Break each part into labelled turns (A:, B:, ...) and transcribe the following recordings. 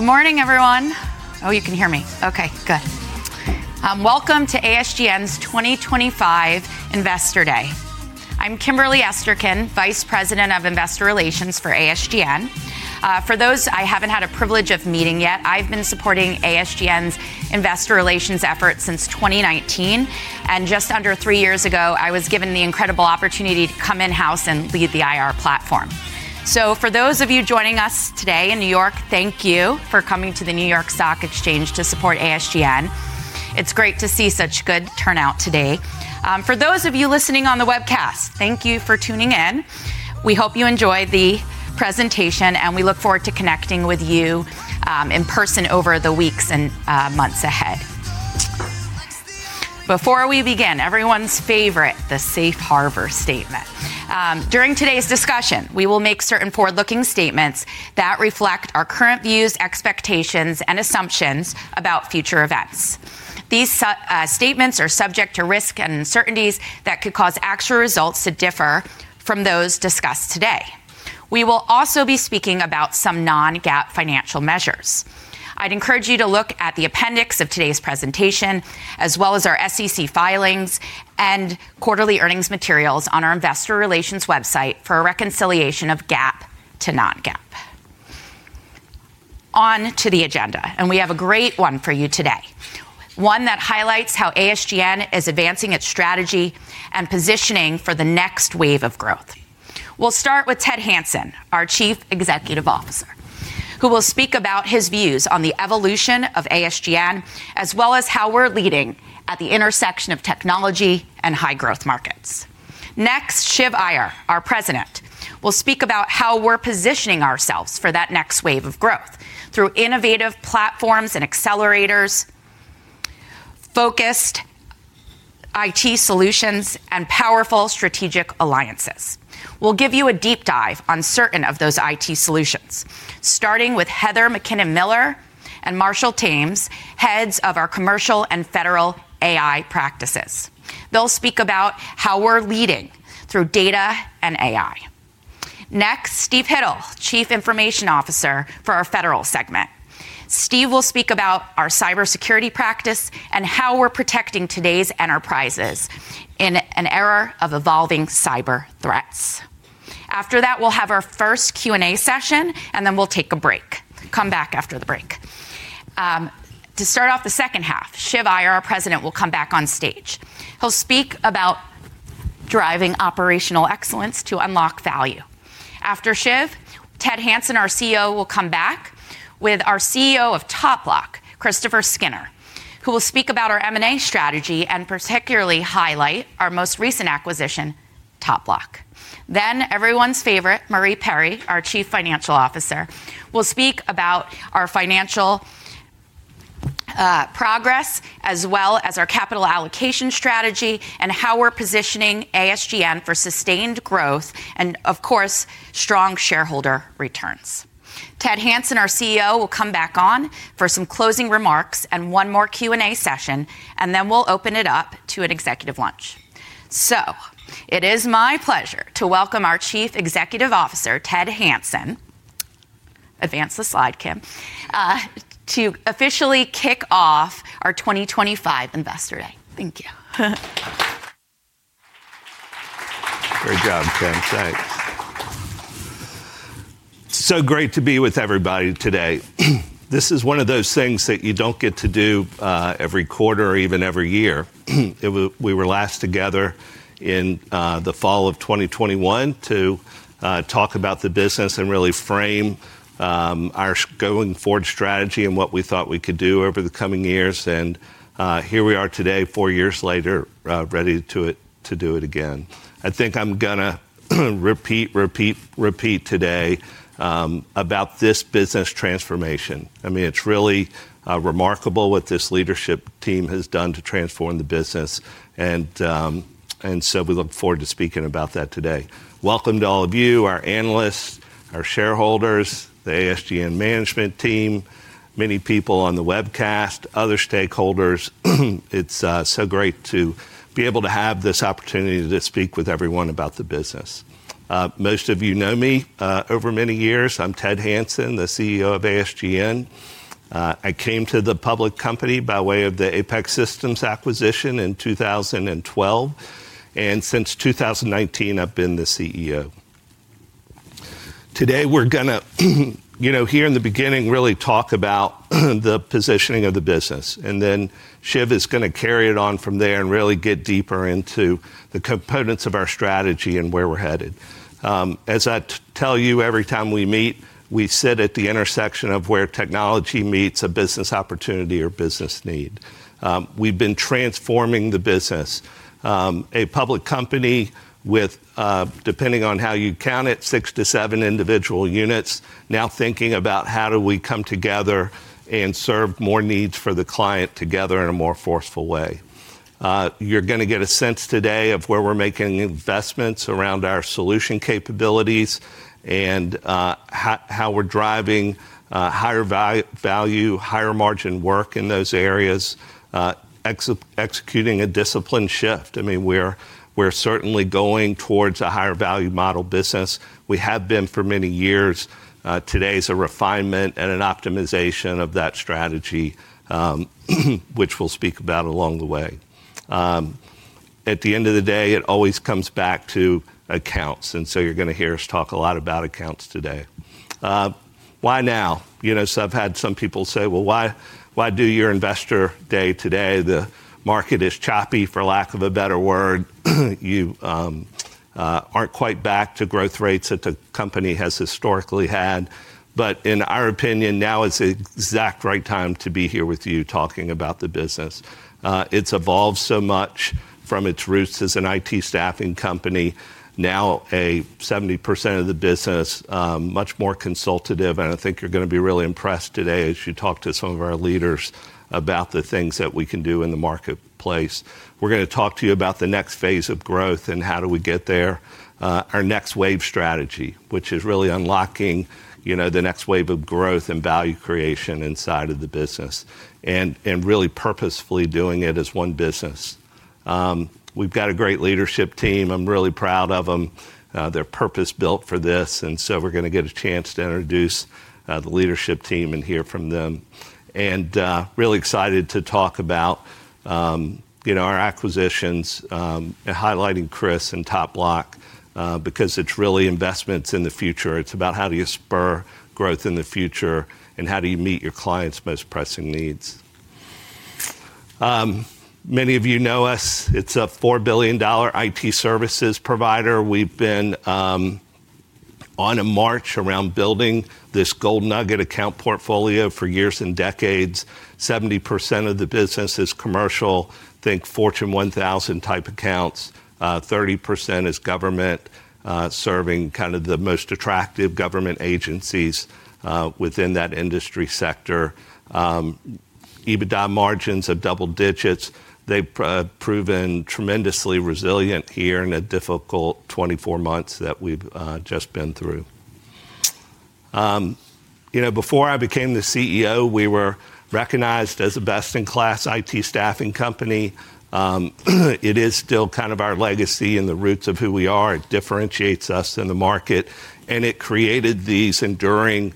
A: Good morning, everyone. Oh, you can hear me. Okay, good. Welcome to ASGN's 2025 Investor Day. I'm Kimberly Esterkin, Vice President of Investor Relations for ASGN. For those I haven't had the privilege of meeting yet, I've been supporting ASGN's investor relations efforts since 2019. Just under 3 years ago, I was given the incredible opportunity to come in-house and lead the IR platform. For those of you joining us today in New York, thank you for coming to the New York Stock Exchange to support ASGN. It's great to see such good turnout today. For those of you listening on the webcast, thank you for tuning in. We hope you enjoy the presentation, and we look forward to connecting with you in person over the weeks and months ahead. Before we begin, everyone's favorite, the Safe Harbor Statement. During today's discussion, we will make certain forward-looking statements that reflect our current views, expectations, and assumptions about future events. These statements are subject to risks and uncertainties that could cause actual results to differ from those discussed today. We will also be speaking about some non-GAAP financial measures. I'd encourage you to look at the appendix of today's presentation, as well as our SEC filings and quarterly earnings materials on our investor relations website for a reconciliation of GAAP to non-GAAP. On to the agenda, and we have a great one for you today, one that highlights how ASGN is advancing its strategy and positioning for the next wave of growth. We'll start with Ted Hanson, our Chief Executive Officer, who will speak about his views on the evolution of ASGN, as well as how we're leading at the intersection of technology and high-growth markets. Next, Shiv Iyer, our President, will speak about how we're positioning ourselves for that next wave of growth through innovative platforms and accelerators, focused IT solutions, and powerful strategic alliances. We'll give you a deep dive on certain of those IT solutions, starting with Heather McKinnon Miller and Marshall Thames, heads of our commercial and federal AI practices. They'll speak about how we're leading through data and AI. Next, Steve Hittle, Chief Information Officer for our federal segment. Steve will speak about our cybersecurity practice and how we're protecting today's enterprises in an era of evolving cyber threats. After that, we'll have our first Q&A session, and then we'll take a break. Come back after the break. To start off the second half, Shiv Iyer, our President, will come back on stage. He'll speak about driving operational excellence to unlock value. After Shiv, Ted Hanson, our CEO, will come back with our CEO of TopBloc, Christopher Skinner, who will speak about our M&A strategy and particularly highlight our most recent acquisition, TopBloc. Everyone's favorite, Marie Perry, our Chief Financial Officer, will speak about our financial progress, as well as our capital allocation strategy and how we're positioning ASGN for sustained growth and, of course, strong shareholder returns. Ted Hanson, our CEO, will come back on for some closing remarks and one more Q&A session, and we will open it up to an executive lunch. It is my pleasure to welcome our Chief Executive Officer, Ted Hanson. Advance the slide, Kim, to officially kick off our 2025 Investor Day. Thank you.
B: Great job, Kim. Thanks. It's so great to be with everybody today. This is one of those things that you don't get to do every quarter or even every year. We were last together in the fall of 2021 to talk about the business and really frame our going forward strategy and what we thought we could do over the coming years. Here we are today, 4 years later, ready to do it again. I think I'm going to repeat, repeat, repeat today about this business transformation. I mean, it's really remarkable what this leadership team has done to transform the business. We look forward to speaking about that today. Welcome to all of you, our analysts, our shareholders, the ASGN management team, many people on the webcast, other stakeholders. It's so great to be able to have this opportunity to speak with everyone about the business. Most of you know me over many years. I'm Ted Hanson, the CEO of ASGN. I came to the public company by way of the APEX Systems acquisition in 2012. Since 2019, I've been the CEO. Today, we're going to, you know, here in the beginning, really talk about the positioning of the business. Shiv is going to carry it on from there and really get deeper into the components of our strategy and where we're headed. As I tell you every time we meet, we sit at the intersection of where technology meets a business opportunity or business need. We've been transforming the business. A public company with, depending on how you count it, 6 to 7 individual units, now thinking about how do we come together and serve more needs for the client together in a more forceful way. You're going to get a sense today of where we're making investments around our solution capabilities and how we're driving higher value, higher margin work in those areas, executing a discipline shift. I mean, we're certainly going towards a higher value model business. We have been for many years. Today is a refinement and an optimization of that strategy, which we'll speak about along the way. At the end of the day, it always comes back to accounts. You know, you're going to hear us talk a lot about accounts today. Why now? You know, I've had some people say, well, why do your investor day today? The market is choppy, for lack of a better word. You aren't quite back to growth rates that the company has historically had. In our opinion, now is the exact right time to be here with you talking about the business. It's evolved so much from its roots as an IT staffing company, now 70% of the business, much more consultative. I think you're going to be really impressed today as you talk to some of our leaders about the things that we can do in the marketplace. We're going to talk to you about the next phase of growth and how do we get there, our next wave strategy, which is really unlocking the next wave of growth and value creation inside of the business and really purposefully doing it as one business. We've got a great leadership team. I'm really proud of them. They're purpose-built for this. We're going to get a chance to introduce the leadership team and hear from them. I'm really excited to talk about our acquisitions and highlighting Chris and TopBloc because it's really investments in the future. It's about how do you spur growth in the future and how do you meet your clients' most pressing needs. Many of you know us. It's a $4 billion IT services provider. We've been on a march around building this gold nugget account portfolio for years and decades. 70% of the business is commercial, think Fortune 1000 type accounts. 30% is government, serving kind of the most attractive government agencies within that industry sector. EBITDA margins of double digits. They've proven tremendously resilient here in a difficult 24 months that we've just been through. You know, before I became the CEO, we were recognized as a best-in-class IT staffing company. It is still kind of our legacy and the roots of who we are. It differentiates us in the market. And it created these enduring,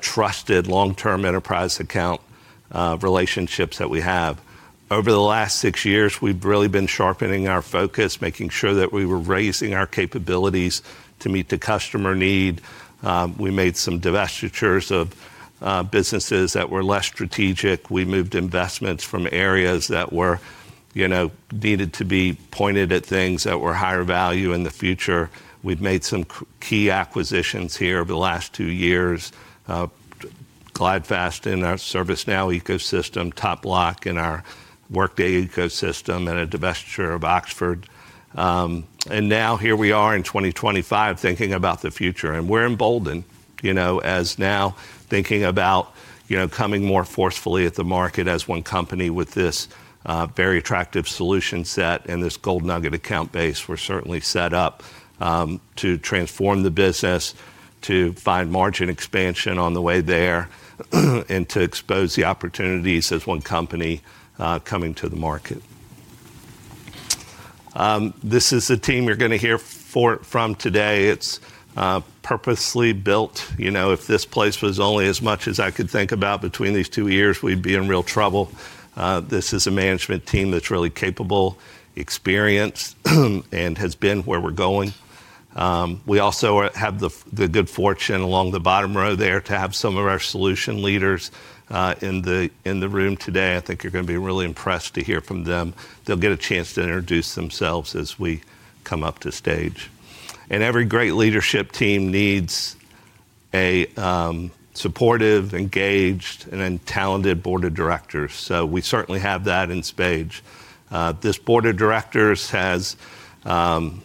B: trusted long-term enterprise account relationships that we have. Over the last 6 years, we've really been sharpening our focus, making sure that we were raising our capabilities to meet the customer need. We made some divestitures of businesses that were less strategic. We moved investments from areas that were needed to be pointed at things that were higher value in the future. We've made some key acquisitions here over the last 2 years, GlideFast in our ServiceNow ecosystem, TopBloc in our Workday ecosystem, and a divestiture of Oxford. Now here we are in 2025 thinking about the future. We're emboldened as now thinking about coming more forcefully at the market as one company with this very attractive solution set and this gold nugget account base. We're certainly set up to transform the business, to find margin expansion on the way there, and to expose the opportunities as one company coming to the market. This is the team you're going to hear from today. It's purposely built. If this place was only as much as I could think about between these 2 ears, we'd be in real trouble. This is a management team that's really capable, experienced, and has been where we're going. We also have the good fortune along the bottom row there to have some of our solution leaders in the room today. I think you're going to be really impressed to hear from them. They'll get a chance to introduce themselves as we come up to stage. Every great leadership team needs a supportive, engaged, and talented board of directors. We certainly have that in spades. This board of directors has been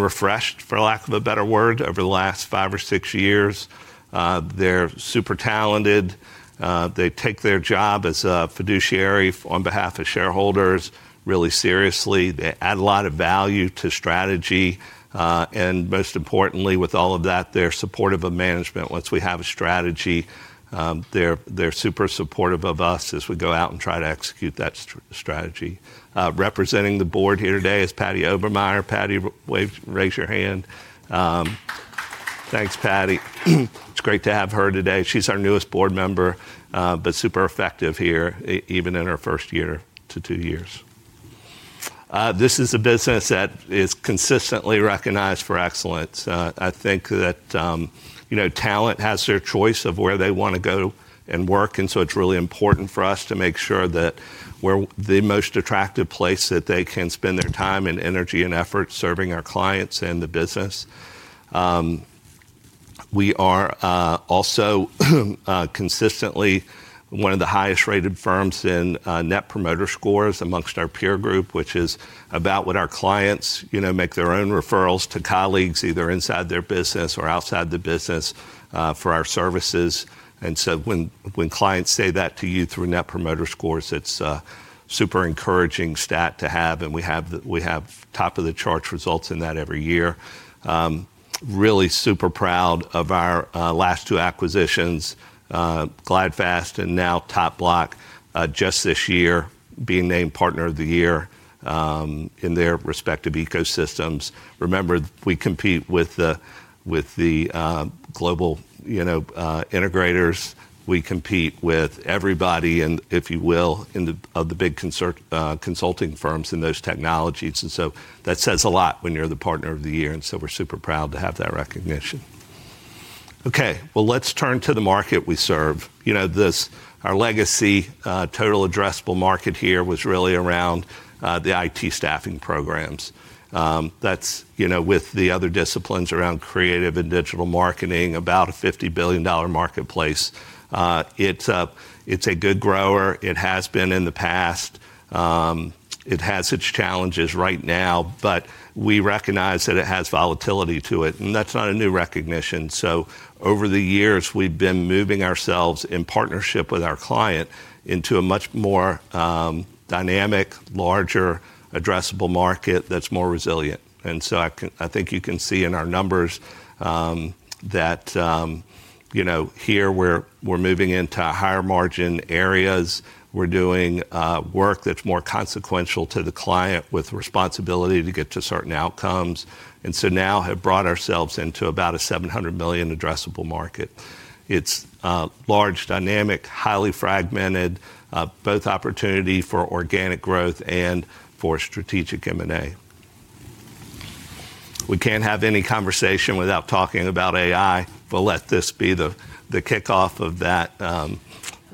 B: refreshed, for lack of a better word, over the last 5 or 6 years. They're super talented. They take their job as a fiduciary on behalf of shareholders really seriously. They add a lot of value to strategy. Most importantly, with all of that, they're supportive of management. Once we have a strategy, they're super supportive of us as we go out and try to execute that strategy. Representing the board here today is Patty Obermeyer. Patty, raise your hand. Thanks, Patty. It's great to have her today. She's our newest board member, but super effective here, even in her first year to 2 years. This is a business that is consistently recognized for excellence. I think that talent has their choice of where they want to go and work. It is really important for us to make sure that we're the most attractive place that they can spend their time and energy and effort serving our clients and the business. We are also consistently one of the highest-rated firms in net promoter scores amongst our peer group, which is about what our clients make their own referrals to colleagues, either inside their business or outside the business for our services. When clients say that to you through net promoter scores, it's a super encouraging stat to have. We have top-of-the-chart results in that every year. Really super proud of our last 2 acquisitions, GlideFast and now TopBloc, just this year being named Partner of the Year in their respective ecosystems. Remember, we compete with the global integrators. We compete with everybody, if you will, of the big consulting firms in those technologies. That says a lot when you're the Partner of the Year. We're super proud to have that recognition. Okay, let's turn to the market we serve. Our legacy total addressable market here was really around the IT staffing programs. That's with the other disciplines around creative and digital marketing, about a $50 billion marketplace. It's a good grower. It has been in the past. It has its challenges right now, but we recognize that it has volatility to it. That's not a new recognition. Over the years, we've been moving ourselves in partnership with our client into a much more dynamic, larger addressable market that's more resilient. I think you can see in our numbers that here we're moving into higher margin areas. We're doing work that's more consequential to the client with responsibility to get to certain outcomes. We now have brought ourselves into about a $700 million addressable market. It's large, dynamic, highly fragmented, both opportunity for organic growth and for strategic M&A. We can't have any conversation without talking about AI, but let this be the kickoff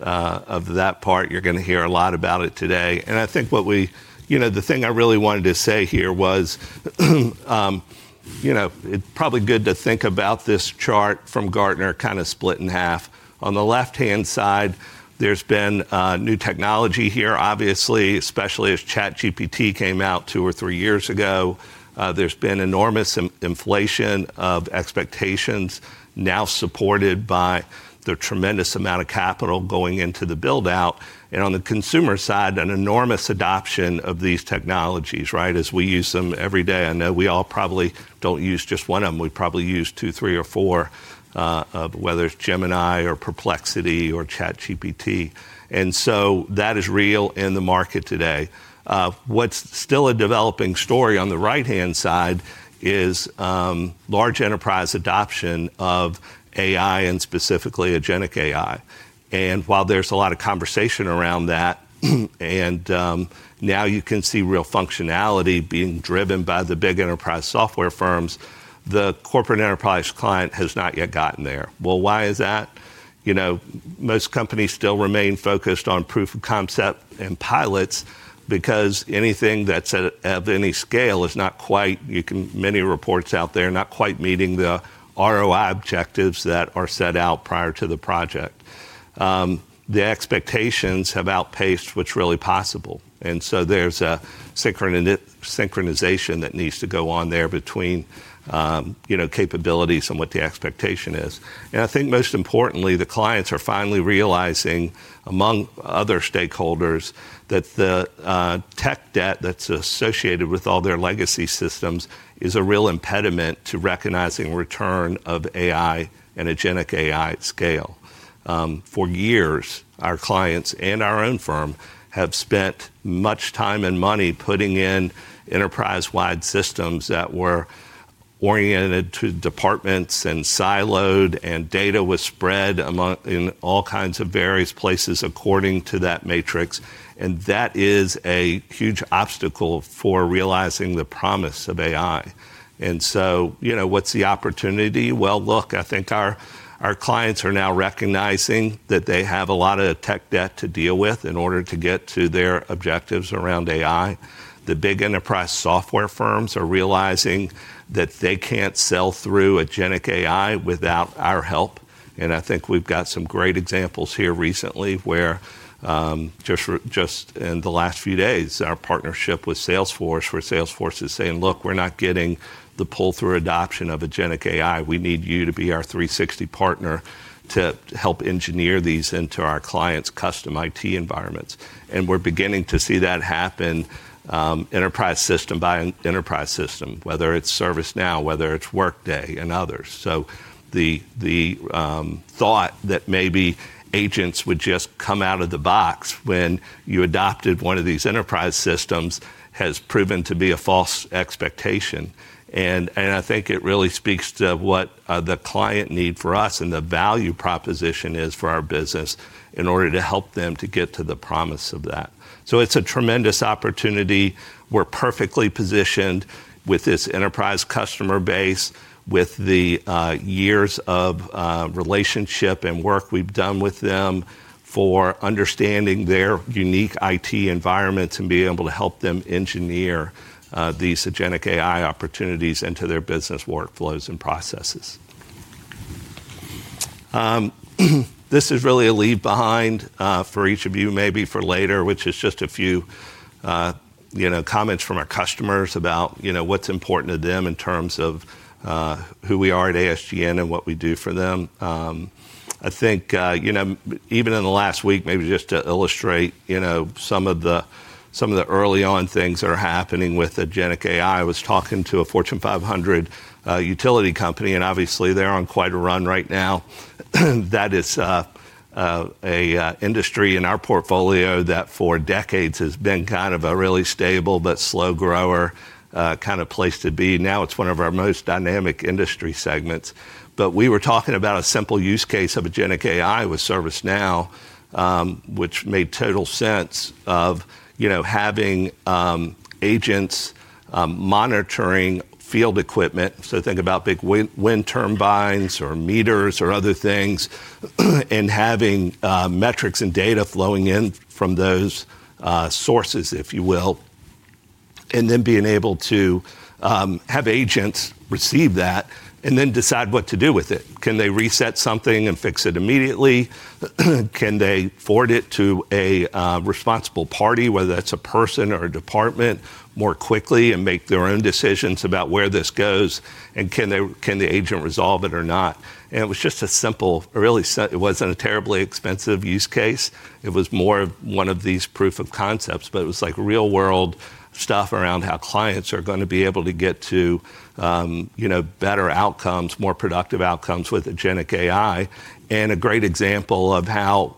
B: of that part. You're going to hear a lot about it today. I think what we, you know, the thing I really wanted to say here was it's probably good to think about this chart from Gartner kind of split in half. On the left-hand side, there's been new technology here, obviously, especially as ChatGPT came out 2 or 3 years ago. There's been enormous inflation of expectations now supported by the tremendous amount of capital going into the build-out. On the consumer side, an enormous adoption of these technologies, right, as we use them every day. I know we all probably don't use just one of them. We probably use 2, 3, or 4, whether it's Gemini or Perplexity or ChatGPT. That is real in the market today. What's still a developing story on the right-hand side is large enterprise adoption of AI and specifically agentic AI. While there's a lot of conversation around that, and now you can see real functionality being driven by the big enterprise software firms, the corporate enterprise client has not yet gotten there. Why is that? Most companies still remain focused on proof of concept and pilots because anything that's of any scale is not quite, you can see many reports out there, not quite meeting the ROI objectives that are set out prior to the project. The expectations have outpaced what's really possible. There is a synchronization that needs to go on there between capabilities and what the expectation is. I think most importantly, the clients are finally realizing among other stakeholders that the tech debt that's associated with all their legacy systems is a real impediment to recognizing return of AI and agentic AI at scale. For years, our clients and our own firm have spent much time and money putting in enterprise-wide systems that were oriented to departments and siloed, and data was spread in all kinds of various places according to that matrix. That is a huge obstacle for realizing the promise of AI. What's the opportunity? Look, I think our clients are now recognizing that they have a lot of tech debt to deal with in order to get to their objectives around AI. The big enterprise software firms are realizing that they can't sell through agentic AI without our help. I think we've got some great examples here recently where just in the last few days, our partnership with Salesforce, where Salesforce is saying, "Look, we're not getting the pull-through adoption of agentic AI. We need you to be our 360 partner to help engineer these into our clients' custom IT environments." We're beginning to see that happen, enterprise system by enterprise system, whether it's ServiceNow, whether it's Workday, and others. The thought that maybe agents would just come out of the box when you adopted one of these enterprise systems has proven to be a false expectation. I think it really speaks to what the client need for us and the value proposition is for our business in order to help them to get to the promise of that. It is a tremendous opportunity. We're perfectly positioned with this enterprise customer base, with the years of relationship and work we've done with them for understanding their unique IT environments and being able to help them engineer these agentic AI opportunities into their business workflows and processes. This is really a leave behind for each of you, maybe for later, which is just a few comments from our customers about what's important to them in terms of who we are at ASGN and what we do for them. I think even in the last week, maybe just to illustrate some of the early-on things that are happening with agentic AI, I was talking to a Fortune 500 utility company. Obviously, they're on quite a run right now. That is an industry in our portfolio that for decades has been kind of a really stable but slow grower kind of place to be. Now it's one of our most dynamic industry segments. We were talking about a simple use case of agentic AI with ServiceNow, which made total sense of having agents monitoring field equipment. Think about big wind turbines or meters or other things and having metrics and data flowing in from those sources, if you will, and then being able to have agents receive that and then decide what to do with it. Can they reset something and fix it immediately? Can they forward it to a responsible party, whether that's a person or a department, more quickly and make their own decisions about where this goes? Can the agent resolve it or not? It was just a simple, really, it wasn't a terribly expensive use case. It was more of one of these proof of concepts, but it was like real-world stuff around how clients are going to be able to get to better outcomes, more productive outcomes with agentic AI. A great example of how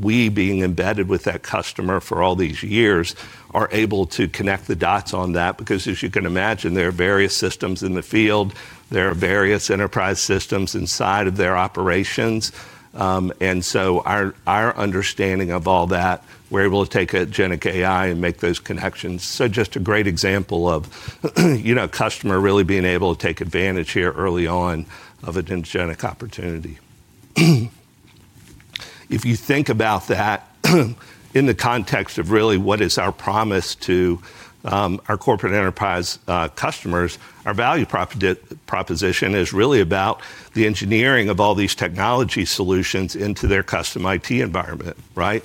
B: we, being embedded with that customer for all these years, are able to connect the dots on that because, as you can imagine, there are various systems in the field. There are various enterprise systems inside of their operations. Our understanding of all that, we're able to take agentic AI and make those connections. Just a great example of a customer really being able to take advantage here early on of an agentic opportunity. If you think about that in the context of really what is our promise to our corporate enterprise customers, our value proposition is really about the engineering of all these technology solutions into their custom IT environment, right?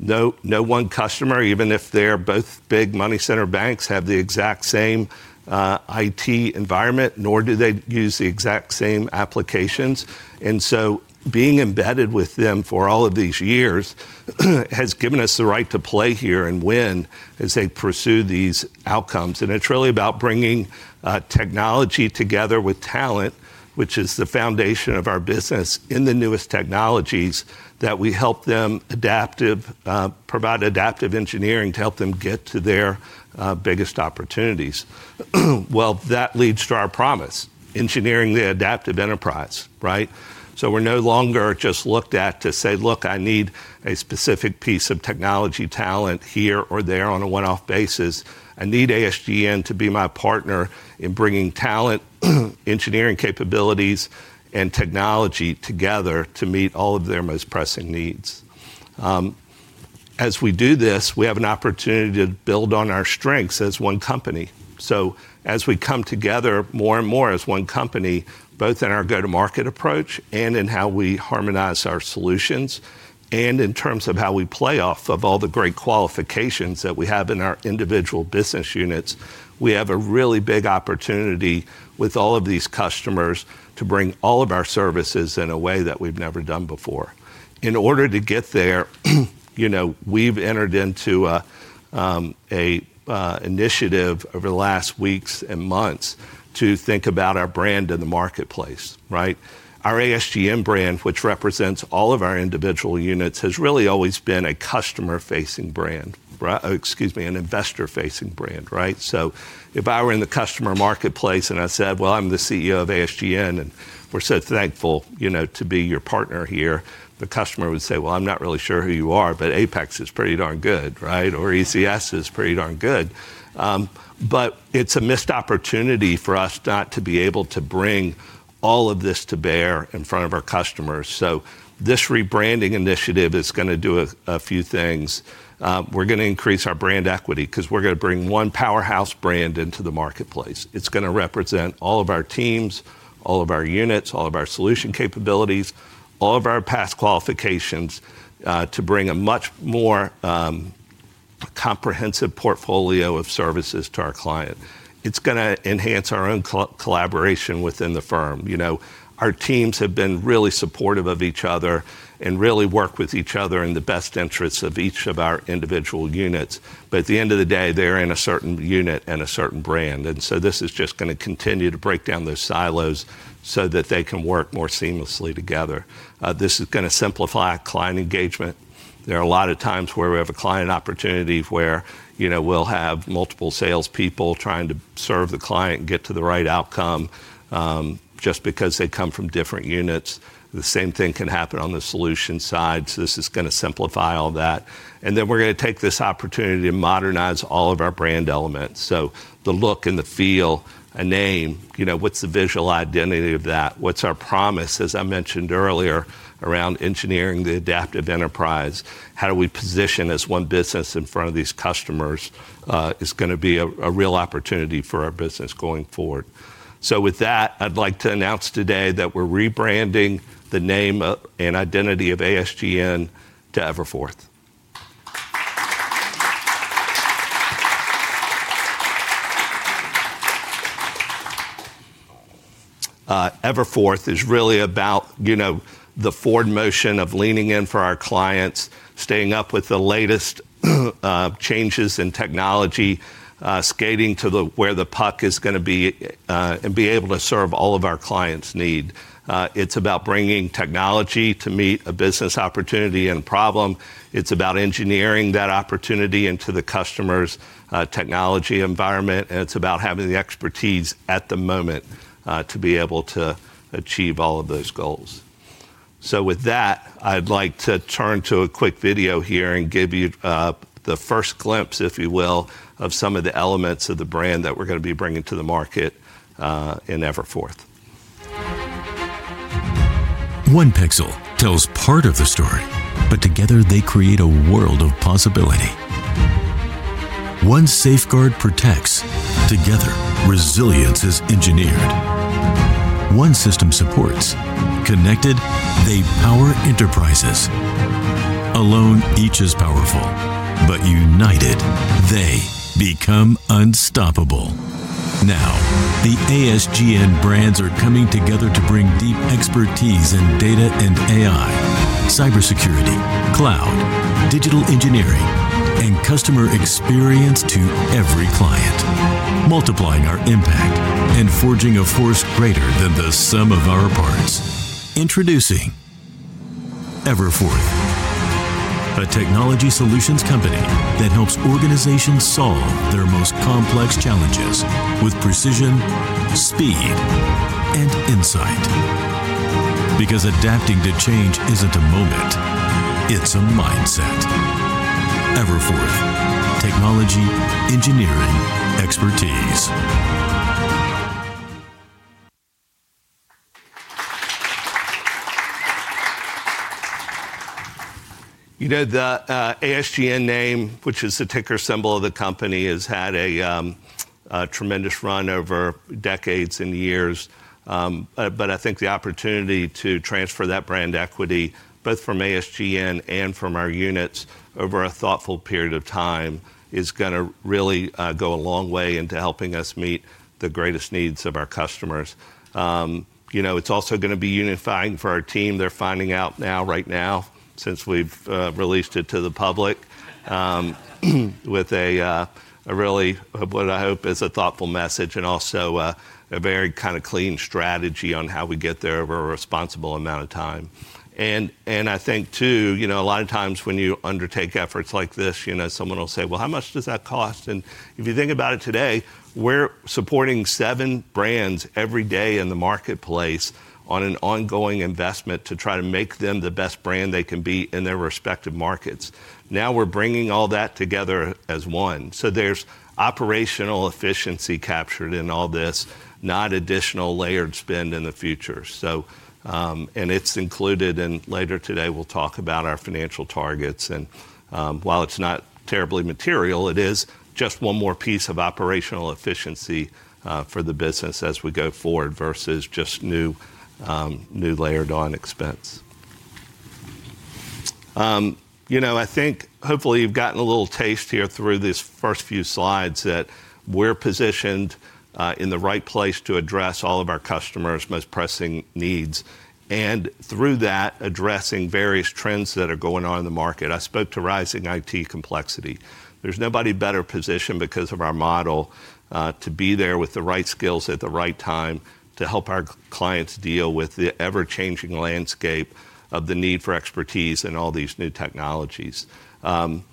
B: No one customer, even if they're both big money center banks, have the exact same IT environment, nor do they use the exact same applications. Being embedded with them for all of these years has given us the right to play here and win as they pursue these outcomes. It's really about bringing technology together with talent, which is the foundation of our business in the newest technologies that we help them provide adaptive engineering to help them get to their biggest opportunities. That leads to our promise, engineering the adaptive enterprise, right? We're no longer just looked at to say, "Look, I need a specific piece of technology talent here or there on a one-off basis. I need ASGN to be my partner in bringing talent, engineering capabilities, and technology together to meet all of their most pressing needs." As we do this, we have an opportunity to build on our strengths as one company. As we come together more and more as one company, both in our go-to-market approach and in how we harmonize our solutions and in terms of how we play off of all the great qualifications that we have in our individual business units, we have a really big opportunity with all of these customers to bring all of our services in a way that we've never done before. In order to get there, we've entered into an initiative over the last weeks and months to think about our brand in the marketplace, right? Our ASGN brand, which represents all of our individual units, has really always been a customer-facing brand, excuse me, an investor-facing brand, right? If I were in the customer marketplace and I said, "Well, I'm the CEO of ASGN, and we're so thankful to be your partner here," the customer would say, "I'm not really sure who you are, but APEX is pretty darn good, right? Or ECS is pretty darn good." It's a missed opportunity for us not to be able to bring all of this to bear in front of our customers. This rebranding initiative is going to do a few things. We're going to increase our brand equity because we're going to bring one powerhouse brand into the marketplace. It's going to represent all of our teams, all of our units, all of our solution capabilities, all of our past qualifications to bring a much more comprehensive portfolio of services to our client. It's going to enhance our own collaboration within the firm. Our teams have been really supportive of each other and really work with each other in the best interests of each of our individual units. At the end of the day, they're in a certain unit and a certain brand. This is just going to continue to break down those silos so that they can work more seamlessly together. This is going to simplify client engagement. There are a lot of times where we have a client opportunity where we'll have multiple salespeople trying to serve the client and get to the right outcome just because they come from different units. The same thing can happen on the solution side. This is going to simplify all that. We are going to take this opportunity to modernize all of our brand elements. The look and the feel, a name, what's the visual identity of that? What's our promise, as I mentioned earlier, around engineering the adaptive enterprise? How do we position as one business in front of these customers? It's going to be a real opportunity for our business going forward. With that, I'd like to announce today that we're rebranding the name and identity of ASGN to EverForth. EverForth is really about the forward motion of leaning in for our clients, staying up with the latest changes in technology, skating to where the puck is going to be and be able to serve all of our clients' needs. It's about bringing technology to meet a business opportunity and problem. It's about engineering that opportunity into the customer's technology environment. It's about having the expertise at the moment to be able to achieve all of those goals. With that, I'd like to turn to a quick video here and give you the first glimpse, if you will, of some of the elements of the brand that we're going to be bringing to the market in EverForth. One Pixel tells part of the story, but together they create a world of possibility. One Safeguard protects. Together, resilience is engineered. One System Supports. Connected, they power enterprises. Alone, each is powerful. United, they become unstoppable. Now, the ASGN brands are coming together to bring deep expertise in data and AI, cybersecurity, cloud, digital engineering, and customer experience to every client, multiplying our impact and forging a force greater than the sum of our parts. Introducing EverForth, a technology solutions company that helps organizations solve their most complex challenges with precision, speed, and insight. Because adapting to change isn't a moment, it's a mindset. EverForth, technology, engineering, expertise. The ASGN name, which is the ticker symbol of the company, has had a tremendous run over decades and years. I think the opportunity to transfer that brand equity, both from ASGN and from our units over a thoughtful period of time, is going to really go a long way into helping us meet the greatest needs of our customers. It's also going to be unifying for our team. They're finding out now, right now, since we've released it to the public, with a really, what I hope is a thoughtful message and also a very kind of clean strategy on how we get there over a responsible amount of time. I think, too, a lot of times when you undertake efforts like this, someone will say, "Well, how much does that cost?" If you think about it today, we're supporting 7 brands every day in the marketplace on an ongoing investment to try to make them the best brand they can be in their respective markets. Now we're bringing all that together as one. There is operational efficiency captured in all this, not additional layered spend in the future. It's included, and later today, we'll talk about our financial targets. While it's not terribly material, it is just one more piece of operational efficiency for the business as we go forward versus just new layered-on expense. I think, hopefully, you've gotten a little taste here through these first few slides that we're positioned in the right place to address all of our customers' most pressing needs. Through that, addressing various trends that are going on in the market, I spoke to rising IT complexity. There's nobody better positioned because of our model to be there with the right skills at the right time to help our clients deal with the ever-changing landscape of the need for expertise and all these new technologies.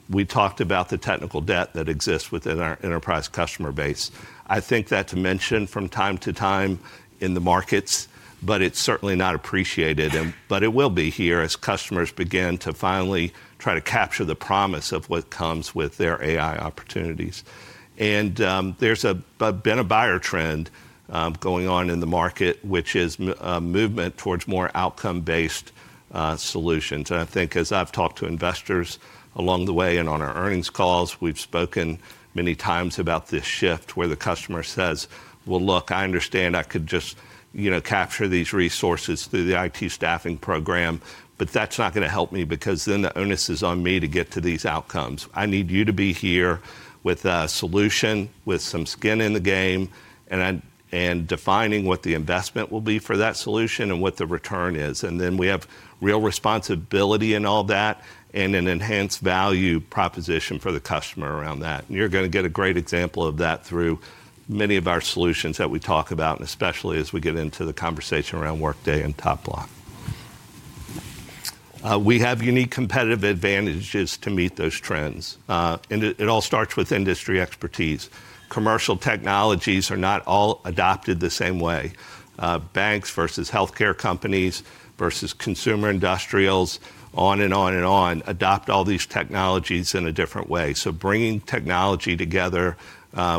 B: We talked about the technical debt that exists within our enterprise customer base. I think that's mentioned from time to time in the markets, but it's certainly not appreciated. It will be here as customers begin to finally try to capture the promise of what comes with their AI opportunities. There has been a buyer trend going on in the market, which is movement towards more outcome-based solutions. I think, as I've talked to investors along the way and on our earnings calls, we've spoken many times about this shift where the customer says, "Well, look, I understand I could just capture these resources through the IT staffing program, but that's not going to help me because then the onus is on me to get to these outcomes. I need you to be here with a solution with some skin in the game and defining what the investment will be for that solution and what the return is." We have real responsibility in all that and an enhanced value proposition for the customer around that. You are going to get a great example of that through many of our solutions that we talk about, especially as we get into the conversation around Workday and TopBloc. We have unique competitive advantages to meet those trends. It all starts with industry expertise. Commercial technologies are not all adopted the same way. Banks versus healthcare companies versus consumer industrials, on and on and on, adopt all these technologies in a different way. Bringing technology together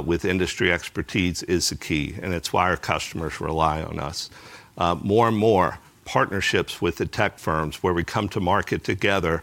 B: with industry expertise is the key. It is why our customers rely on us. More and more partnerships with the tech firms where we come to market together,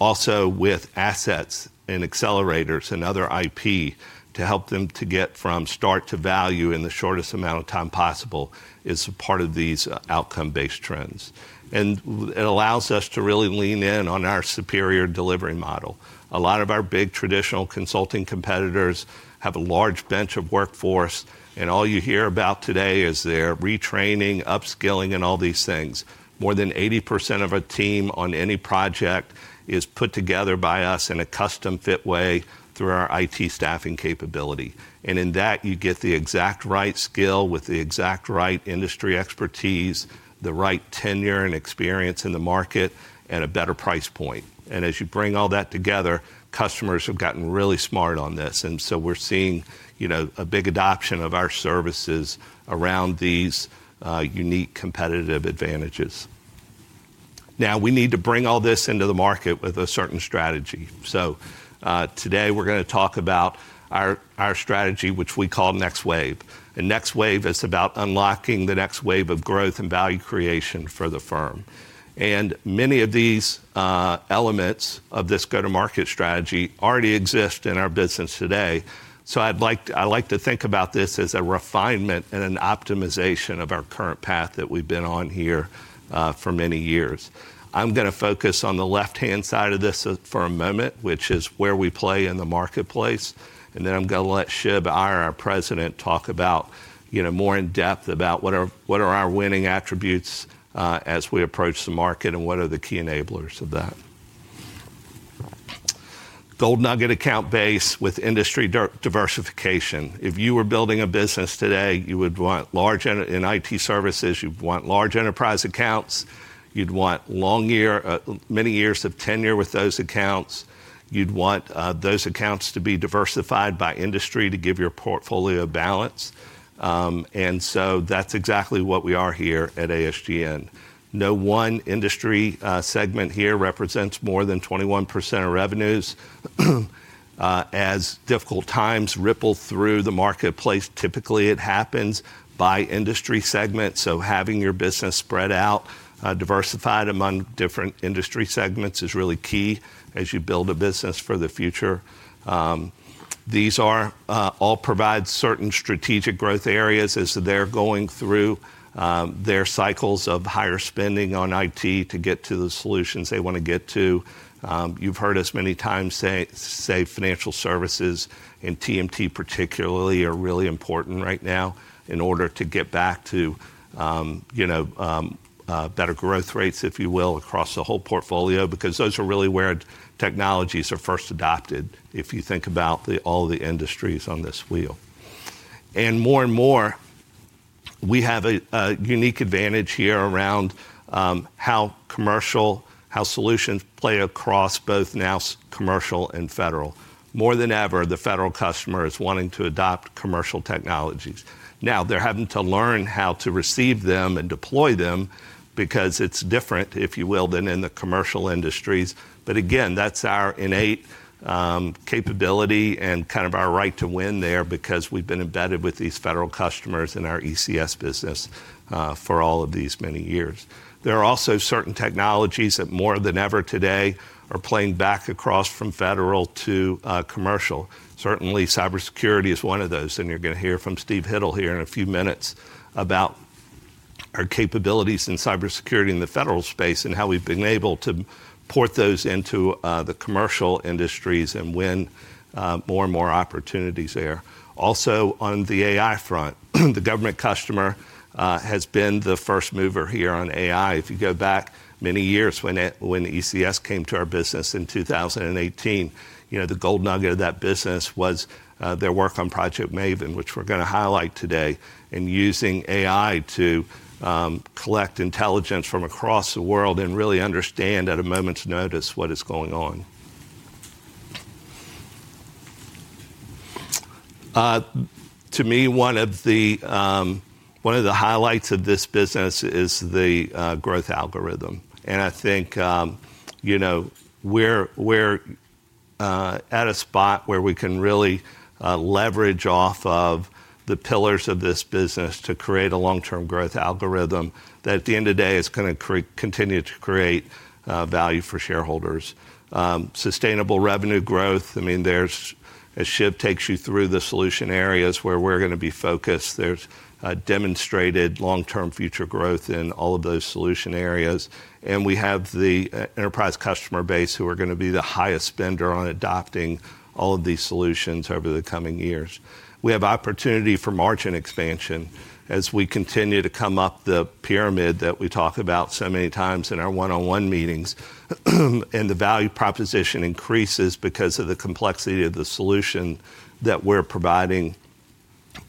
B: also with assets and accelerators and other IP to help them to get from start to value in the shortest amount of time possible is part of these outcome-based trends. It allows us to really lean in on our superior delivery model. A lot of our big traditional consulting competitors have a large bench of workforce. All you hear about today is they're retraining, upskilling, and all these things. More than 80% of a team on any project is put together by us in a custom-fit way through our IT staffing capability. In that, you get the exact right skill with the exact right industry expertise, the right tenure and experience in the market, and a better price point. As you bring all that together, customers have gotten really smart on this. We are seeing a big adoption of our services around these unique competitive advantages. Now, we need to bring all this into the market with a certain strategy. Today, we're going to talk about our strategy, which we call Next Wave. Next Wave is about unlocking the next wave of growth and value creation for the firm. Many of these elements of this go-to-market strategy already exist in our business today. I like to think about this as a refinement and an optimization of our current path that we've been on here for many years. I'm going to focus on the left-hand side of this for a moment, which is where we play in the marketplace. I'm going to let Shiv Iyer, our President, talk more in depth about what are our winning attributes as we approach the market and what are the key enablers of that. Gold nugget account base with industry diversification. If you were building a business today, you would want large in IT services, you'd want large enterprise accounts, you'd want many years of tenure with those accounts. You'd want those accounts to be diversified by industry to give your portfolio balance. That is exactly what we are here at ASGN. No one industry segment here represents more than 21% of revenues. As difficult times ripple through the marketplace, typically it happens by industry segment. Having your business spread out, diversified among different industry segments is really key as you build a business for the future. These all provide certain strategic growth areas as they are going through their cycles of higher spending on IT to get to the solutions they want to get to. You've heard us many times say financial services and TMT particularly are really important right now in order to get back to better growth rates, if you will, across the whole portfolio because those are really where technologies are first adopted, if you think about all the industries on this wheel. More and more, we have a unique advantage here around how solutions play across both now commercial and federal. More than ever, the federal customer is wanting to adopt commercial technologies. Now, they're having to learn how to receive them and deploy them because it's different, if you will, than in the commercial industries. Again, that's our innate capability and kind of our right to win there because we've been embedded with these federal customers in our ECS business for all of these many years. There are also certain technologies that more than ever today are playing back across from federal to commercial. Certainly, cybersecurity is one of those. You're going to hear from Steve Hittle here in a few minutes about our capabilities in cybersecurity in the federal space and how we've been able to port those into the commercial industries and win more and more opportunities there. Also, on the AI front, the government customer has been the first mover here on AI. If you go back many years when ECS came to our business in 2018, the gold nugget of that business was their work on Project Maven, which we're going to highlight today, and using AI to collect intelligence from across the world and really understand at a moment's notice what is going on. To me, one of the highlights of this business is the growth algorithm. I think we're at a spot where we can really leverage off of the pillars of this business to create a long-term growth algorithm that, at the end of the day, is going to continue to create value for shareholders. Sustainable revenue growth, I mean, as Shiv takes you through the solution areas where we're going to be focused, there's demonstrated long-term future growth in all of those solution areas. We have the enterprise customer base who are going to be the highest spender on adopting all of these solutions over the coming years. We have opportunity for margin expansion as we continue to come up the pyramid that we talk about so many times in our one-on-one meetings. The value proposition increases because of the complexity of the solution that we're providing.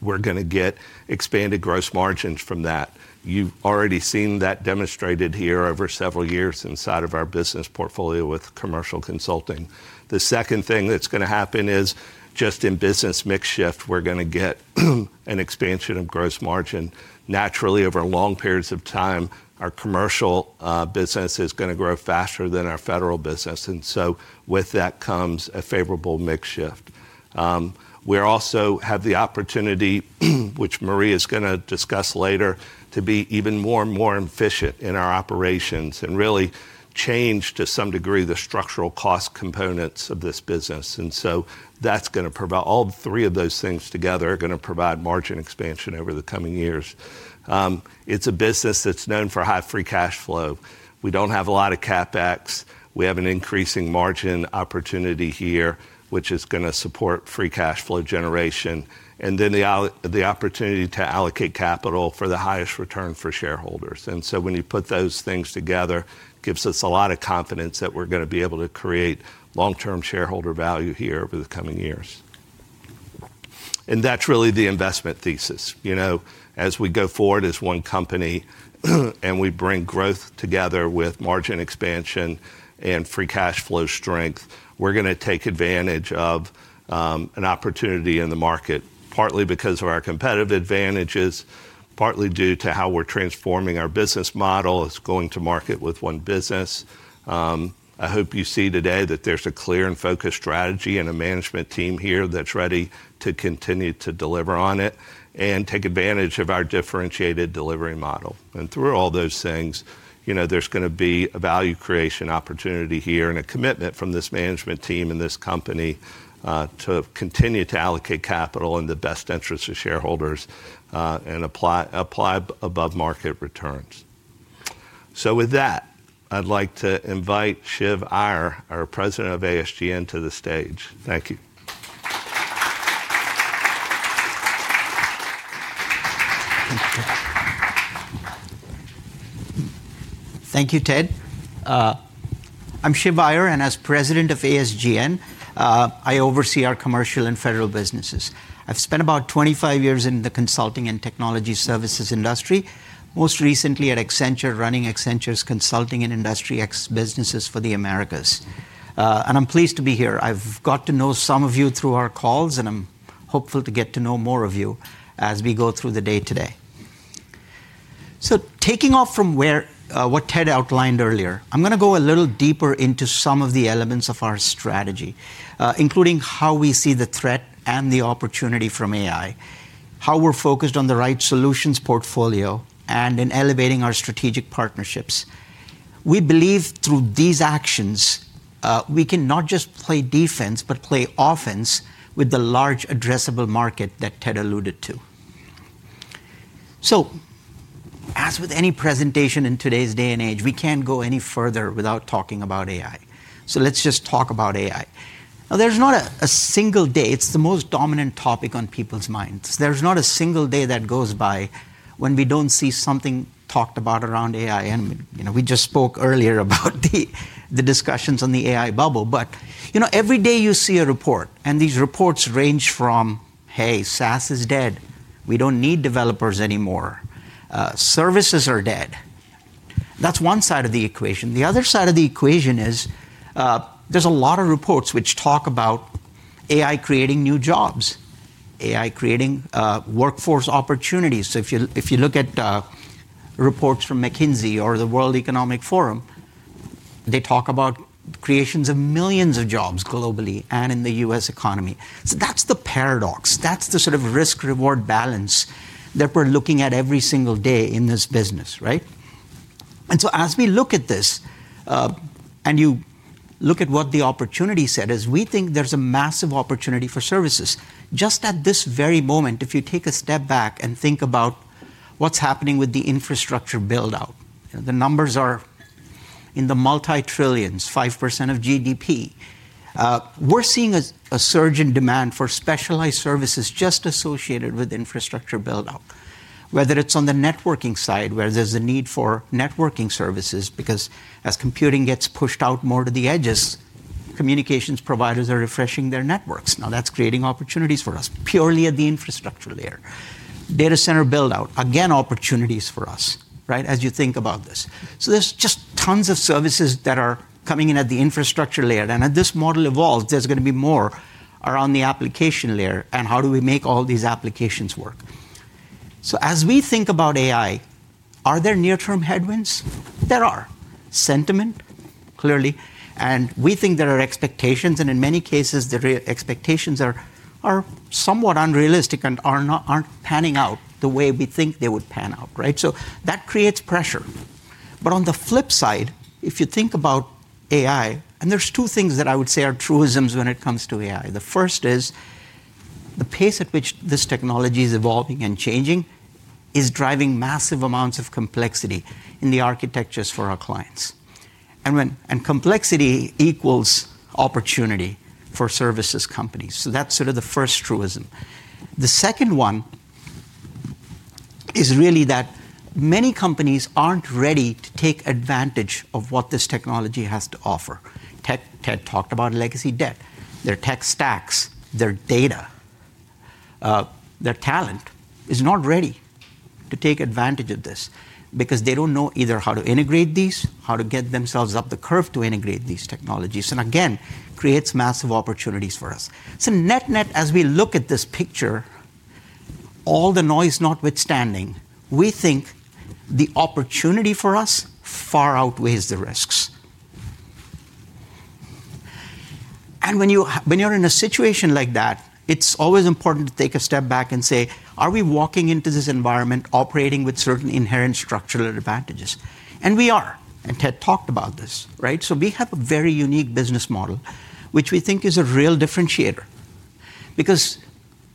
B: We're going to get expanded gross margins from that. You've already seen that demonstrated here over several years inside of our business portfolio with commercial consulting. The second thing that's going to happen is just in business mix shift, we're going to get an expansion of gross margin. Naturally, over long periods of time, our commercial business is going to grow faster than our federal business. With that comes a favorable mix shift. We also have the opportunity, which Marie is going to discuss later, to be even more and more efficient in our operations and really change, to some degree, the structural cost components of this business. All 3 of those things together are going to provide margin expansion over the coming years. It's a business that's known for high free cash flow. We don't have a lot of CapEx. We have an increasing margin opportunity here, which is going to support free cash flow generation. The opportunity to allocate capital for the highest return for shareholders is also present. When you put those things together, it gives us a lot of confidence that we're going to be able to create long-term shareholder value here over the coming years. That is really the investment thesis. As we go forward as one company and we bring growth together with margin expansion and free cash flow strength, we're going to take advantage of an opportunity in the market, partly because of our competitive advantages, partly due to how we're transforming our business model as going to market with one business. I hope you see today that there's a clear and focused strategy and a management team here that's ready to continue to deliver on it and take advantage of our differentiated delivery model. Through all those things, there's going to be a value creation opportunity here and a commitment from this management team and this company to continue to allocate capital in the best interest of shareholders and apply above-market returns. With that, I'd like to invite Shiv Iyer, our President of ASGN, to the stage. Thank you.
C: Thank you, Ted. I'm Shiv Iyer, and as President of ASGN, I oversee our commercial and federal businesses. I've spent about 25 years in the consulting and technology services industry, most recently at Accenture, running Accenture's consulting and industry X businesses for the Americas. I'm pleased to be here. I've got to know some of you through our calls, and I'm hopeful to get to know more of you as we go through the day today. Taking off from what Ted outlined earlier, I'm going to go a little deeper into some of the elements of our strategy, including how we see the threat and the opportunity from AI, how we're focused on the right solutions portfolio, and in elevating our strategic partnerships. We believe through these actions, we can not just play defense, but play offense with the large addressable market that Ted alluded to. As with any presentation in today's day and age, we can't go any further without talking about AI. Let's just talk about AI. Now, there's not a single day, it's the most dominant topic on people's minds. There's not a single day that goes by when we don't see something talked about around AI. We just spoke earlier about the discussions on the AI bubble. Every day you see a report, and these reports range from, "Hey, SaaS is dead. We don't need developers anymore. Services are dead." That's one side of the equation. The other side of the equation is there's a lot of reports which talk about AI creating new jobs, AI creating workforce opportunities. If you look at reports from McKinsey or the World Economic Forum, they talk about creations of millions of jobs globally and in the U.S. economy. That's the paradox. That's the sort of risk-reward balance that we're looking at every single day in this business, right? As we look at this, and you look at what the opportunity set is, we think there's a massive opportunity for services. Just at this very moment, if you take a step back and think about what's happening with the infrastructure build-out, the numbers are in the multi-trillions, 5% of GDP. We're seeing a surge in demand for specialized services just associated with infrastructure build-out, whether it's on the networking side where there's a need for networking services because as computing gets pushed out more to the edges, communications providers are refreshing their ne2rks. Now, that's creating opportunities for us purely at the infrastructure layer. Data center build-out, again, opportunities for us, right, as you think about this. There are just tons of services that are coming in at the infrastructure layer.2 As this model evolves, there's going to be more around the application layer and how do we make all these applications work. As we think about AI, are there near-term headwinds? There are. Sentiment, clearly. We think there are expectations. In many cases, the expectations are somewhat unrealistic and aren't panning out the way we think they would pan out, right? That creates pressure. On the flip side, if you think about AI, there are 2 things that I would say are truisms when it comes to AI. The first is the pace at which this technology is evolving and changing is driving massive amounts of complexity in the architectures for our clients. Complexity equals opportunity for services companies. That's sort of the first truism. The second one is really that many companies aren't ready to take advantage of what this technology has to offer. Ted talked about legacy debt. Their tech stacks, their data, their talent is not ready to take advantage of this because they don't know either how to integrate these, how to get themselves up the curve to integrate these technologies, and again, creates massive opportunities for us. Net-net, as we look at this picture, all the noise notwithstanding, we think the opportunity for us far outweighs the risks. When you're in a situation like that, it's always important to take a step back and say, "Are we walking into this environment operating with certain inherent structural advantages?" We are. Ted talked about this, right? We have a very unique business model, which we think is a real differentiator because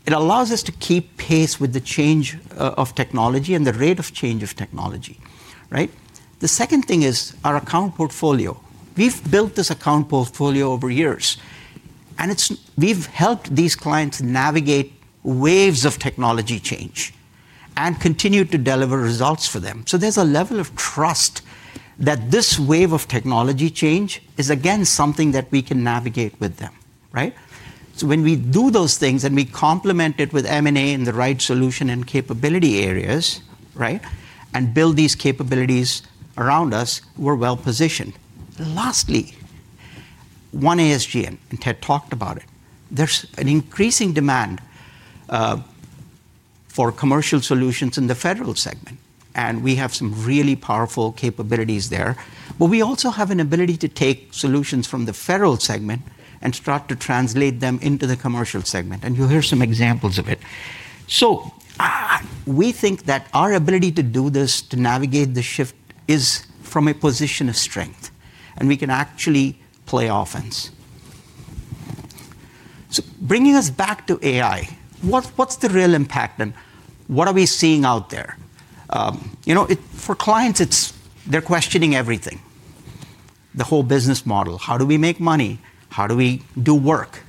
C: it allows us to keep pace with the change of technology and the rate of change of technology, right? The second thing is our account portfolio. We've built this account portfolio over years, and we've helped these clients navigate waves of technology change and continue to deliver results for them. There's a level of trust that this wave of technology change is, again, something that we can navigate with them, right? When we do those things and we complement it with M&A and the right solution and capability areas, right, and build these capabilities around us, we're well positioned. Lastly, one ASGN, and Ted talked about it. There's an increasing demand for commercial solutions in the federal segment, and we have some really powerful capabilities there. We also have an ability to take solutions from the federal segment and start to translate them into the commercial segment. You'll hear some examples of it. We think that our ability to do this, to navigate the shift, is from a position of strength, and we can actually play offense. Bringing us back to AI, what's the real impact and what are we seeing out there? For clients, they're questioning everything, the whole business model. How do we make money? How do we do work?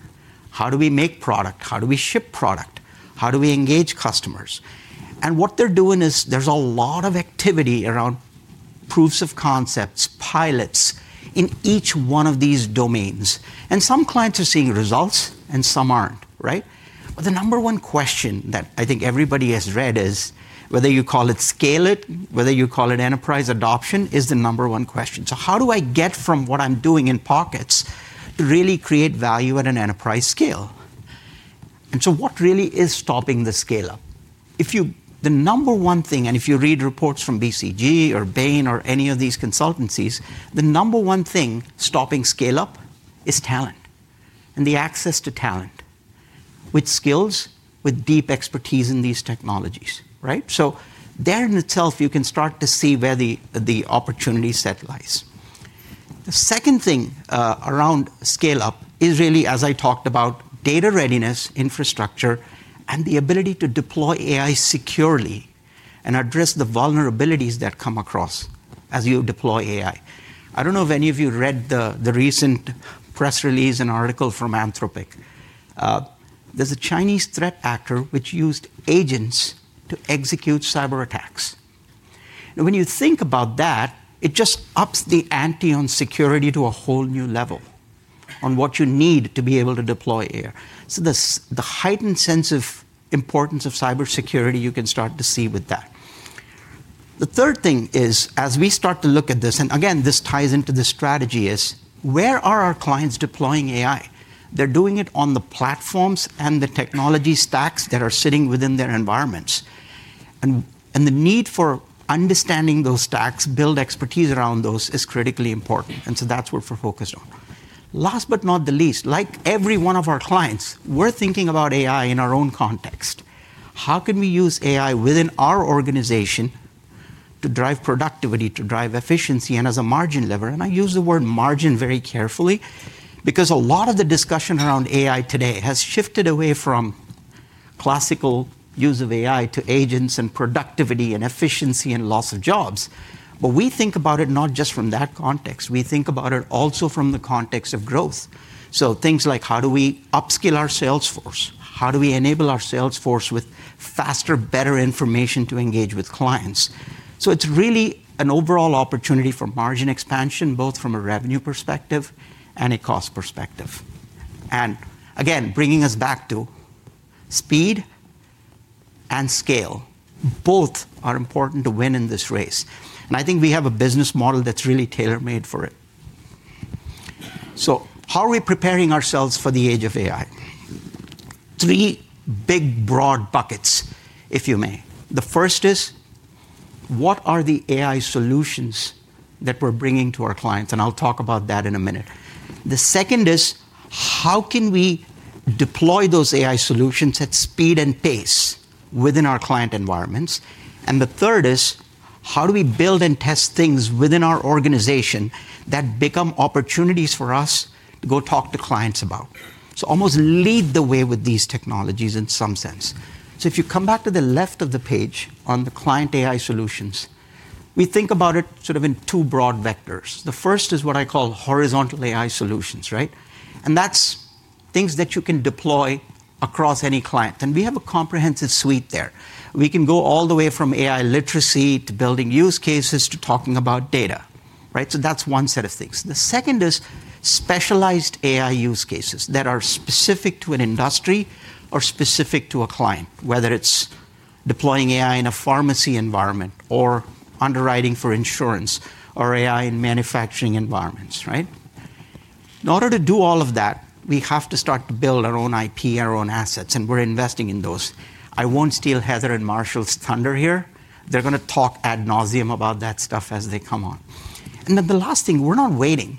C: How do we make product? How do we ship product? How do we engage customers? What they're doing is there's a lot of activity around proofs of concepts, pilots in each one of these domains. Some clients are seeing results and some aren't, right? The number one question that I think everybody has read is whether you call it scale it, whether you call it enterprise adoption, is the number one question. How do I get from what I'm doing in pockets to really create value at an enterprise scale? What really is stopping the scale-up? The number one thing, and if you read reports from BCG or Bain or any of these consultancies, the number one thing stopping scale-up is talent and the access to talent with skills, with deep expertise in these technologies, right? There in itself, you can start to see where the opportunity set lies. The second thing around scale-up is really, as I talked about, data readiness, infrastructure, and the ability to deploy AI securely and address the vulnerabilities that come across as you deploy AI. I don't know if any of you read the recent press release and article from Anthropic. There's a Chinese threat actor which used agents to execute cyberattacks. When you think about that, it just ups the ante on security to a whole new level on what you need to be able to deploy AI. The heightened sense of importance of cybersecurity, you can start to see with that. The third thing is, as we start to look at this, and again, this ties into the strategy, is where are our clients deploying AI? They're doing it on the platforms and the technology stacks that are sitting within their environments. The need for understanding those stacks, build expertise around those is critically important. That's what we're focused on. Last but not the least, like every one of our clients, we're thinking about AI in our own context. How can we use AI within our organization to drive productivity, to drive efficiency, and as a margin lever? I use the word margin very carefully because a lot of the discussion around AI today has shifted away from classical use of AI to agents and productivity and efficiency and loss of jobs. We think about it not just from that context. We think about it also from the context of growth. Things like how do we upskill our salesforce? How do we enable our salesforce with faster, better information to engage with clients? It is really an overall opportunity for margin expansion, both from a revenue perspective and a cost perspective. Again, bringing us back to speed and scale, both are important to win in this race. I think we have a business model that's really tailor-made for it. How are we preparing ourselves for the age of AI? 3 big broad buckets, if you may. The first is, what are the AI solutions that we're bringing to our clients? I'll talk about that in a minute. The second is, how can we deploy those AI solutions at speed and pace within our client environments? The third is, how do we build and test things within our organization that become opportunities for us to go talk to clients about? Almost lead the way with these technologies in some sense. If you come back to the left of the page on the client AI solutions, we think about it sort of in 2 broad vectors. The first is what I call horizontal AI solutions, right? That is things that you can deploy across any client. We have a comprehensive suite there. We can go all the way from AI literacy to building use cases to talking about data, right? That is one set of things. The second is specialized AI use cases that are specific to an industry or specific to a client, whether it is deploying AI in a pharmacy environment or underwriting for insurance or AI in manufacturing environments, right? In order to do all of that, we have to start to build our own IP, our own assets, and we are investing in those. I will not steal Heather and Marshall's thunder here. They are going to talk ad nauseam about that stuff as they come on. The last thing, we are not waiting.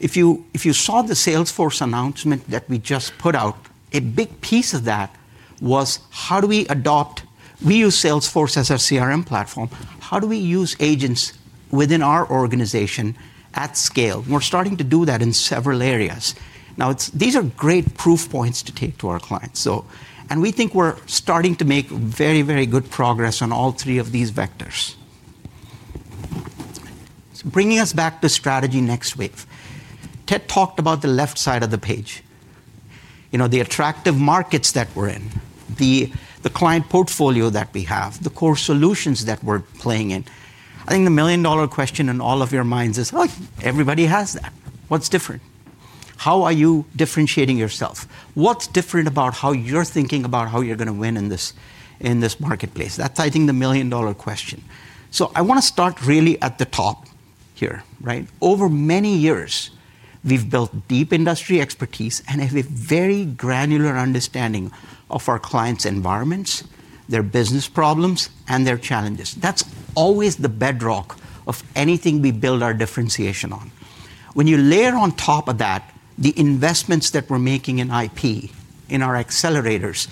C: If you saw the Salesforce announcement that we just put out, a big piece of that was how do we adopt? We use Salesforce as our CRM platform. How do we use agents within our organization at scale? We're starting to do that in several areas. These are great proof points to take to our clients. We think we're starting to make very, very good progress on all 3 of these vectors. Bringing us back to strategy next wave. Ted talked about the left side of the page, the attractive markets that we're in, the client portfolio that we have, the core solutions that we're playing in. I think the million-dollar question in all of your minds is, you know, everybody has that. What's different? How are you differentiating yourself? What's different about how you're thinking about how you're going to win in this marketplace? That's, I think, the million-dollar question. I want to start really at the top here, right? Over many years, we've built deep industry expertise and have a very granular understanding of our clients' environments, their business problems, and their challenges. That's always the bedrock of anything we build our differentiation on. When you layer on top of that the investments that we're making in IP, in our accelerators,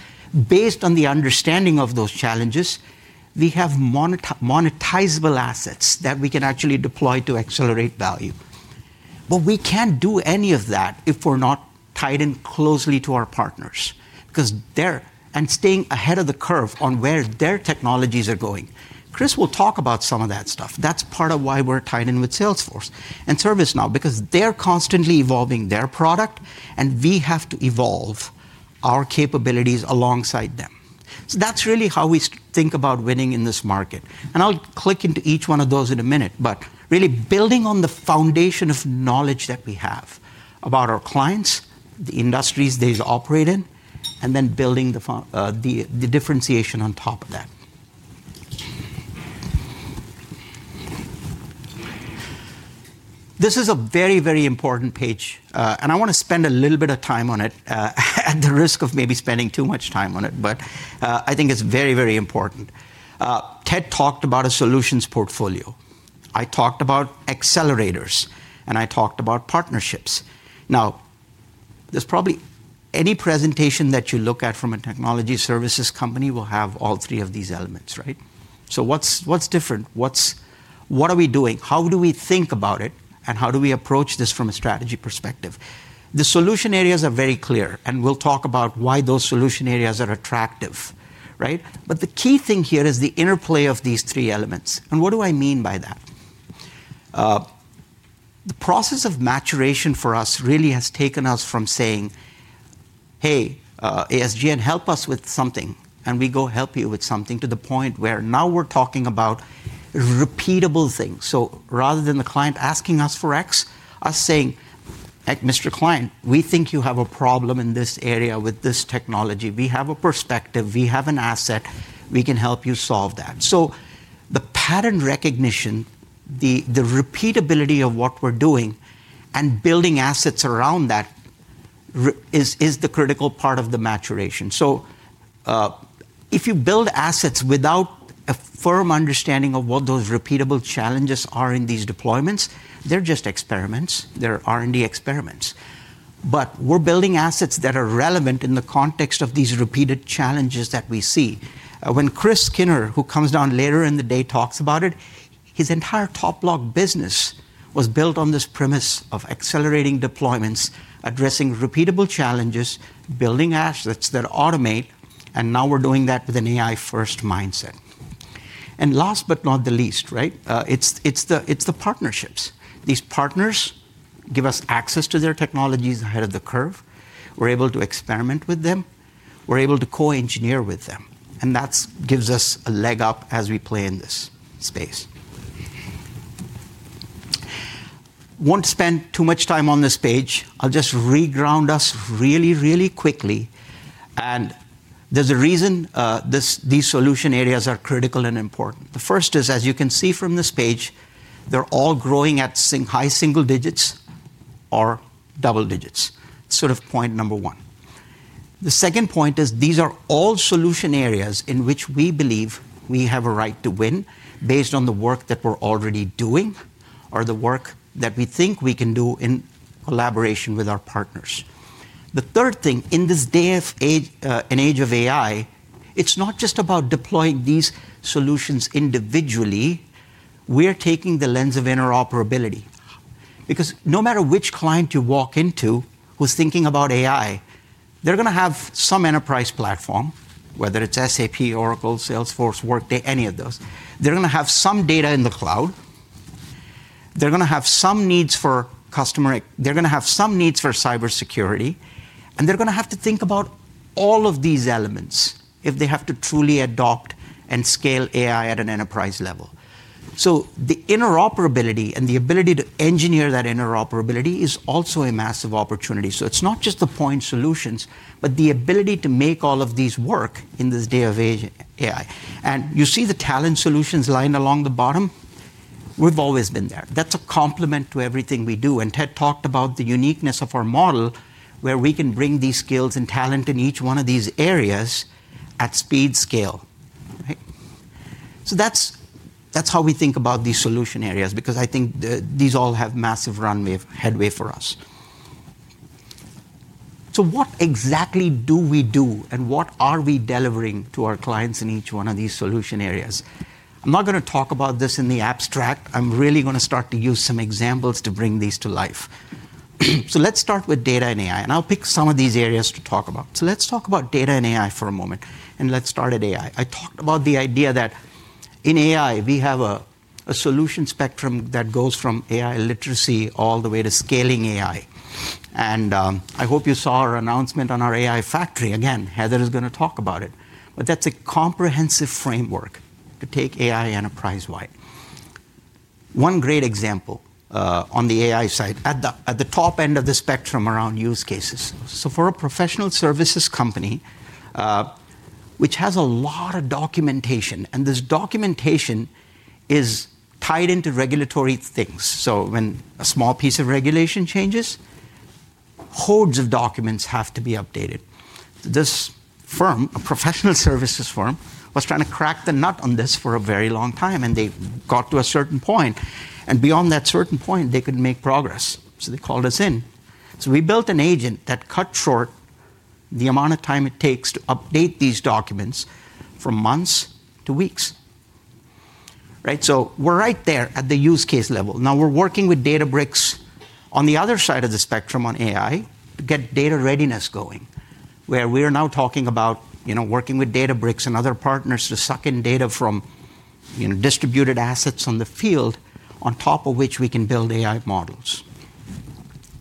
C: based on the understanding of those challenges, we have monetizable assets that we can actually deploy to accelerate value. We can't do any of that if we're not tied in closely to our partners and staying ahead of the curve on where their technologies are going. Chris will talk about some of that stuff. That's part of why we're tied in with Salesforce and ServiceNow because they're constantly evolving their product, and we have to evolve our capabilities alongside them. That's really how we think about winning in this market. I'll click into each one of those in a minute, but really building on the foundation of knowledge that we have about our clients, the industries they operate in, and then building the differentiation on top of that. This is a very, very important page, and I want to spend a little bit of time on it at the risk of maybe spending too much time on it, but I think it's very, very important. Ted talked about a solutions portfolio. I talked about accelerators, and I talked about partnerships. Now, there's probably any presentation that you look at from a technology services company will have all 3 of these elements, right? What's different? What are we doing? How do we think about it? How do we approach this from a strategy perspective? The solution areas are very clear, and we'll talk about why those solution areas are attractive, right? The key thing here is the interplay of these 3 elements. What do I mean by that? The process of maturation for us really has taken us from saying, "Hey, ASGN, help us with something," and we go help you with something to the point where now we're talking about repeatable things. Rather than the client asking us for X, us saying, "Mr. Client, we think you have a problem in this area with this technology. We have a perspective. We have an asset. We can help you solve that." The pattern recognition, the repeatability of what we're doing and building assets around that is the critical part of the maturation. If you build assets without a firm understanding of what those repeatable challenges are in these deployments, they're just experiments. They're R&D experiments. We're building assets that are relevant in the context of these repeated challenges that we see. When Chris Skinner, who comes down later in the day, talks about it, his entire TopBloc business was built on this premise of accelerating deployments, addressing repeatable challenges, building assets that automate, and now we're doing that with an AI-first mindset. Last but not the least, right? It's the partnerships. These partners give us access to their technologies ahead of the curve. We're able to experiment with them. We're able to co-engineer with them. That gives us a leg up as we play in this space. Won't spend too much time on this page. I'll just reground us really, really quickly. There is a reason these solution areas are critical and important. The first is, as you can see from this page, they're all growing at high single digits or double digits. Sort of point number one. The second point is these are all solution areas in which we believe we have a right to win based on the work that we're already doing or the work that we think we can do in collaboration with our partners. The third thing, in this day and age of AI, it's not just about deploying these solutions individually. We're taking the lens of interoperability. Because no matter which client you walk into who's thinking about AI, they're going to have some enterprise platform, whether it's SAP, Oracle, Salesforce, Workday, any of those. They're going to have some data in the cloud. They're going to have some needs for customer. They're going to have some needs for cybersecurity. They're going to have to think about all of these elements if they have to truly adopt and scale AI at an enterprise level. The interoperability and the ability to engineer that interoperability is also a massive opportunity. It's not just the point solutions, but the ability to make all of these work in this day of AI. You see the talent solutions line along the bottom? We've always been there. That's a complement to everything we do. Ted talked about the uniqueness of our model where we can bring these skills and talent in each one of these areas at speed scale, right? That's how we think about these solution areas because I think these all have massive runway headway for us. What exactly do we do and what are we delivering to our clients in each one of these solution areas? I'm not going to talk about this in the abstract. I'm really going to start to use some examples to bring these to life. Let's start with data and AI, and I'll pick some of these areas to talk about. Let's talk about data and AI for a moment, and let's start at AI. I talked about the idea that in AI, we have a solution spectrum that goes from AI literacy all the way to scaling AI. I hope you saw our announcement on our AI Factory. Again, Heather is going to talk about it. That's a comprehensive framework to take AI enterprise-wide. One great example on the AI side at the top end of the spectrum around use cases. For a professional services company, which has a lot of documentation, and this documentation is tied into regulatory things. When a small piece of regulation changes, hoards of documents have to be updated. This firm, a professional services firm, was trying to crack the nut on this for a very long time, and they got to a certain point. Beyond that certain point, they could not make progress. They called us in. We built an agent that cut short the amount of time it takes to update these documents from months to weeks, right? We are right there at the use case level. Now we're working with Databricks on the other side of the spectrum on AI to get data readiness going, where we are now talking about working with Databricks and other partners to suck in data from distributed assets on the field, on top of which we can build AI models.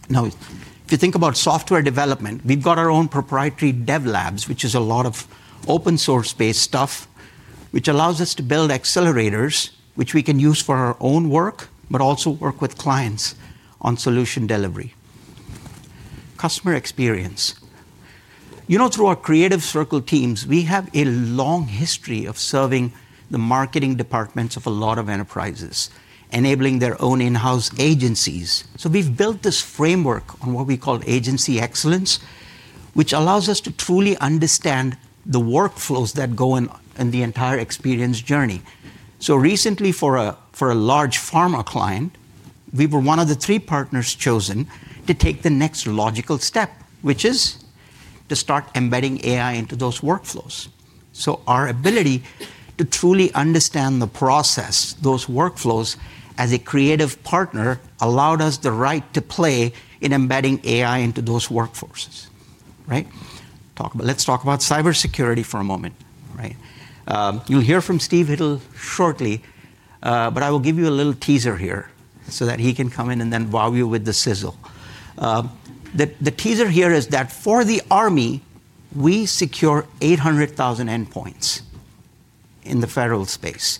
C: Now, if you think about software development, we've got our own proprietary Dev Labs, which is a lot of open-source-based stuff, which allows us to build accelerators, which we can use for our own work, but also work with clients on solution delivery. Customer experience. You know, through our Creative Circle teams, we have a long history of serving the marketing departments of a lot of enterprises, enabling their own in-house agencies. So we've built this framework on what we call agency excellence, which allows us to truly understand the workflows that go in the entire experience journey. Recently, for a large pharma client, we were one of the 3 partners chosen to take the next logical step, which is to start embedding AI into those workflows. Our ability to truly understand the process, those workflows as a creative partner, allowed us the right to play in embedding AI into those workforces, right? Let's talk about cybersecurity for a moment, right? You'll hear from Steve Hittle shortly, but I will give you a little teaser here so that he can come in and then wow you with the sizzle. The teaser here is that for the Army, we secure 800,000 endpoints in the federal space.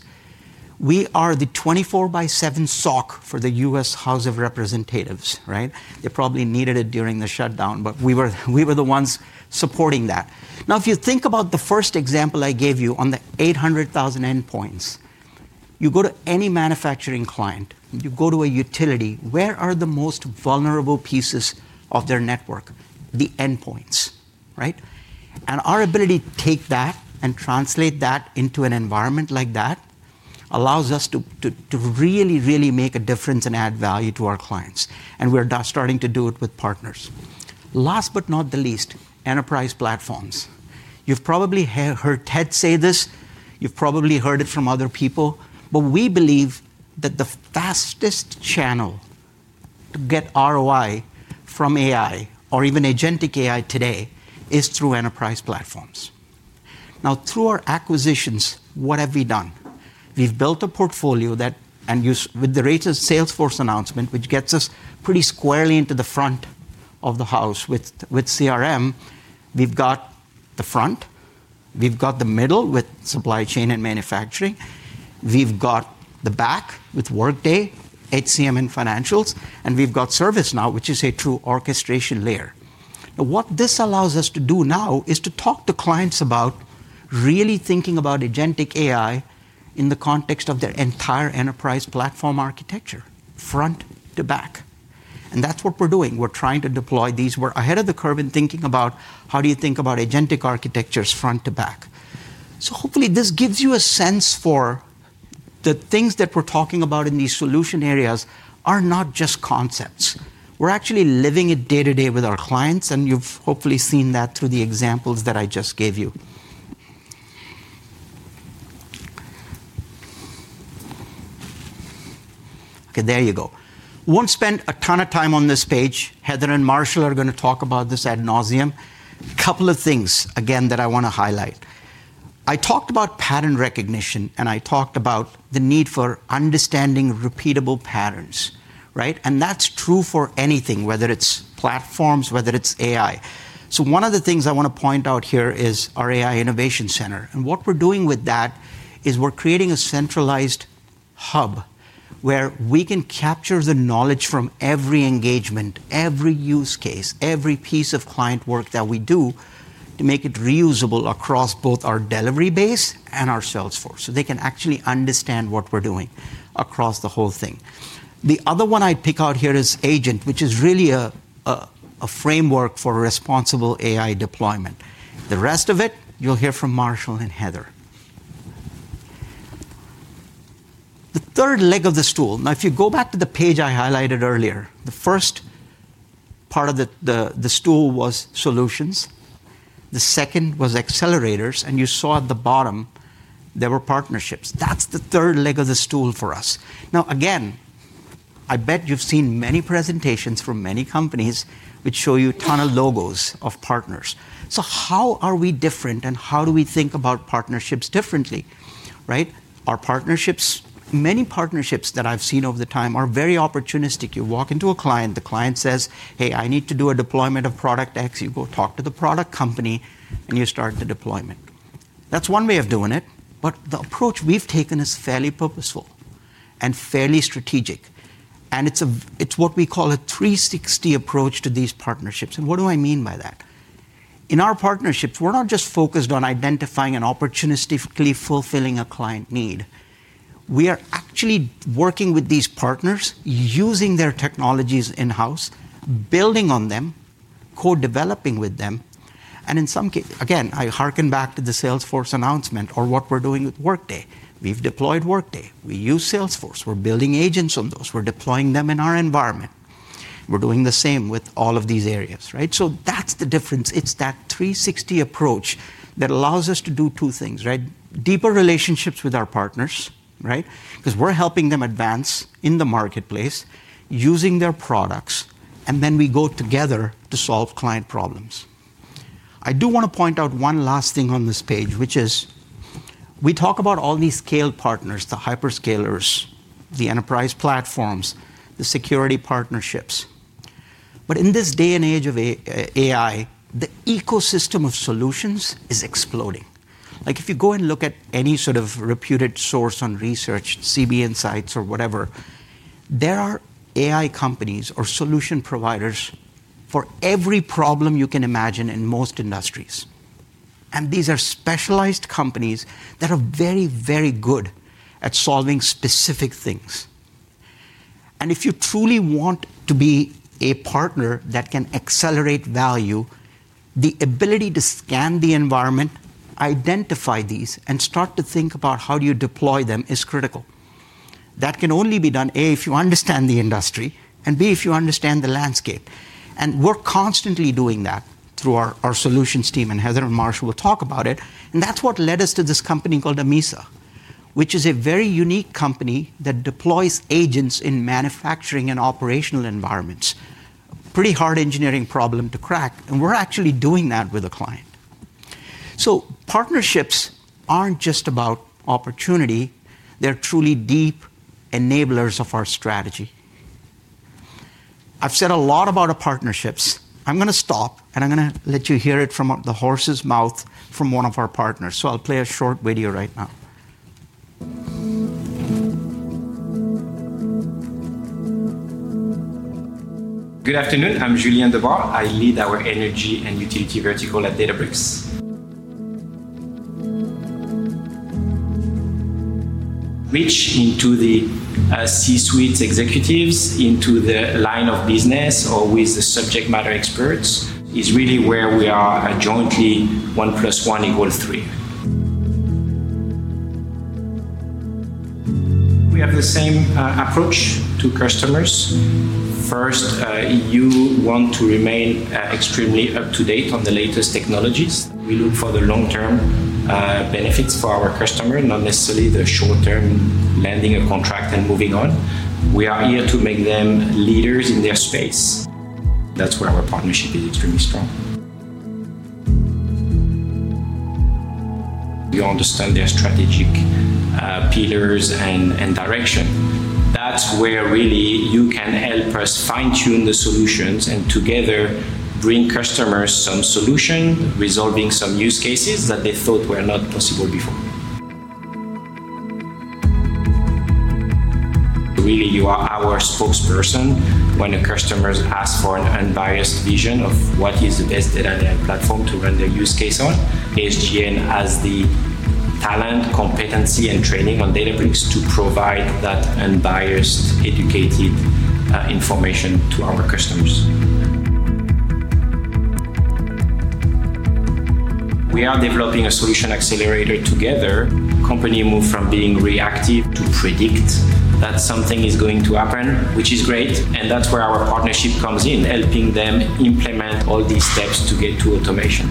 C: We are the 24x7 SOC for the U.S. House of Representatives, right? They probably needed it during the shutdown, but we were the ones supporting that. Now, if you think about the first example I gave you on the 800,000 endpoints, you go to any manufacturing client, you go to a utility, where are the most vulnerable pieces of their ne2rk? The endpoints, right? Our ability to take that and translate that into an environment like that allows us to really, really make a difference and add value to our clients. We're starting to do it with partners. Last but not the least, enterprise platforms. You've probably heard Ted say this. You've probably heard it from other people, but we believe that the fastest channel to get ROI from AI or even agentic AI today is through enterprise platforms. Now, through our acquisitions, what have we done? We've built a portfolio that, with the recent Salesforce announcement, which gets us pretty squarely into the front of the house with CRM, we've got the front. We've got the middle with supply chain and manufacturing. We've got the back with Workday, HCM, and financials. We've got ServiceNow, which is a true orchestration layer. What this allows us to do now is to talk to clients about really thinking about agentic AI in the context of their entire enterprise platform architecture, front to back. That's what we're doing. We're trying to deploy these. We're ahead of the curve in thinking about how do you think about agentic architectures front to back. Hopefully, this gives you a sense for the things that we're talking about in these solution areas are not just concepts. We're actually living it day to day with our clients, and you've hopefully seen that through the examples that I just gave you. Okay, there you go. Won't spend a ton of time on this page.
B: Heather and Marshall are going to talk about this ad nauseam. A couple of things, again, that I want to highlight. I talked about pattern recognition, and I talked about the need for understanding repeatable patterns, right? That is true for anything, whether it's platforms, whether it's AI. One of the things I want to point out here is our AI Innovation Center. What we're doing with that is we're creating a centralized hub where we can capture the knowledge from every engagement, every use case, every piece of client work that we do to make it reusable across both our delivery base and our Salesforce. They can actually understand what we're doing across the whole thing. The other one I'd pick out here is Agent, which is really a framework for responsible AI deployment. The rest of it, you'll hear from Marshall and Heather. The third leg of the stool. Now, if you go back to the page I highlighted earlier, the first part of the stool was solutions. The second was accelerators. You saw at the bottom, there were partnerships. That's the third leg of the stool for us. Now, again, I bet you've seen many presentations from many companies which show you a ton of logos of partners. How are we different and how do we think about partnerships differently, right? Our partnerships, many partnerships that I've seen over the time are very opportunistic. You walk into a client, the client says, "Hey, I need to do a deployment of product X." You go talk to the product company and you start the deployment. That's one way of doing it. The approach we've taken is fairly purposeful and fairly strategic. It's what we call a 360 approach to these partnerships. What do I mean by that? In our partnerships, we're not just focused on identifying and opportunistically fulfilling a client need. We are actually working with these partners, using their technologies in-house, building on them, co-developing with them. In some cases, again, I hearken back to the Salesforce announcement or what we're doing with Workday. We've deployed Workday. We use Salesforce. We're building agents on those. We're deploying them in our environment. We're doing the same with all of these areas, right? That's the difference. It's that 360 approach that allows us to do 2 things, right? Deeper relationships with our partners, right? Because we're helping them advance in the marketplace using their products, and then we go together to solve client problems. I do want to point out one last thing on this page, which is we talk about all these scale partners, the hyperscalers, the enterprise platforms, the security partnerships. Like, in this day and age of AI, the ecosystem of solutions is exploding. Like if you go and look at any sort of reputed source on research, CB Insights or whatever, there are AI companies or solution providers for every problem you can imagine in most industries. These are specialized companies that are very, very good at solving specific things. If you truly want to be a partner that can accelerate value, the ability to scan the environment, identify these, and start to think about how do you deploy them is critical. That can only be done, A, if you understand the industry, and B, if you understand the landscape. We are constantly doing that through our solutions team, and Heather and Marshall will talk about it. That is what led us to this company called Amisa, which is a very unique company that deploys agents in manufacturing and operational environments. Pretty hard engineering problem to crack. We are actually doing that with a client. Partnerships are not just about opportunity. They are truly deep enablers of our strategy. I have said a lot about our partnerships. I am going to stop, and I am going to let you hear it from the horse's mouth from one of our partners. I will play a short video right now. Good afternoon. I am Julien Debord. I lead our energy and utility vertical at Databricks. Reach into the C-suite executives, into the line of business or with the subject matter experts is really where we are jointly one plus one equals 3. We have the same approach to customers. First, you want to remain extremely up to date on the latest technologies. We look for the long-term benefits for our customer, not necessarily the short-term landing a contract and moving on. We are here to make them leaders in their space. That is where our partnership is extremely strong. We understand their strategic pillars and direction. That is where really you can help us fine-tune the solutions and together bring customers some solution, resolving some use cases that they thought were not possible before. Really, you are our spokesperson when a customer asks for an unbiased vision of what is the best data and platform to run their use case on. ASGN has the talent, competency, and training on Databricks to provide that unbiased, educated information to our customers. We are developing a solution accelerator together. Company moved from being reactive to predict that something is going to happen, which is great. That is where our partnership comes in, helping them implement all these steps to get to automation.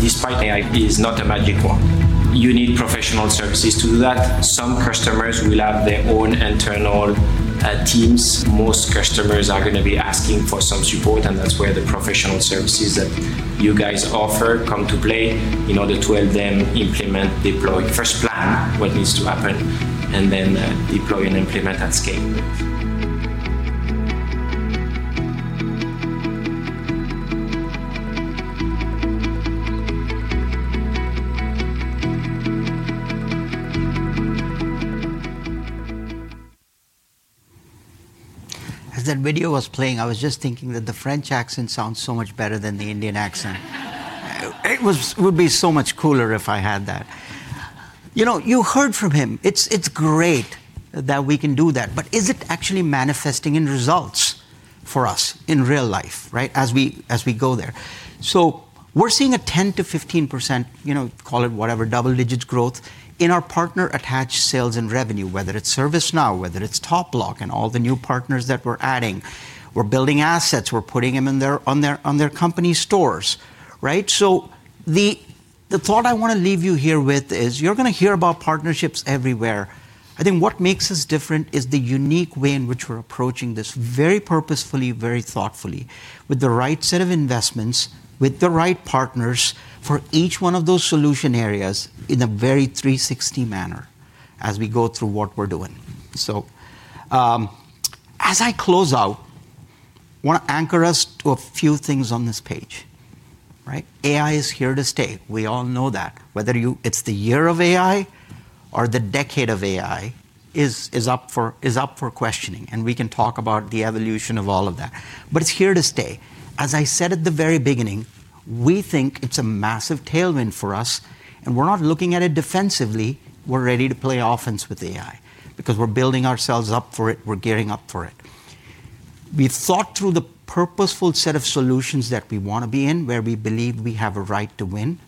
B: Despite, AI is not a magic wand. You need professional services to do that. Some customers will have their own internal teams. Most customers are going to be asking for some support, and that is where the professional services that you guys offer come to play in order to help them implement, deploy, first plan what needs to happen, and then deploy and implement at scale.
C: As that video was playing, I was just thinking that the French accent sounds so much better than the Indian accent. It would be so much cooler if I had that. You heard from him. It is great that we can do that. Is it actually manifesting in results for us in real life, right, as we go there? We are seeing a 10-15%—call it whatever, double-digit growth in our partner attached sales and revenue, whether it is ServiceNow, whether it is TopBloc, and all the new partners that we are adding. We are building assets. We are putting them in their company stores, right? The thought I want to leave you here with is you are going to hear about partnerships everywhere. I think what makes us different is the unique way in which we are approaching this very purposefully, very thoughtfully, with the right set of investments, with the right partners for each one of those solution areas in a very 360 manner as we go through what we are doing. As I close out, I want to anchor us to a few things on this page, right? AI is here to stay. We all know that. Whether it's the year of AI or the decade of AI is up for questioning. We can talk about the evolution of all of that. It is here to stay. As I said at the very beginning, we think it's a massive tailwind for us. We are not looking at it defensively. We are ready to play offense with AI because we are building ourselves up for it. We are gearing up for it. We have thought through the purposeful set of solutions that we want to be in, where we believe we have a right to win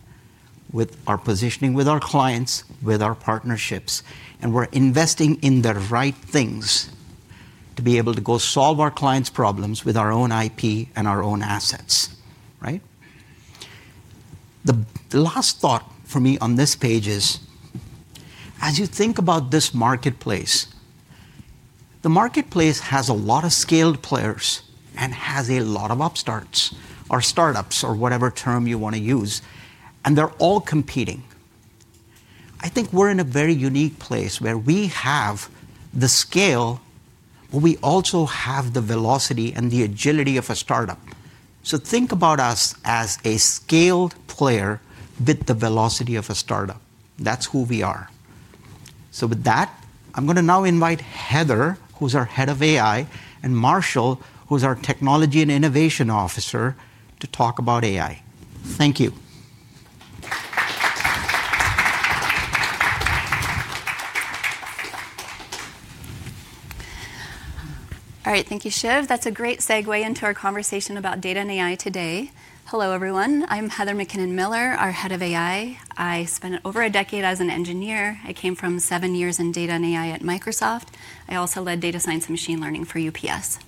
C: with our positioning, with our clients, with our partnerships. We are investing in the right things to be able to go solve our clients' problems with our own IP and our own assets, right? The last thought for me on this page is, as you think about this marketplace, the marketplace has a lot of scaled players and has a lot of upstarts or startups or whatever term you want to use. They're all competing. I think we're in a very unique place where we have the scale, but we also have the velocity and the agility of a startup. Think about us as a scaled player with the velocity of a startup. That's who we are. With that, I'm going to now invite Heather, who's our head of AI, and Marshall, who's our technology and innovation officer, to talk about AI. Thank you. All right.
D: Thank you, Shiv. That's a great segue into our conversation about data and AI today. Hello, everyone. I'm Heather McKinnon Miller, our head of AI. I spent over a decade as an engineer. I came from 7 years in data and AI at Microsoft. I also led data science and machine learning for UPS.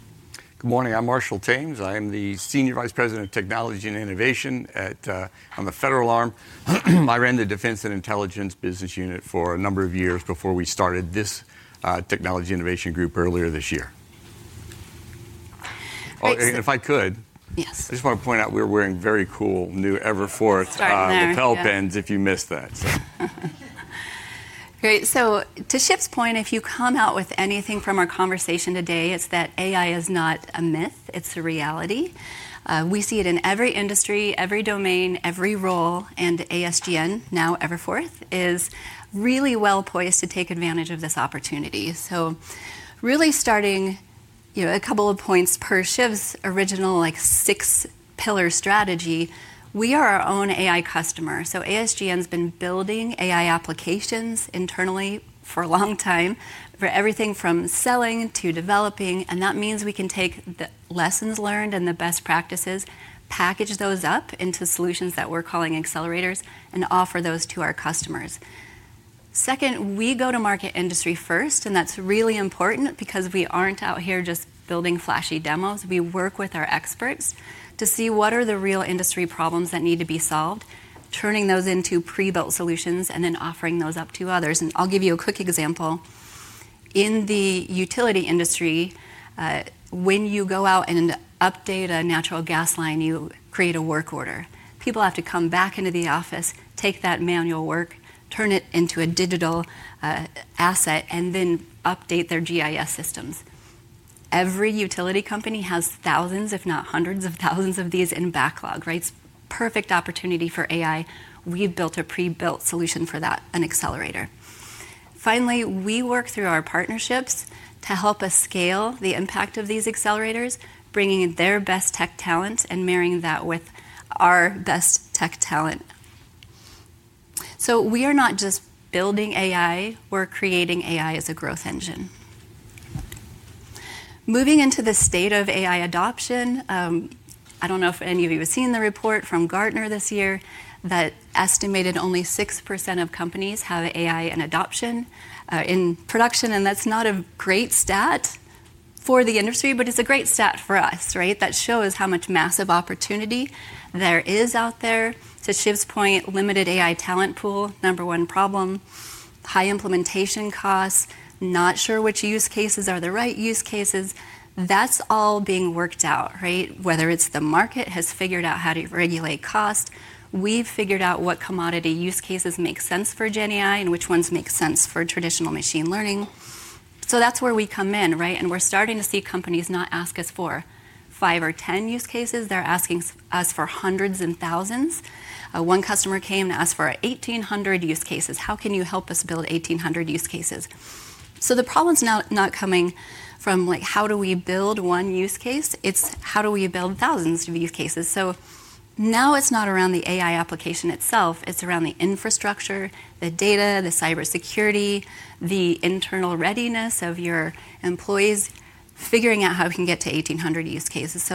E: Good morning. I'm Marshall Thames. I am the Senior Vice President of Technology and Innovation at the federal arm. I ran the defense and intelligence business unit for a number of years before we started this technology innovation group earlier this year. If I could, I just want to point out we're wearing very cool new EverForth lapel pins if you missed that.
D: Great. To Shiv's point, if you come out with anything from our conversation today, it's that AI is not a myth. It's a reality. We see it in every industry, every domain, every role. ASGN, now EverForth, is really well poised to take advantage of this opportunity. Really starting a couple of points per Shiv's original 6-pillar strategy, we are our own AI customer. ASGN has been building AI applications internally for a long time for everything from selling to developing. That means we can take the lessons learned and the best practices, package those up into solutions that we're calling accelerators, and offer those to our customers. Second, we go to market industry first. That's really important because we aren't out here just building flashy demos. We work with our experts to see what are the real industry problems that need to be solved, turning those into pre-built solutions, and then offering those up to others. I'll give you a quick example. In the utility industry, when you go out and update a natural gas line, you create a work order. People have to come back into the office, take that manual work, turn it into a digital asset, and then update their GIS systems. Every utility company has thousands, if not hundreds of thousands of these in backlog, right? It's a perfect opportunity for AI. We've built a pre-built solution for that, an accelerator. Finally, we work through our partnerships to help us scale the impact of these accelerators, bringing in their best tech talent and marrying that with our best tech talent. We are not just building AI. We're creating AI as a growth engine. Moving into the state of AI adoption, I don't know if any of you have seen the report from Gartner this year that estimated only 6% of companies have AI and adoption in production. That's not a great stat for the industry, but it's a great stat for us, right? That shows how much massive opportunity there is out there. To Shiv's point, limited AI talent pool, number one problem, high implementation costs, not sure which use cases are the right use cases. That's all being worked out, right? Whether it's the market has figured out how to regulate cost. We've figured out what commodity use cases make sense for Gen AI and which ones make sense for traditional machine learning. That's where we come in, right? We're starting to see companies not ask us for 5 or 10 use cases. They're asking us for hundreds and thousands. One customer came and asked for 1,800 use cases. How can you help us build 1,800 use cases? The problem's not coming from how do we build one use case. It's how do we build thousands of use cases. Now it's not around the AI application itself. It's around the infrastructure, the data, the cybersecurity, the internal readiness of your employees, figuring out how we can get to 1,800 use cases.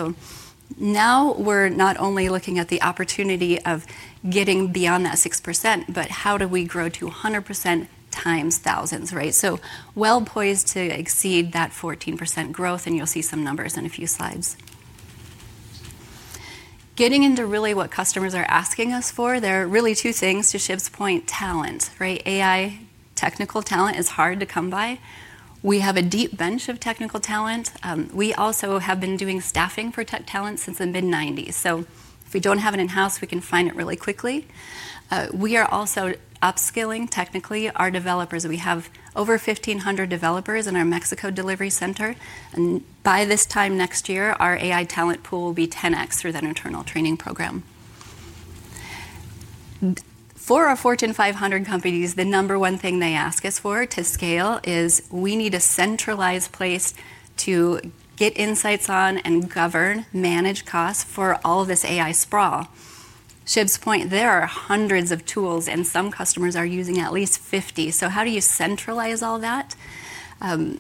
D: Now we're not only looking at the opportunity of getting beyond that 6%, but how do we grow to 100% times thousands, right? Well poised to exceed that 14% growth. You'll see some numbers in a few slides. Getting into really what customers are asking us for, there are really 2 things. To Shiv's point, talent, right? AI technical talent is hard to come by. We have a deep bench of technical talent. We also have been doing staffing for tech talent since the mid-1990s. If we don't have it in-house, we can find it really quickly. We are also upskilling technically our developers. We have over 1,500 developers in our Mexico delivery center. By this time next year, our AI talent pool will be 10x through that internal training program. For our Fortune 500 companies, the number one thing they ask us for to scale is we need a centralized place to get insights on and govern, manage costs for all of this AI sprawl. To Shiv's point, there are hundreds of tools, and some customers are using at least 50. How do you centralize all that and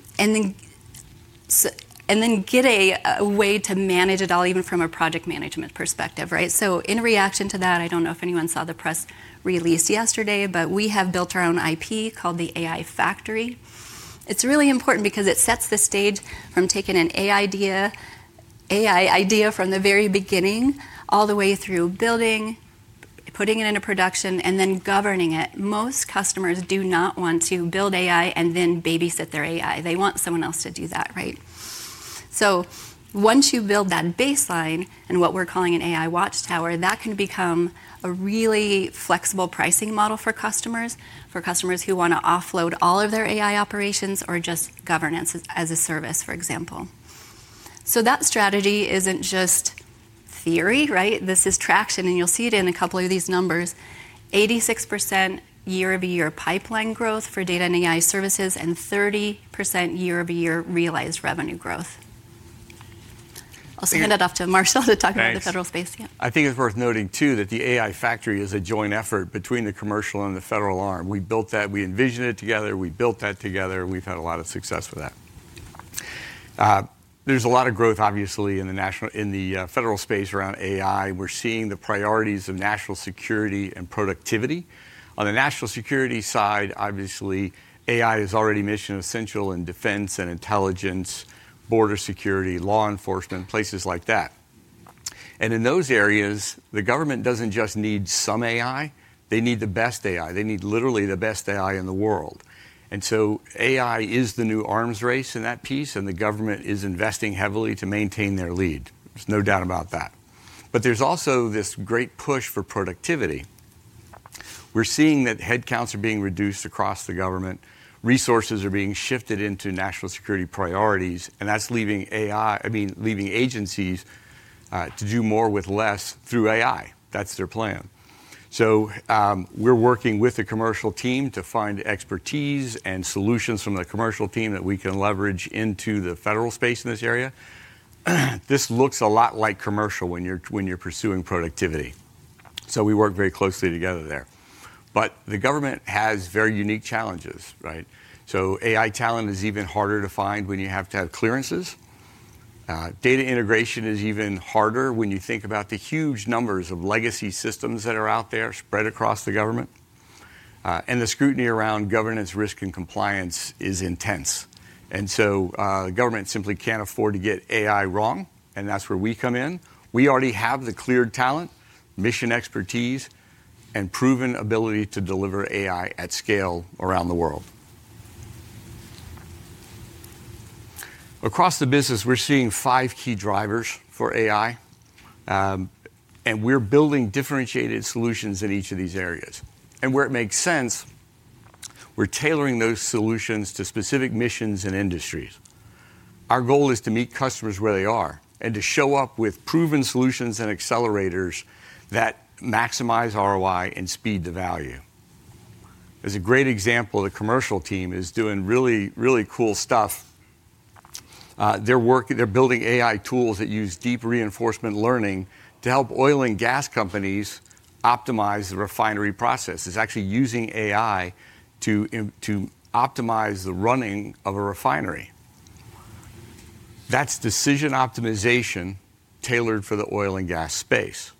D: then get a way to manage it all even from a project management perspective, right? In reaction to that, I do not know if anyone saw the press release yesterday, but we have built our own IP called the AI Factory. It is really important because it sets the stage from taking an AI idea from the very beginning all the way through building, putting it into production, and then governing it. Most customers do not want to build AI and then babysit their AI. They want someone else to do that, right? Once you build that baseline and what we're calling an AI watchtower, that can become a really flexible pricing model for customers, for customers who want to offload all of their AI operations or just governance as a service, for example. That strategy isn't just theory, right? This is traction. You'll see it in a couple of these numbers: 86% year-over-year pipeline growth for data and AI services and 30% year-over-year realized revenue growth. I'll hand it off to Marshall to talk about the federal space.
E: I think it's worth noting, too, that the AI Factory is a joint effort between the commercial and the federal arm. We built that. We envisioned it together. We built that together. We've had a lot of success with that. There's a lot of growth, obviously, in the federal space around AI. We're seeing the priorities of national security and productivity. On the national security side, obviously, AI is already mission essential in defense and intelligence, border security, law enforcement, places like that. In those areas, the government doesn't just need some AI. They need the best AI. They need literally the best AI in the world. AI is the new arms race in that piece. The government is investing heavily to maintain their lead. There's no doubt about that. There's also this great push for productivity. We're seeing that headcounts are being reduced across the government. Resources are being shifted into national security priorities. That's leaving agencies to do more with less through AI. That's their plan. We're working with the commercial team to find expertise and solutions from the commercial team that we can leverage into the federal space in this area. This looks a lot like commercial when you're pursuing productivity. We work very closely together there. The government has very unique challenges, right? AI talent is even harder to find when you have to have clearances. Data integration is even harder when you think about the huge numbers of legacy systems that are out there spread across the government. The scrutiny around governance, risk, and compliance is intense. The government simply can't afford to get AI wrong. That's where we come in. We already have the cleared talent, mission expertise, and proven ability to deliver AI at scale around the world. Across the business, we're seeing 5 key drivers for AI. We're building differentiated solutions in each of these areas. Where it makes sense, we're tailoring those solutions to specific missions and industries. Our goal is to meet customers where they are and to show up with proven solutions and accelerators that maximize ROI and speed the value. As a great example, the commercial team is doing really, really cool stuff. They're building AI tools that use deep reinforcement learning to help oil and gas companies optimize the refinery process. It's actually using AI to optimize the running of a refinery. That's decision optimization tailored for the oil and gas space.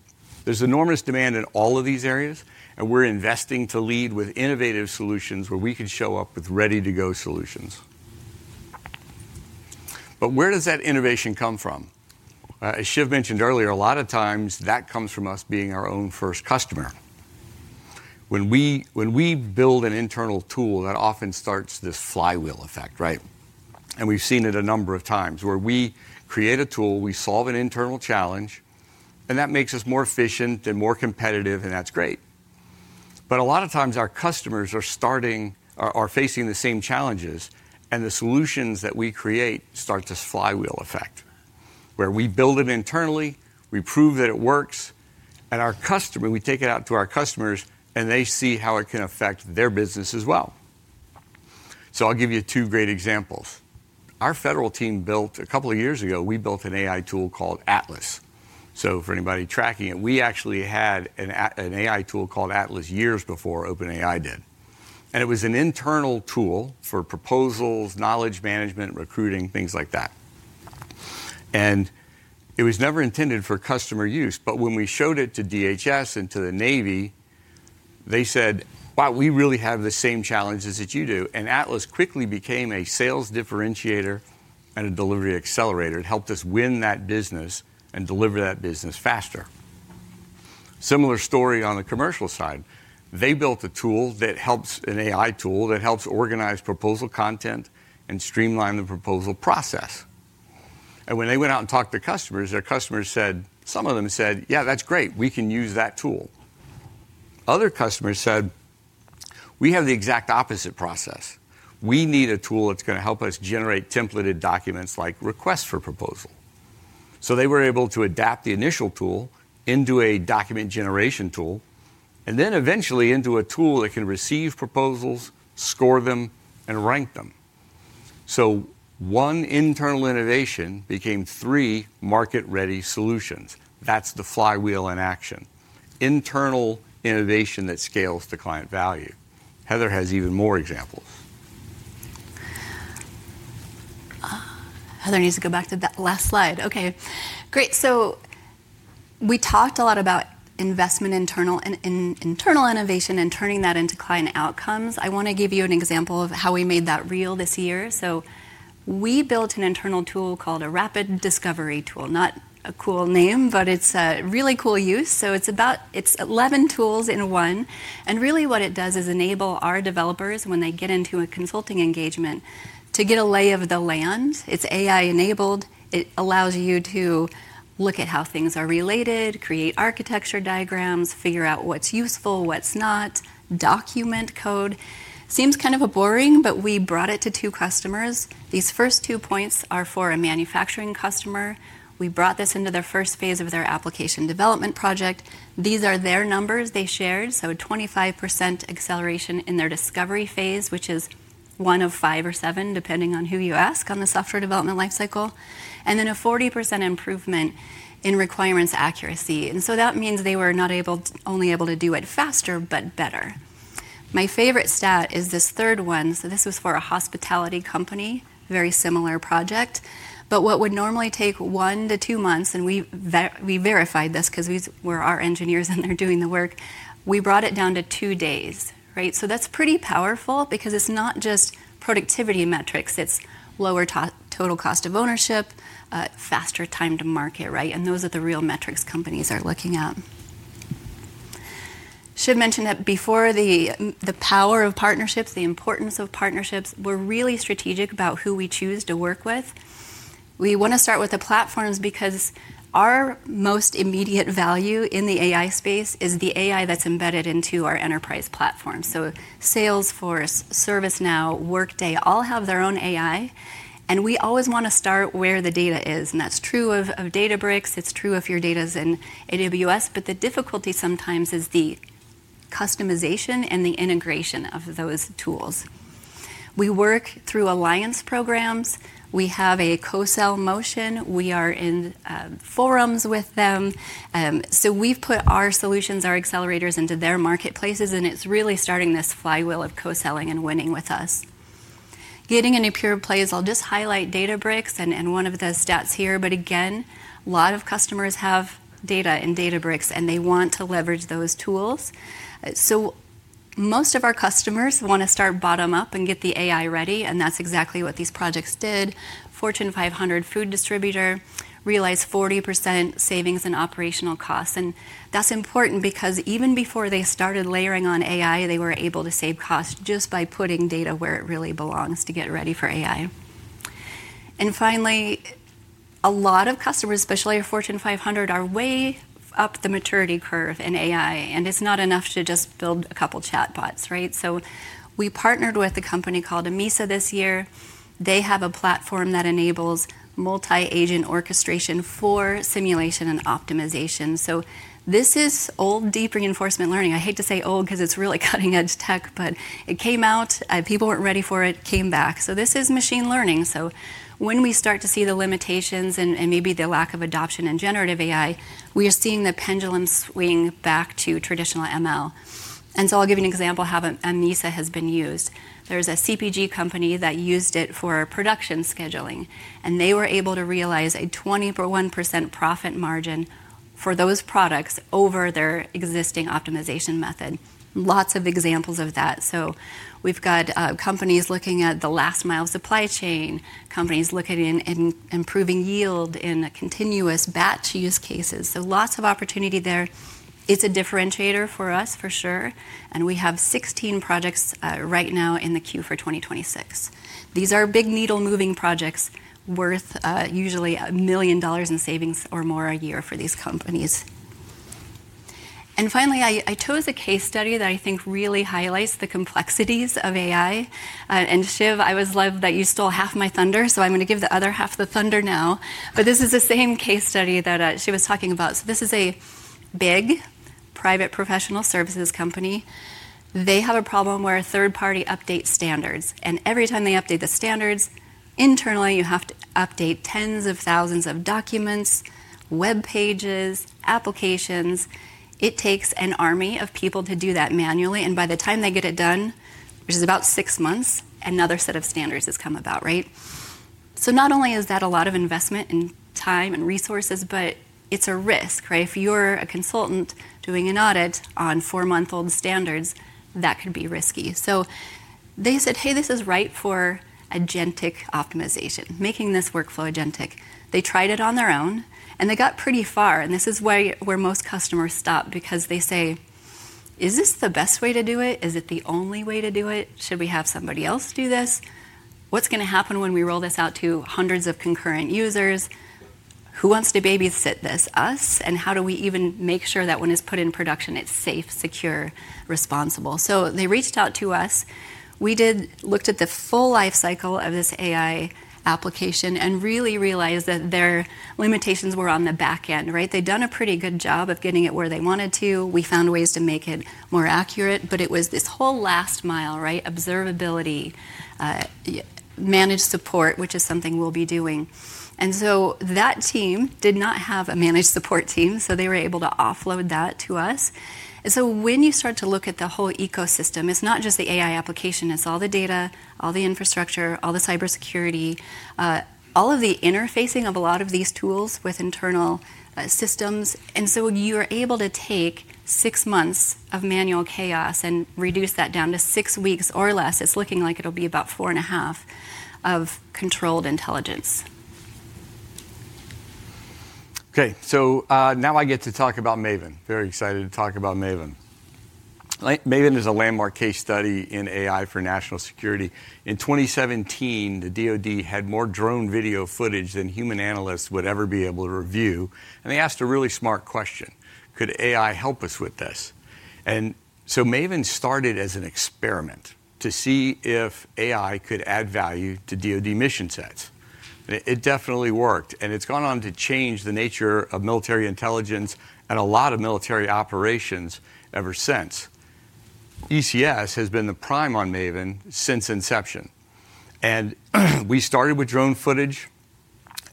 E: There's enormous demand in all of these areas. We're investing to lead with innovative solutions where we can show up with ready-to-go solutions. Where does that innovation come from? As Shiv mentioned earlier, a lot of times that comes from us being our own first customer. When we build an internal tool, that often starts this flywheel effect, right? We have seen it a number of times where we create a tool, we solve an internal challenge, and that makes us more efficient and more competitive. That is great. A lot of times our customers are facing the same challenges. The solutions that we create start this flywheel effect where we build it internally, we prove that it works, and we take it out to our customers, and they see how it can affect their business as well. I will give you 2 great examples. Our federal team built a couple of years ago, we built an AI tool called Atlas. For anybody tracking it, we actually had an AI tool called Atlas years before OpenAI did. It was an internal tool for proposals, knowledge management, recruiting, things like that. It was never intended for customer use. When we showed it to DHS and to the Navy, they said, "Wow, we really have the same challenges that you do." Atlas quickly became a sales differentiator and a delivery accelerator. It helped us win that business and deliver that business faster. Similar story on the commercial side. They built an AI tool that helps organize proposal content and streamline the proposal process. When they went out and talked to customers, some of them said, "Yeah, that's great. We can use that tool." Other customers said, "We have the exact opposite process. We need a tool that's going to help us generate templated documents like requests for proposals." They were able to adapt the initial tool into a document generation tool and then eventually into a tool that can receive proposals, score them, and rank them. One internal innovation became 3 3 market-ready solutions. That's the flywheel in action. Internal innovation that scales to client value. Heather has even more examples. Heather
D: needs to go back to that last slide. Okay. Great. We talked a lot about investment in internal innovation and turning that into client outcomes. I want to give you an example of how we made that real this year. We built an internal tool called a Rapid Discovery Tool, not a cool name, but it's a really cool use. It's 11 tools in one. What it does is enable our developers when they get into a consulting engagement to get a lay of the land. It's AI-enabled. It allows you to look at how things are related, create architecture diagrams, figure out what's useful, what's not, document code. Seems kind of boring, but we brought it to 2 customers. These first 2 points are for a manufacturing customer. We brought this into their first phase of their application development project. These are their numbers they shared. So 25% acceleration in their discovery phase, which is one of 5 or 7, depending on who you ask on the software development lifecycle. Then a 40% improvement in requirements accuracy. That means they were not only able to do it faster, but better. My favorite stat is this third one. This was for a hospitality company, very similar project. What would normally take one to 2 months, and we verified this because we are our engineers and they are doing the work, we brought it down to 2 days, right? That is pretty powerful because it is not just productivity metrics. It's lower total cost of ownership, faster time to market, right? Those are the real metrics companies are looking at. Shiv mentioned that before, the power of partnerships, the importance of partnerships, we're really strategic about who we choose to work with. We want to start with the platforms because our most immediate value in the AI space is the AI that's embedded into our enterprise platforms. Salesforce, ServiceNow, Workday all have their own AI. We always want to start where the data is. That's true of Databricks. It's true if your data is in AWS. The difficulty sometimes is the customization and the integration of those tools. We work through alliance programs. We have a co-sell motion. We are in forums with them. We've put our solutions, our accelerators into their marketplaces. It is really starting this flywheel of co-selling and winning with us. Getting into pure plays, I'll just highlight Databricks and one of the stats here. Again, a lot of customers have data in Databricks, and they want to leverage those tools. Most of our customers want to start bottom up and get the AI ready. That is exactly what these projects did. A Fortune 500 food distributor realized 40% savings in operational costs. That is important because even before they started layering on AI, they were able to save costs just by putting data where it really belongs to get ready for AI. Finally, a lot of customers, especially our Fortune 500, are way up the maturity curve in AI. It is not enough to just build a couple of chatbots, right? We partnered with a company called Amisa this year. They have a platform that enables multi-agent orchestration for simulation and optimization. This is old deep reinforcement learning. I hate to say old because it's really cutting-edge tech, but it came out. People weren't ready for it. It came back. This is machine learning. When we start to see the limitations and maybe the lack of adoption in generative AI, we are seeing the pendulum swing back to traditional ML. I'll give you an example of how Amisa has been used. There's a CPG company that used it for production scheduling. They were able to realize a 21% profit margin for those products over their existing optimization method. Lots of examples of that. We've got companies looking at the last-mile supply chain, companies looking at improving yield in continuous batch use cases. Lots of opportunity there. It's a differentiator for us, for sure. We have 16 projects right now in the queue for 2026. These are big needle-moving projects worth usually $1 million in savings or more a year for these companies. Finally, I chose a case study that I think really highlights the complexities of AI. Shiv, I always love that you stole half my thunder. I'm going to give the other half the thunder now. This is the same case study that Shiv was talking about. This is a big private professional services company. They have a problem where third-party update standards. Every time they update the standards, internally, you have to update tens of thousands of documents, web pages, applications. It takes an army of people to do that manually. By the time they get it done, which is about 6 months, another set of standards has come about, right? Not only is that a lot of investment in time and resources, but it's a risk, right? If you're a consultant doing an audit on 4-month-old standards, that could be risky. They said, "Hey, this is right for agentic optimization, making this workflow agentic." They tried it on their own. They got pretty far. This is where most customers stop because they say, "Is this the best way to do it? Is it the only way to do it? Should we have somebody else do this? What's going to happen when we roll this out to hundreds of concurrent users? Who wants to babysit this? Us? How do we even make sure that when it's put in production, it's safe, secure, responsible? They reached out to us. We looked at the full lifecycle of this AI application and really realized that their limitations were on the back end, right? They'd done a pretty good job of getting it where they wanted to. We found ways to make it more accurate. It was this whole last mile, right? Observability, managed support, which is something we'll be doing. That team did not have a managed support team. They were able to offload that to us. When you start to look at the whole ecosystem, it's not just the AI application. It's all the data, all the infrastructure, all the cybersecurity, all of the interfacing of a lot of these tools with internal systems. You are able to take 6 months of manual chaos and reduce that down to 6 weeks or less. It's looking like it'll be about 4 and a half of controlled intelligence.
E: Okay. Now I get to talk about Maven. Very excited to talk about Maven. Maven is a landmark case study in AI for national security. In 2017, the DOD had more drone video footage than human analysts would ever be able to review. They asked a really smart question, "Could AI help us with this?" Maven started as an experiment to see if AI could add value to DOD mission sets. It definitely worked. It's gone on to change the nature of military intelligence and a lot of military operations ever since. ECS has been the prime on Maven since inception. We started with drone footage.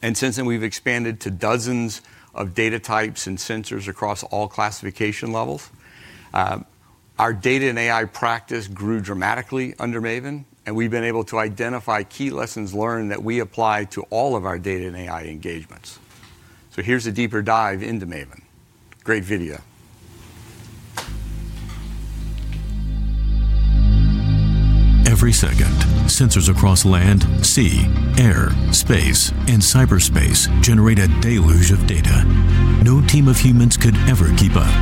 B: Since then, we've expanded to dozens of data types and sensors across all classification levels. Our data and AI practice grew dramatically under Maven. We've been able to identify key lessons learned that we apply to all of our data and AI engagements. Here is a deeper dive into Maven. Great video. Every second, sensors across land, sea, air, space, and cyberspace generate a deluge of data. No team of humans could ever keep up.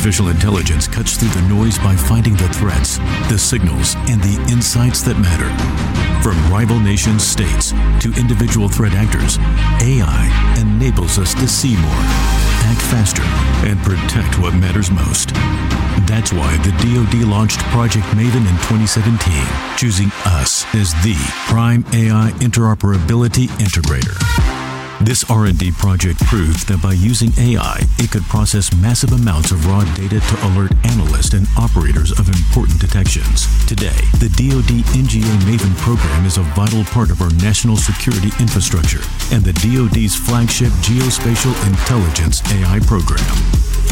B: Artificial intelligence cuts through the noise by finding the threats, the signals, and the insights that matter. From rival nation-states to individual threat actors, AI enables us to see more, act faster, and protect what matters most. That is why the DOD launched Project Maven in 2017, choosing us as the prime AI interoperability integrator. This R&D project proved that by using AI, it could process massive amounts of raw data to alert analysts and operators of important detections. Today, the DOD NGA Maven program is a vital part of our national security infrastructure and the DOD's flagship geospatial intelligence AI program.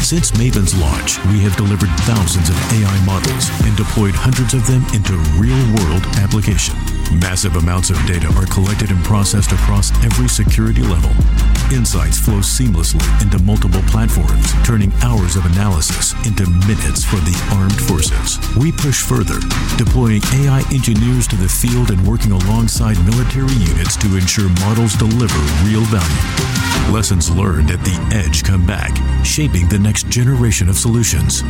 B: Since Maven's launch, we have delivered thousands of AI models and deployed hundreds of them into real-world applications. Massive amounts of data are collected and processed across every security level. Insights flow seamlessly into multiple platforms, turning hours of analysis into minutes for the armed forces. We push further, deploying AI engineers to the field and working alongside military units to ensure models deliver real value. Lessons learned at the edge come back, shaping the next generation of solutions.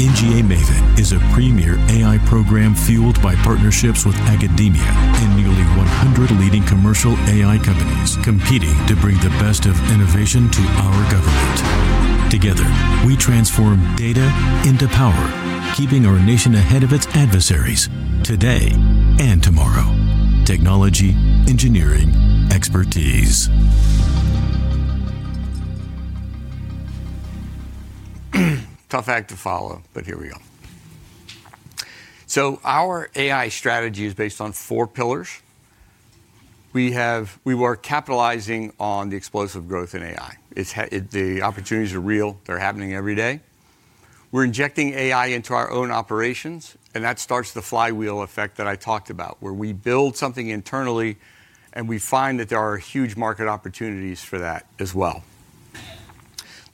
B: NGA Maven is a premier AI program fueled by partnerships with academia and nearly 100 leading commercial AI companies competing to bring the best of innovation to our government. Together, we transform data into power, keeping our nation ahead of its adversaries today and tomorrow. Technology, engineering, expertise.
E: Tough act to follow, here we go. Our AI strategy is based on 4 pillars. We are capitalizing on the explosive growth in AI. The opportunities are real. They're happening every day. We're injecting AI into our own operations. That starts the flywheel effect that I talked about, where we build something internally and we find that there are huge market opportunities for that as well.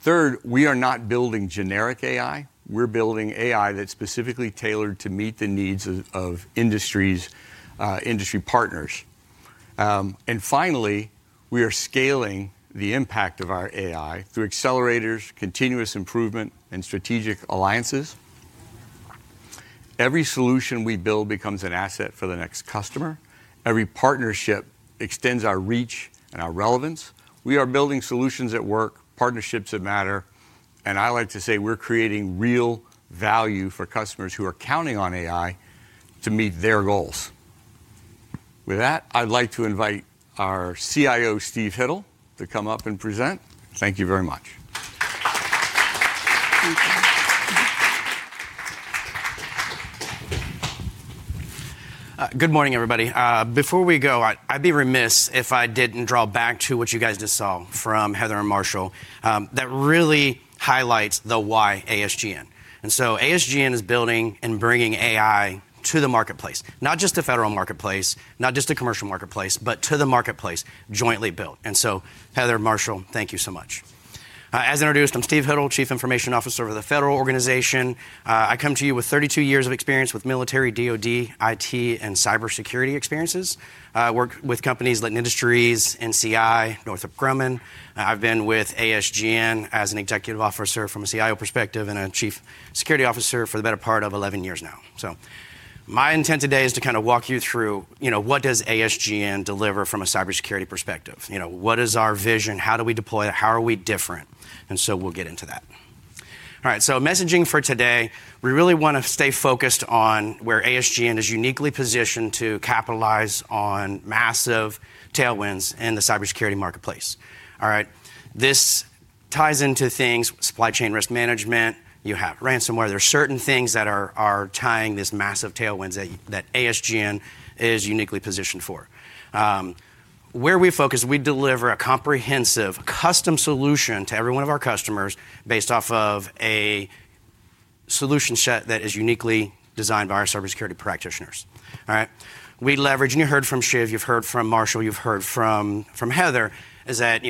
E: Third, we are not building generic AI. We're building AI that's specifically tailored to meet the needs of industry partners. Finally, we are scaling the impact of our AI through accelerators, continuous improvement, and strategic alliances. Every solution we build becomes an asset for the next customer. Every partnership extends our reach and our relevance. We are building solutions that work, partnerships that matter. I like to say we're creating real value for customers who are counting on AI to meet their goals. With that, I'd like to invite our CIO, Steve Hittle, to come up and present. Thank you very much.
F: Good morning, everybody. Before we go, I'd be remiss if I didn't draw back to what you guys just saw from Heather and Marshall. That really highlights the why ASGN. ASGN is building and bringing AI to the marketplace, not just the federal marketplace, not just the commercial marketplace, but to the marketplace jointly built. Heather and Marshall, thank you so much. As introduced, I'm Steve Hittle, Chief Information Officer for the federal organization. I come to you with 32 years of experience with military, DOD, IT, and cybersecurity experiences. I work with companies like Nindustries, NCI, Northrop Grumman. I've been with ASGN as an executive officer from a CIO perspective and a chief security officer for the better part of 11 years now. My intent today is to kind of walk you through what does ASGN deliver from a cybersecurity perspective. What is our vision? How do we deploy it? How are we different? We'll get into that. All right. Messaging for today, we really want to stay focused on where ASGN is uniquely positioned to capitalize on massive tailwinds in the cybersecurity marketplace. This ties into things: supply chain risk management. You have ransomware. There are certain things that are tying this massive tailwinds that ASGN is uniquely positioned for. Where we focus, we deliver a comprehensive custom solution to every one of our customers based off of a solution set that is uniquely designed by our cybersecurity practitioners. All right. We leverage, and you heard from Shiv, you've heard from Marshall, you've heard from Heather, is that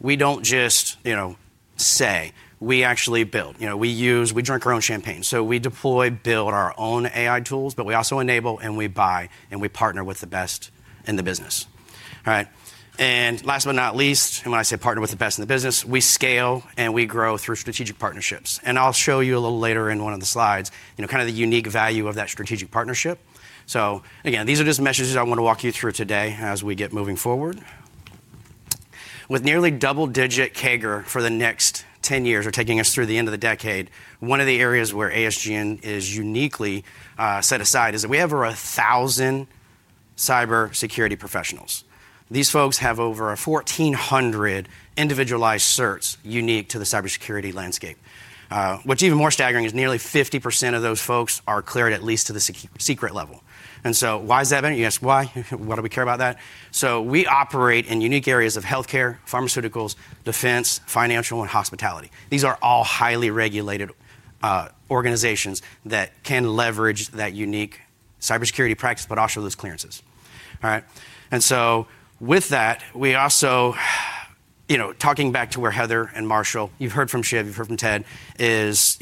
F: we don't just say. We actually build. We drink our own champagne. We deploy, build our own AI tools, but we also enable and we buy and we partner with the best in the business. All right. Last but not least, when I say partner with the best in the business, we scale and we grow through strategic partnerships. I'll show you a little later in one of the slides kind of the unique value of that strategic partnership. Again, these are just messages I want to walk you through today as we get moving forward. With nearly double-digit CAGR for the next 10 years or taking us through the end of the decade, one of the areas where ASGN is uniquely set aside is that we have over 1,000 cybersecurity professionals. These folks have over 1,400 individualized certs unique to the cybersecurity landscape. What's even more staggering is nearly 50% of those folks are cleared at least to the secret level. Why is that? You ask, "Why? Why do we care about that?" We operate in unique areas of healthcare, pharmaceuticals, defense, financial, and hospitality. These are all highly regulated organizations that can leverage that unique cybersecurity practice, but also those clearances. All right. With that, we also, talking back to where Heather and Marshall, you've heard from Shiv, you've heard from Ted, is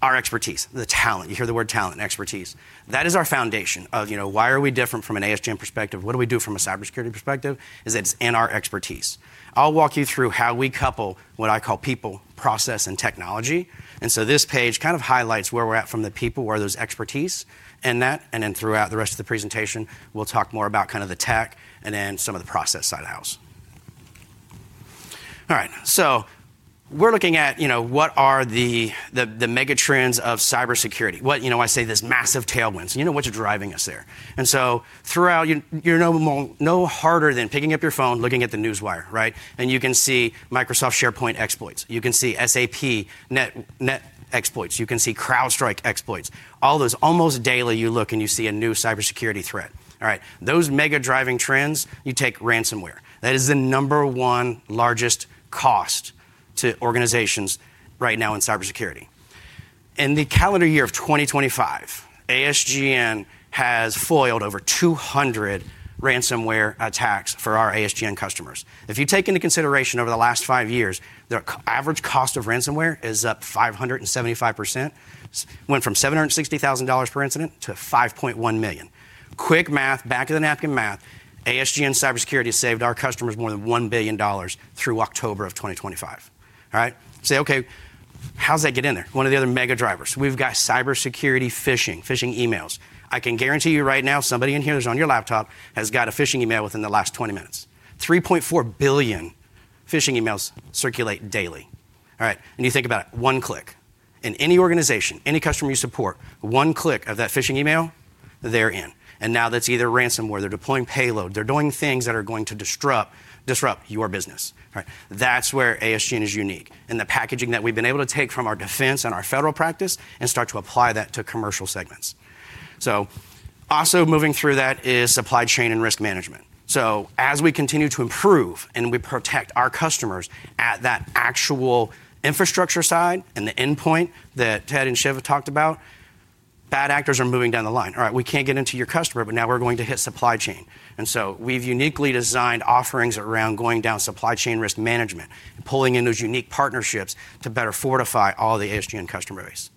F: our expertise, the talent. You hear the word talent and expertise. That is our foundation of why are we different from an ASGN perspective. What do we do from a cybersecurity perspective is that it's in our expertise. I'll walk you through how we couple what I call people, process, and technology. This page kind of highlights where we're at from the people, where there's expertise in that. Throughout the rest of the presentation, we'll talk more about kind of the tech and then some of the process side of the house. All right. We're looking at what are the mega trends of cybersecurity. What I say, this massive tailwinds. You know what's driving us there. Throughout, you're no harder than picking up your phone, looking at the newswire, right? You can see Microsoft SharePoint exploits. You can see SAP Net exploits. You can see CrowdStrike exploits. All those almost daily you look and you see a new cybersecurity threat. All right. Those mega driving trends, you take ransomware. That is the number one largest cost to organizations right now in cybersecurity. In the calendar year of 2025, ASGN has foiled over 200 ransomware attacks for our ASGN customers. If you take into consideration over the last 5 years, the average cost of ransomware is up 575%. It went from $760,000 per incident to $5.1 million. Quick math, back of the napkin math, ASGN cybersecurity has saved our customers more than $1 billion through October of 2025. All right. Say, "Okay, how does that get in there?" One of the other mega drivers. We've got cybersecurity phishing, phishing emails. I can guarantee you right now, somebody in here that's on your laptop has got a phishing email within the last 20 minutes. 3.4 billion phishing emails circulate daily. All right. You think about it, one click. In any organization, any customer you support, one click of that phishing email, they're in. Now that's either ransomware, they're deploying payload, they're doing things that are going to disrupt your business. That's where ASGN is unique in the packaging that we've been able to take from our defense and our federal practice and start to apply that to commercial segments. Also moving through that is supply chain and risk management. As we continue to improve and we protect our customers at that actual infrastructure side and the endpoint that Ted and Shiv talked about, bad actors are moving down the line. All right. We can't get into your customer, but now we're going to hit supply chain. We have uniquely designed offerings around going down supply chain risk management, pulling in those unique partnerships to better fortify all the ASGN customer base.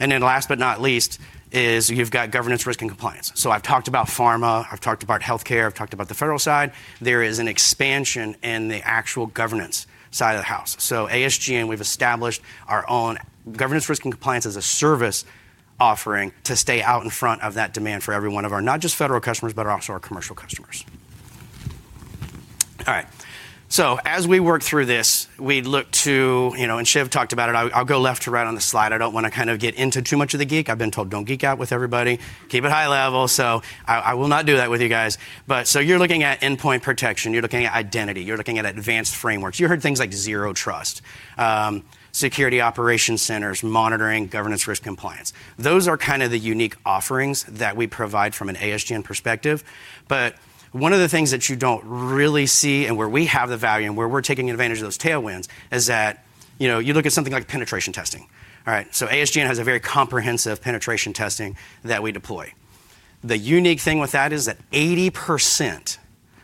F: Last but not least is you've got governance, risk, and compliance. I've talked about pharma, I've talked about healthcare, I've talked about the federal side. There is an expansion in the actual governance side of the house. ASGN, we've established our own governance, risk, and compliance as a service offering to stay out in front of that demand for every one of our not just federal customers, but also our commercial customers. All right. As we work through this, we look to, and Shiv talked about it, I'll go left to right on the slide. I don't want to kind of get into too much of the geek. I've been told don't geek out with everybody. Keep it high level. I will not do that with you guys. You're looking at endpoint protection, you're looking at identity, you're looking at advanced frameworks. You heard things like zero trust, security operation centers, monitoring, governance, risk, compliance. Those are kind of the unique offerings that we provide from an ASGN perspective. One of the things that you don't really see and where we have the value and where we're taking advantage of those tailwinds is that you look at something like penetration testing. All right. ASGN has a very comprehensive penetration testing that we deploy. The unique thing with that is that 80%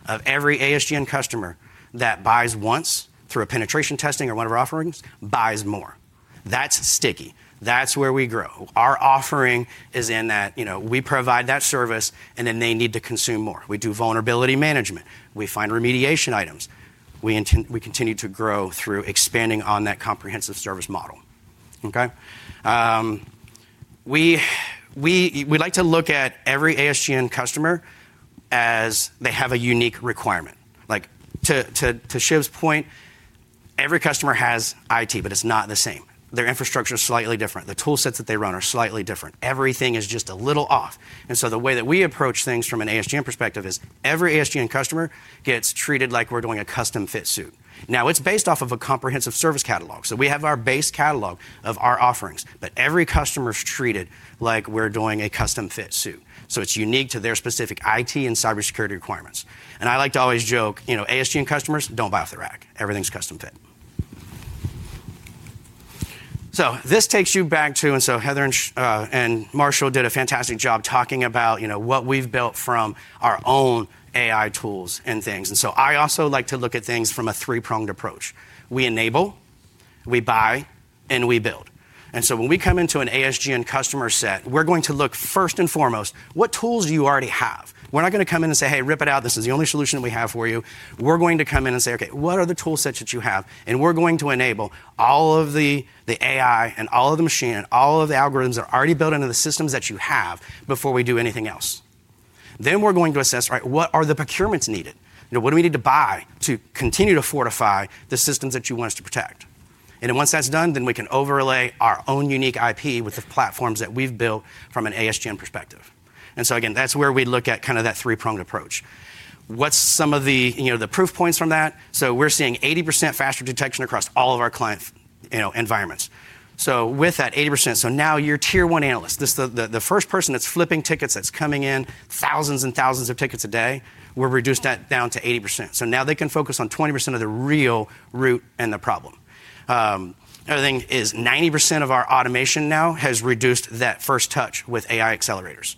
F: of every ASGN customer that buys once through a penetration testing or one of our offerings buys more. That's sticky. That's where we grow. Our offering is in that we provide that service and then they need to consume more. We do vulnerability management. We find remediation items. We continue to grow through expanding on that comprehensive service model. Okay? We like to look at every ASGN customer as they have a unique requirement. To Shiv's point, every customer has IT, but it's not the same. Their infrastructure is slightly different. The toolsets that they run are slightly different. Everything is just a little off. The way that we approach things from an ASGN perspective is every ASGN customer gets treated like we're doing a custom fit suit. Now, it's based off of a comprehensive service catalog. We have our base catalog of our offerings, but every customer is treated like we're doing a custom fit suit. It is unique to their specific IT and cybersecurity requirements. I like to always joke, "ASGN customers, do not buy off the rack. Everything's custom fit." This takes you back to, and Heather and Marshall did a fantastic job talking about what we've built from our own AI tools and things. I also like to look at things from a 3-pronged approach. We enable, we buy, and we build. When we come into an ASGN customer set, we're going to look first and foremost, what tools do you already have? We're not going to come in and say, "Hey, rip it out. This is the only solution that we have for you." We're going to come in and say, "Okay, what are the toolsets that you have?" We're going to enable all of the AI and all of the machine and all of the algorithms that are already built into the systems that you have before we do anything else. We are going to assess, right, what are the procurements needed? What do we need to buy to continue to fortify the systems that you want us to protect? Once that's done, we can overlay our own unique IP with the platforms that we've built from an ASGN perspective. Again, that's where we look at kind of that 3-pronged approach. What's some of the proof points from that? We're seeing 80% faster detection across all of our client environments. With that 80%, now you're tier one analyst. The first person that's flipping tickets that's coming in, thousands and thousands of tickets a day, we're reducing that down to 80%. Now they can focus on 20% of the real root and the problem. Another thing is 90% of our automation now has reduced that first touch with AI accelerators.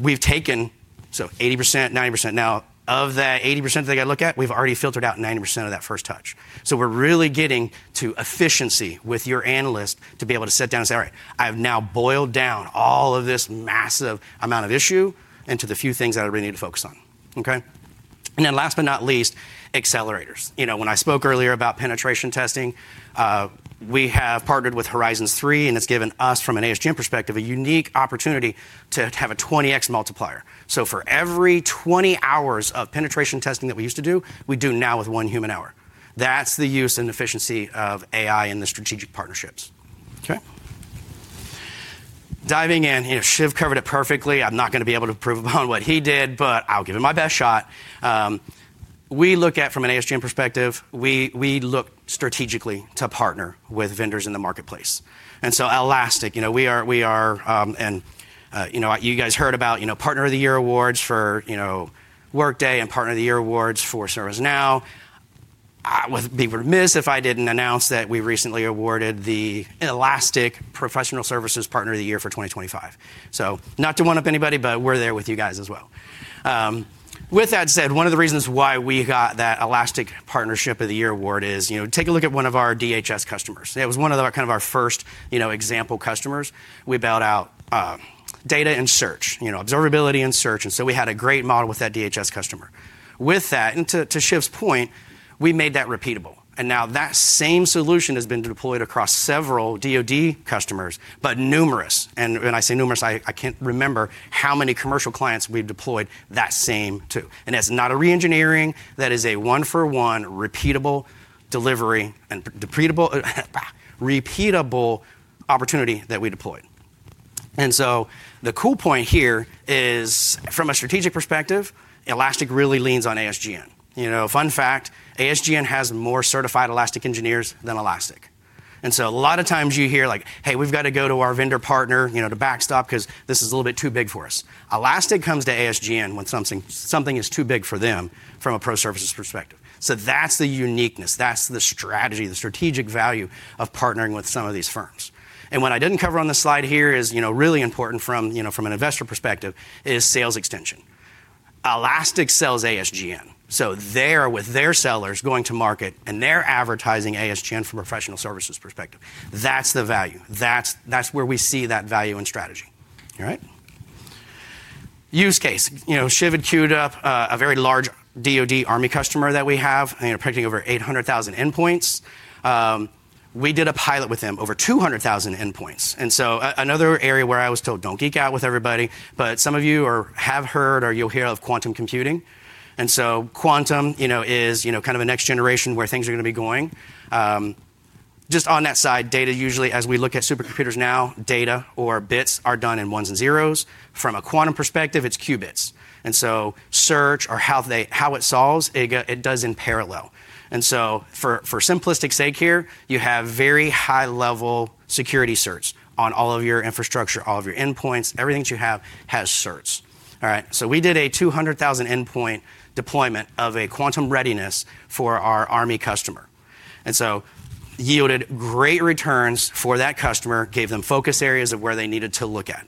F: We've taken 80%, 90%. Now, of that 80% that they got to look at, we've already filtered out 90% of that first touch. We're really getting to efficiency with your analyst to be able to sit down and say, "All right, I've now boiled down all of this massive amount of issue into the few things that I really need to focus on." Okay? Last but not least, accelerators. When I spoke earlier about penetration testing, we have partnered with Horizons 3, and it's given us, from an ASGN perspective, a unique opportunity to have a 20x multiplier. For every 20 hours of penetration testing that we used to do, we do now with one human hour. That's the use and efficiency of AI and the strategic partnerships. Okay? Diving in, Shiv covered it perfectly. I'm not going to be able to prove upon what he did, but I'll give it my best shot. We look at, from an ASGN perspective, we look strategically to partner with vendors in the marketplace. Elastic, we are, and you guys heard about Partner of the Year awards for Workday and Partner of the Year awards for ServiceNow. I would be remiss if I didn't announce that we recently awarded the Elastic Professional Services Partner of the Year for 2025. Not to one-up anybody, but we're there with you guys as well. With that said, one of the reasons why we got that Elastic Partnership of the Year award is take a look at one of our DHS customers. It was one of kind of our first example customers. We built out data and search, observability and search. We had a great model with that DHS customer. With that, and to Shiv's point, we made that repeatable. Now that same solution has been deployed across several DOD customers, but numerous. When I say numerous, I can't remember how many commercial clients we've deployed that same to. That's not a re-engineering. That is a one-for-one repeatable delivery and repeatable opportunity that we deployed. The cool point here is, from a strategic perspective, Elastic really leans on ASGN. Fun fact, ASGN has more certified Elastic engineers than Elastic. A lot of times you hear like, "Hey, we've got to go to our vendor partner to backstop because this is a little bit too big for us." Elastic comes to ASGN when something is too big for them from a pro services perspective. That is the uniqueness. That is the strategy, the strategic value of partnering with some of these firms. What I did not cover on the slide here is really important from an investor perspective, which is sales extension. Elastic sells ASGN. They are with their sellers going to market and they are advertising ASGN from a professional services perspective. That is the value. That is where we see that value and strategy. All right? Use case. Shiv had queued up a very large DOD Army customer that we have, protecting over 800,000 endpoints. We did a pilot with them, over 200,000 endpoints. Another area where I was told, "Don't geek out with everybody," but some of you have heard or you'll hear of quantum computing. Quantum is kind of a next generation where things are going to be going. Just on that side, data usually, as we look at supercomputers now, data or bits are done in ones and zeros. From a quantum perspective, it's qubits. Search or how it solves, it does in parallel. For simplistic sake here, you have very high-level security certs on all of your infrastructure, all of your endpoints. Everything that you have has certs. All right. We did a 200,000 endpoint deployment of a quantum readiness for our Army customer. It yielded great returns for that customer, gave them focus areas of where they needed to look at.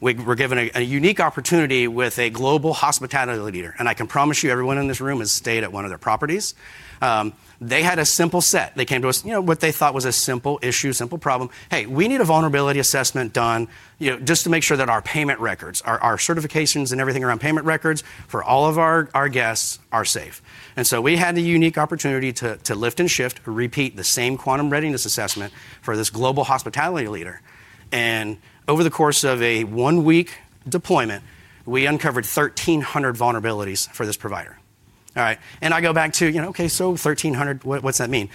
F: We were given a unique opportunity with a global hospitality leader. I can promise you everyone in this room has stayed at one of their properties. They had a simple set. They came to us with what they thought was a simple issue, simple problem. "Hey, we need a vulnerability assessment done just to make sure that our payment records, our certifications and everything around payment records for all of our guests are safe." We had a unique opportunity to lift and shift, repeat the same quantum readiness assessment for this global hospitality leader. Over the course of a one-week deployment, we uncovered 1,300 vulnerabilities for this provider. All right. I go back to, "Okay, so 1,300, what's that mean?"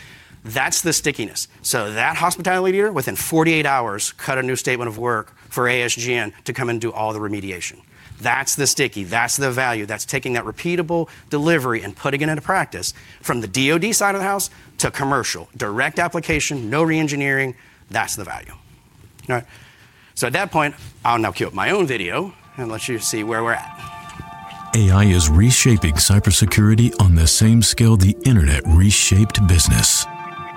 F: That's the stickiness. That hospitality leader, within 48 hours, cut a new statement of work for ASGN to come and do all the remediation. That's the sticky. That's the value. That's taking that repeatable delivery and putting it into practice from the DOD side of the house to commercial, direct application, no re-engineering. That's the value. All right. At that point, I'll now queue up my own video and let you see where we're at. AI is reshaping cybersecurity on the same scale the internet reshaped business.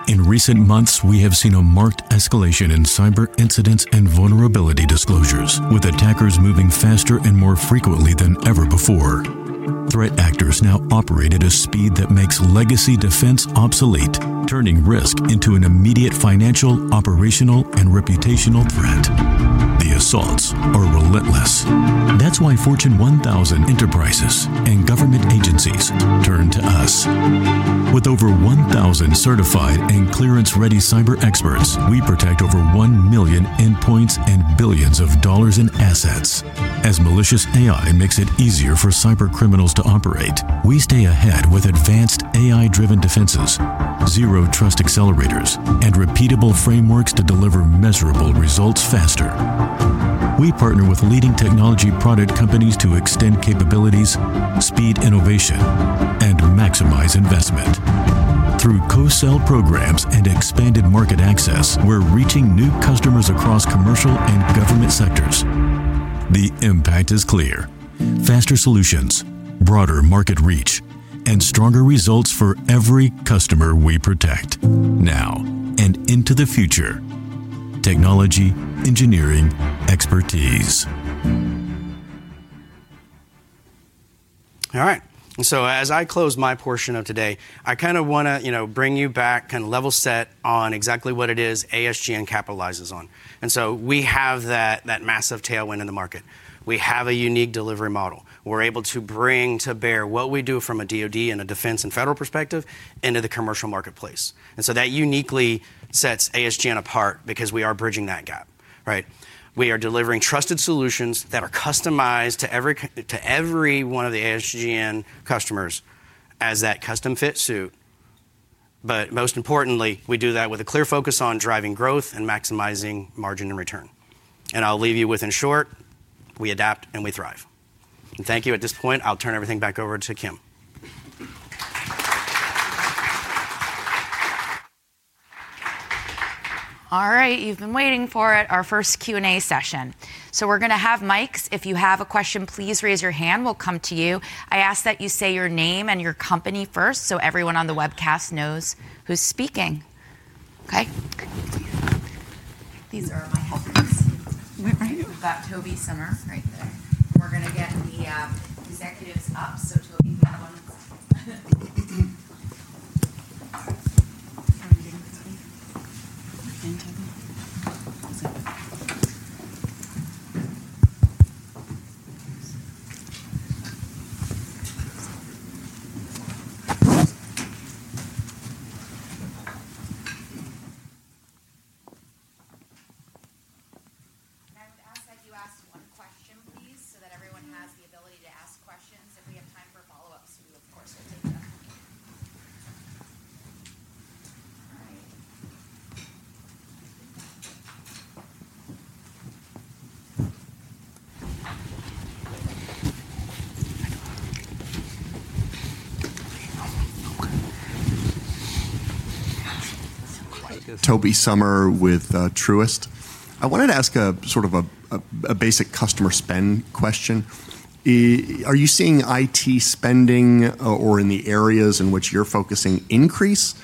F: In recent months, we have seen a marked escalation in cyber incidents and vulnerability disclosures, with attackers moving faster and more frequently than ever before. Threat actors now operate at a speed that makes legacy defense obsolete, turning risk into an immediate financial, operational, and reputational threat. The assaults are relentless. That's why Fortune 1000 enterprises and government agencies turn to us. With over 1,000 certified and clearance-ready cyber experts, we protect over 1 million endpoints and billions of dollars in assets. As malicious AI makes it easier for cyber criminals to operate, we stay ahead with advanced AI-driven defenses, zero trust accelerators, and repeatable frameworks to deliver measurable results faster. We partner with leading technology product companies to extend capabilities, speed innovation, and maximize investment. Through co-sell programs and expanded market access, we're reaching new customers across commercial and government sectors. The impact is clear: faster solutions, broader market reach, and stronger results for every customer we protect. Now and into the future. Technology, engineering, expertise. All right. As I close my portion of today, I kind of want to bring you back, kind of level set on exactly what it is ASGN capitalizes on. We have that massive tailwind in the market. We have a unique delivery model. We're able to bring to bear what we do from a DOD and a defense and federal perspective into the commercial marketplace. That uniquely sets ASGN apart because we are bridging that gap. Right? We are delivering trusted solutions that are customized to every one of the ASGN customers as that custom fit suit. Most importantly, we do that with a clear focus on driving growth and maximizing margin and return. I'll leave you with, in short, we adapt and we thrive. Thank you. At this point, I'll turn everything back over to Kim.
A: All right. You've been waiting for it, our first Q&A session. We're going to have mics. If you have a question, please raise your hand. We'll come to you. I ask that you say your name and your company first so everyone on the webcast knows who's speaking. Okay? These are my helpers. We've got Tobey Sommer right there. We're going to get the executives up. Tobey, you have one. I would ask that you ask one question, please, so that everyone has the ability to ask questions. If we have time for follow-ups, we, of course, will take them.
G: All right. Tobey Sommer with Truist. I wanted to ask sort of a basic customer spend question. Are you seeing IT spending or in the areas in which you're focusing increase,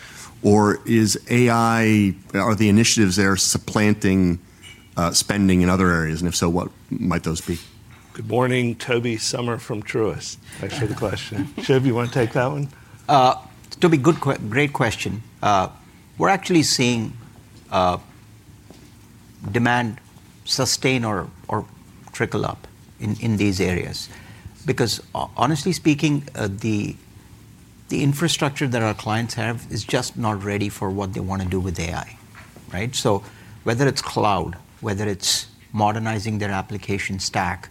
G: or are the initiatives there supplanting spending in other areas? If so, what might those be?
B: Good morning, Tobey Sommer from Truist. Thanks for the question. Shiv, you want to take that one?
C: Tobey, great question. We're actually seeing demand sustain or trickle up in these areas because, honestly speaking, the infrastructure that our clients have is just not ready for what they want to do with AI. Right? Whether it's cloud, whether it's modernizing their application stack,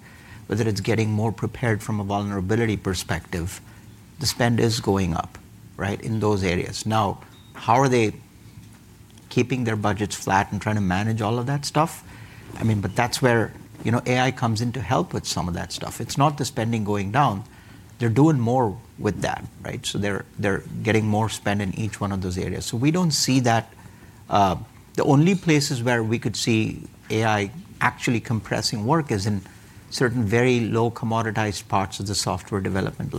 C: whether it's getting more prepared from a vulnerability perspective, the spend is going up, right, in those areas. Now, how are they keeping their budgets flat and trying to manage all of that stuff? I mean, that's where AI comes in to help with some of that stuff. It's not the spending going down. They're doing more with that, right? They're getting more spend in each one of those areas. We don't see that. The only places where we could see AI actually compressing work is in certain very low commoditized parts of the software development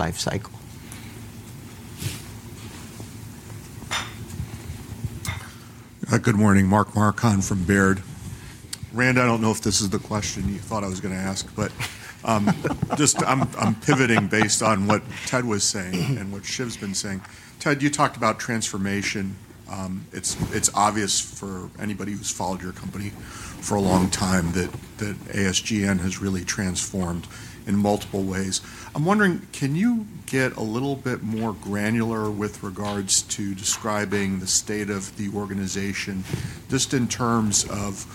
C: life cycle.
H: Good morning, Mark Marcon from Baird. Rand, I don't know if this is the question you thought I was going to ask, but just I'm pivoting based on what Ted was saying and what Shiv's been saying. Ted, you talked about transformation. It's obvious for anybody who's followed your company for a long time that ASGN has really transformed in multiple ways. I'm wondering, can you get a little bit more granular with regards to describing the state of the organization just in terms of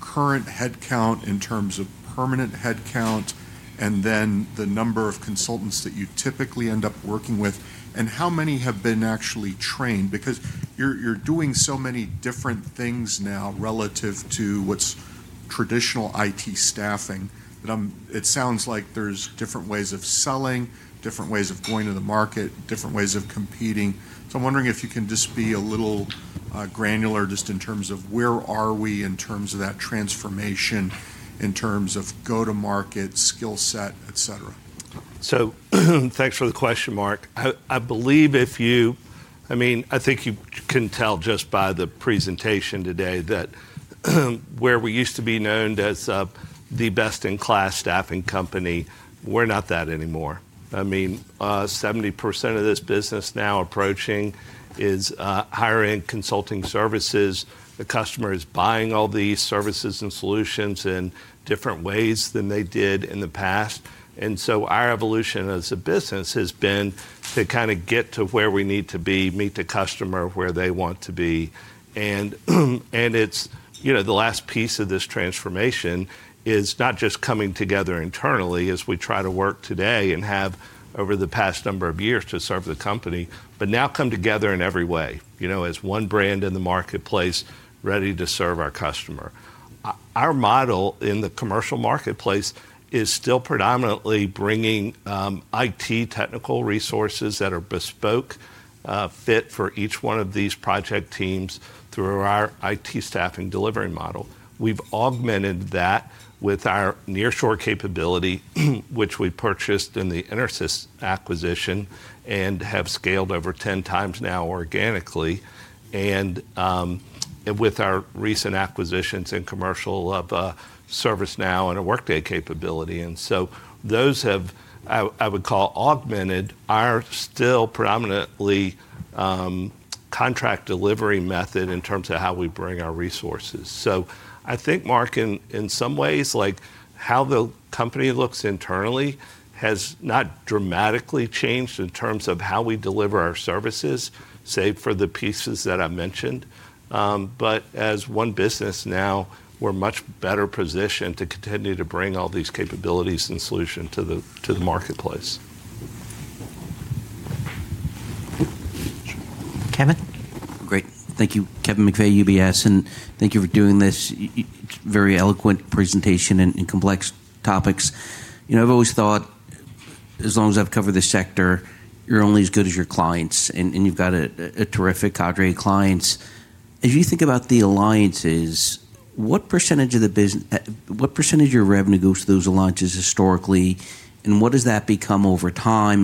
H: current headcount, in terms of permanent headcount, and then the number of consultants that you typically end up working with, and how many have been actually trained? Because you're doing so many different things now relative to what's traditional IT staffing. It sounds like there's different ways of selling, different ways of going to the market, different ways of competing. I'm wondering if you can just be a little granular just in terms of where are we in terms of that transformation, in terms of go-to-market skill set, etc.
B: Thanks for the question, Mark. I believe if you—I mean, I think you can tell just by the presentation today that where we used to be known as the best-in-class staffing company, we're not that anymore. I mean, 70% of this business now approaching is higher-end consulting services. The customer is buying all these services and solutions in different ways than they did in the past. Our evolution as a business has been to kind of get to where we need to be, meet the customer where they want to be. The last piece of this transformation is not just coming together internally as we try to work today and have over the past number of years to serve the company, but now come together in every way as one brand in the marketplace ready to serve our customer. Our model in the commercial marketplace is still predominantly bringing IT technical resources that are bespoke fit for each one of these project teams through our IT staffing delivery model. We have augmented that with our nearshore capability, which we purchased in the InterSys acquisition and have scaled over 10 times now organically and with our recent acquisitions in commercial of ServiceNow and a Workday capability. Those have, I would call, augmented our still predominantly contract delivery method in terms of how we bring our resources. I think, Mark, in some ways, how the company looks internally has not dramatically changed in terms of how we deliver our services, save for the pieces that I mentioned. As one business now, we're much better positioned to continue to bring all these capabilities and solutions to the marketplace.
I: Kevin. Great. Thank you. Kevin McVeigh, UBS. Thank you for doing this very eloquent presentation and complex topics. I've always thought, as long as I've covered this sector, you're only as good as your clients, and you've got a terrific cadre of clients. As you think about the alliances, what percentage of your revenue goes to those alliances historically, and what does that become over time?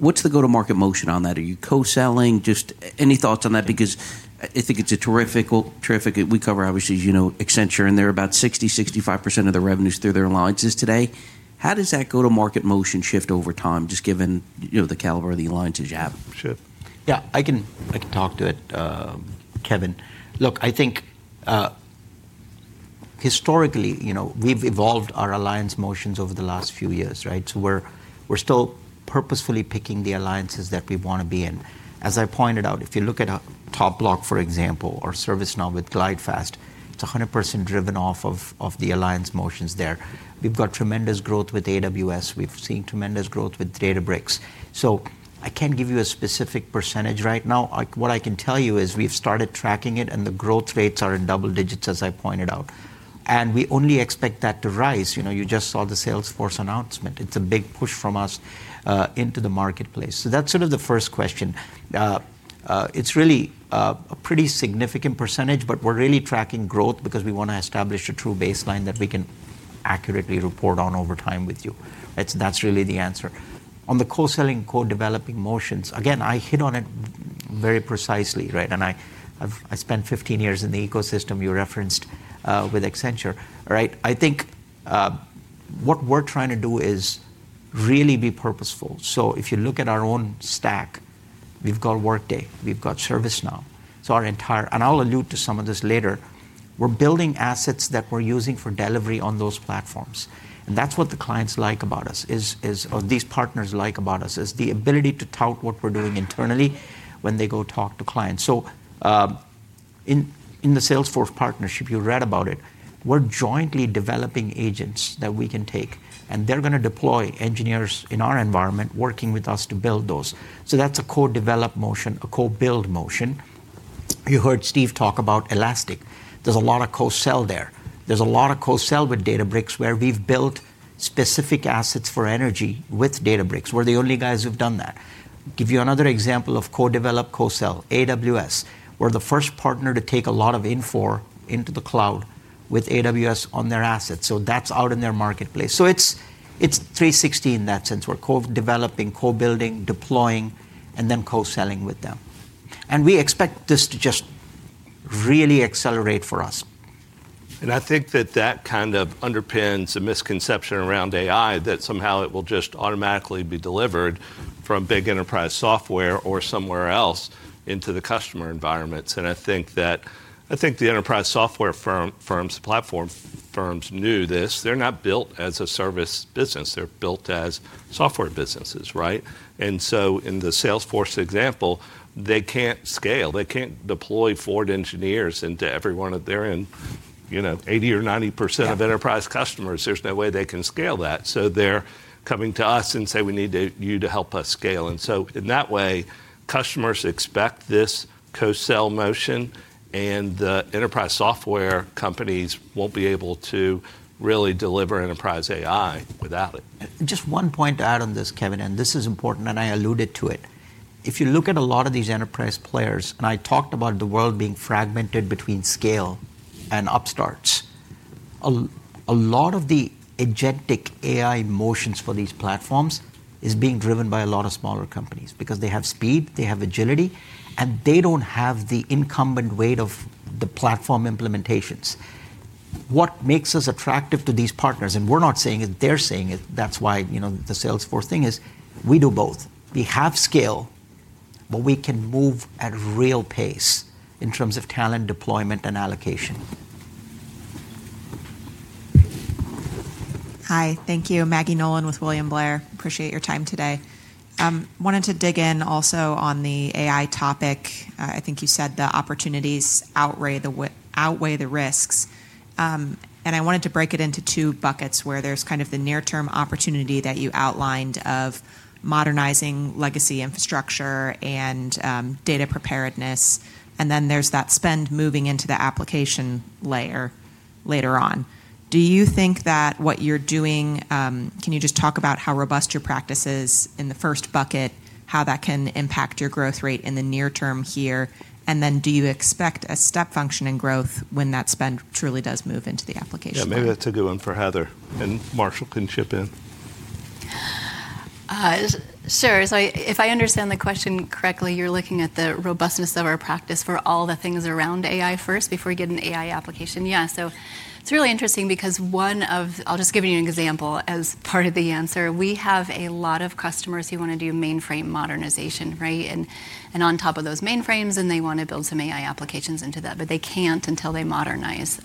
I: What's the go-to-market motion on that? Are you co-selling? Just any thoughts on that? Because I think it's a terrific—we cover, obviously, Accenture, and they're about 60-65% of the revenues through their alliances today. How does that go-to-market motion shift over time, just given the caliber of the alliances you have?
C: Sure. Yeah. I can talk to it, Kevin. Look, I think historically, we've evolved our alliance motions over the last few years, right? We're still purposefully picking the alliances that we want to be in. As I pointed out, if you look at TopBloc, for example, or ServiceNow with GlideFast, it's 100% driven off of the alliance motions there. We've got tremendous growth with AWS. We've seen tremendous growth with Databricks. I can't give you a specific percentage right now. What I can tell you is we've started tracking it, and the growth rates are in double digits, as I pointed out. We only expect that to rise. You just saw the Salesforce announcement. It's a big push from us into the marketplace. That is sort of the first question. It's really a pretty significant percentage, but we're really tracking growth because we want to establish a true baseline that we can accurately report on over time with you. That's really the answer. On the co-selling, co-developing motions, again, I hit on it very precisely, right? I spent 15 years in the ecosystem you referenced with Accenture, right? I think what we're trying to do is really be purposeful. If you look at our own stack, we've got Workday. We've got ServiceNow. I'll allude to some of this later. We're building assets that we're using for delivery on those platforms. That's what the clients like about us, or these partners like about us, is the ability to tout what we're doing internally when they go talk to clients. In the Salesforce partnership, you read about it. We're jointly developing agents that we can take, and they're going to deploy engineers in our environment working with us to build those. That's a co-develop motion, a co-build motion. You heard Steve talk about Elastic. There's a lot of co-sell there. There's a lot of co-sell with Databricks where we've built specific assets for energy with Databricks. We're the only guys who've done that. Give you another example of co-develop, co-sell. AWS. We're the first partner to take a lot of Infor into the cloud with AWS on their assets. That's out in their marketplace. It's 316 in that sense. We're co-developing, co-building, deploying, and then co-selling with them. We expect this to just really accelerate for us.
B: I think that that kind of underpins a misconception around AI that somehow it will just automatically be delivered from big enterprise software or somewhere else into the customer environments. I think the enterprise software firms, platform firms knew this. They're not built as a service business. They're built as software businesses, right? In the Salesforce example, they can't scale. They can't deploy Ford engineers into every one of their 80% or 90% of enterprise customers. There's no way they can scale that. They're coming to us and say, "We need you to help us scale." In that way, customers expect this co-sell motion, and the enterprise software companies won't be able to really deliver enterprise AI without it.
C: Just one point to add on this, Kevin, and this is important, and I alluded to it. If you look at a lot of these enterprise players, and I talked about the world being fragmented between scale and upstarts, a lot of the agentic AI motions for these platforms are being driven by a lot of smaller companies because they have speed, they have agility, and they do not have the incumbent weight of the platform implementations. What makes us attractive to these partners, and we are not saying it, they are saying it, that is why the Salesforce thing is we do both. We have scale, but we can move at a real pace in terms of talent deployment and allocation.
J: Hi. Thank you. Maggie Nolan with William Blair. Appreciate your time today. Wanted to dig in also on the AI topic. I think you said the opportunities outweigh the risks. I wanted to break it into 2 buckets where there's kind of the near-term opportunity that you outlined of modernizing legacy infrastructure and data preparedness, and then there's that spend moving into the application layer later on. Do you think that what you're doing—can you just talk about how robust your practice is in the first bucket, how that can impact your growth rate in the near term here? And then do you expect a step function in growth when that spend truly does move into the application?
B: Yeah. Maybe that's a good one for Heather, and Marshall can chip in.
D: Sure. If I understand the question correctly, you're looking at the robustness of our practice for all the things around AI first before you get an AI application. Yeah. It's really interesting because one of—I'll just give you an example as part of the answer. We have a lot of customers who want to do mainframe modernization, right? On top of those mainframes, they want to build some AI applications into that, but they can't until they modernize.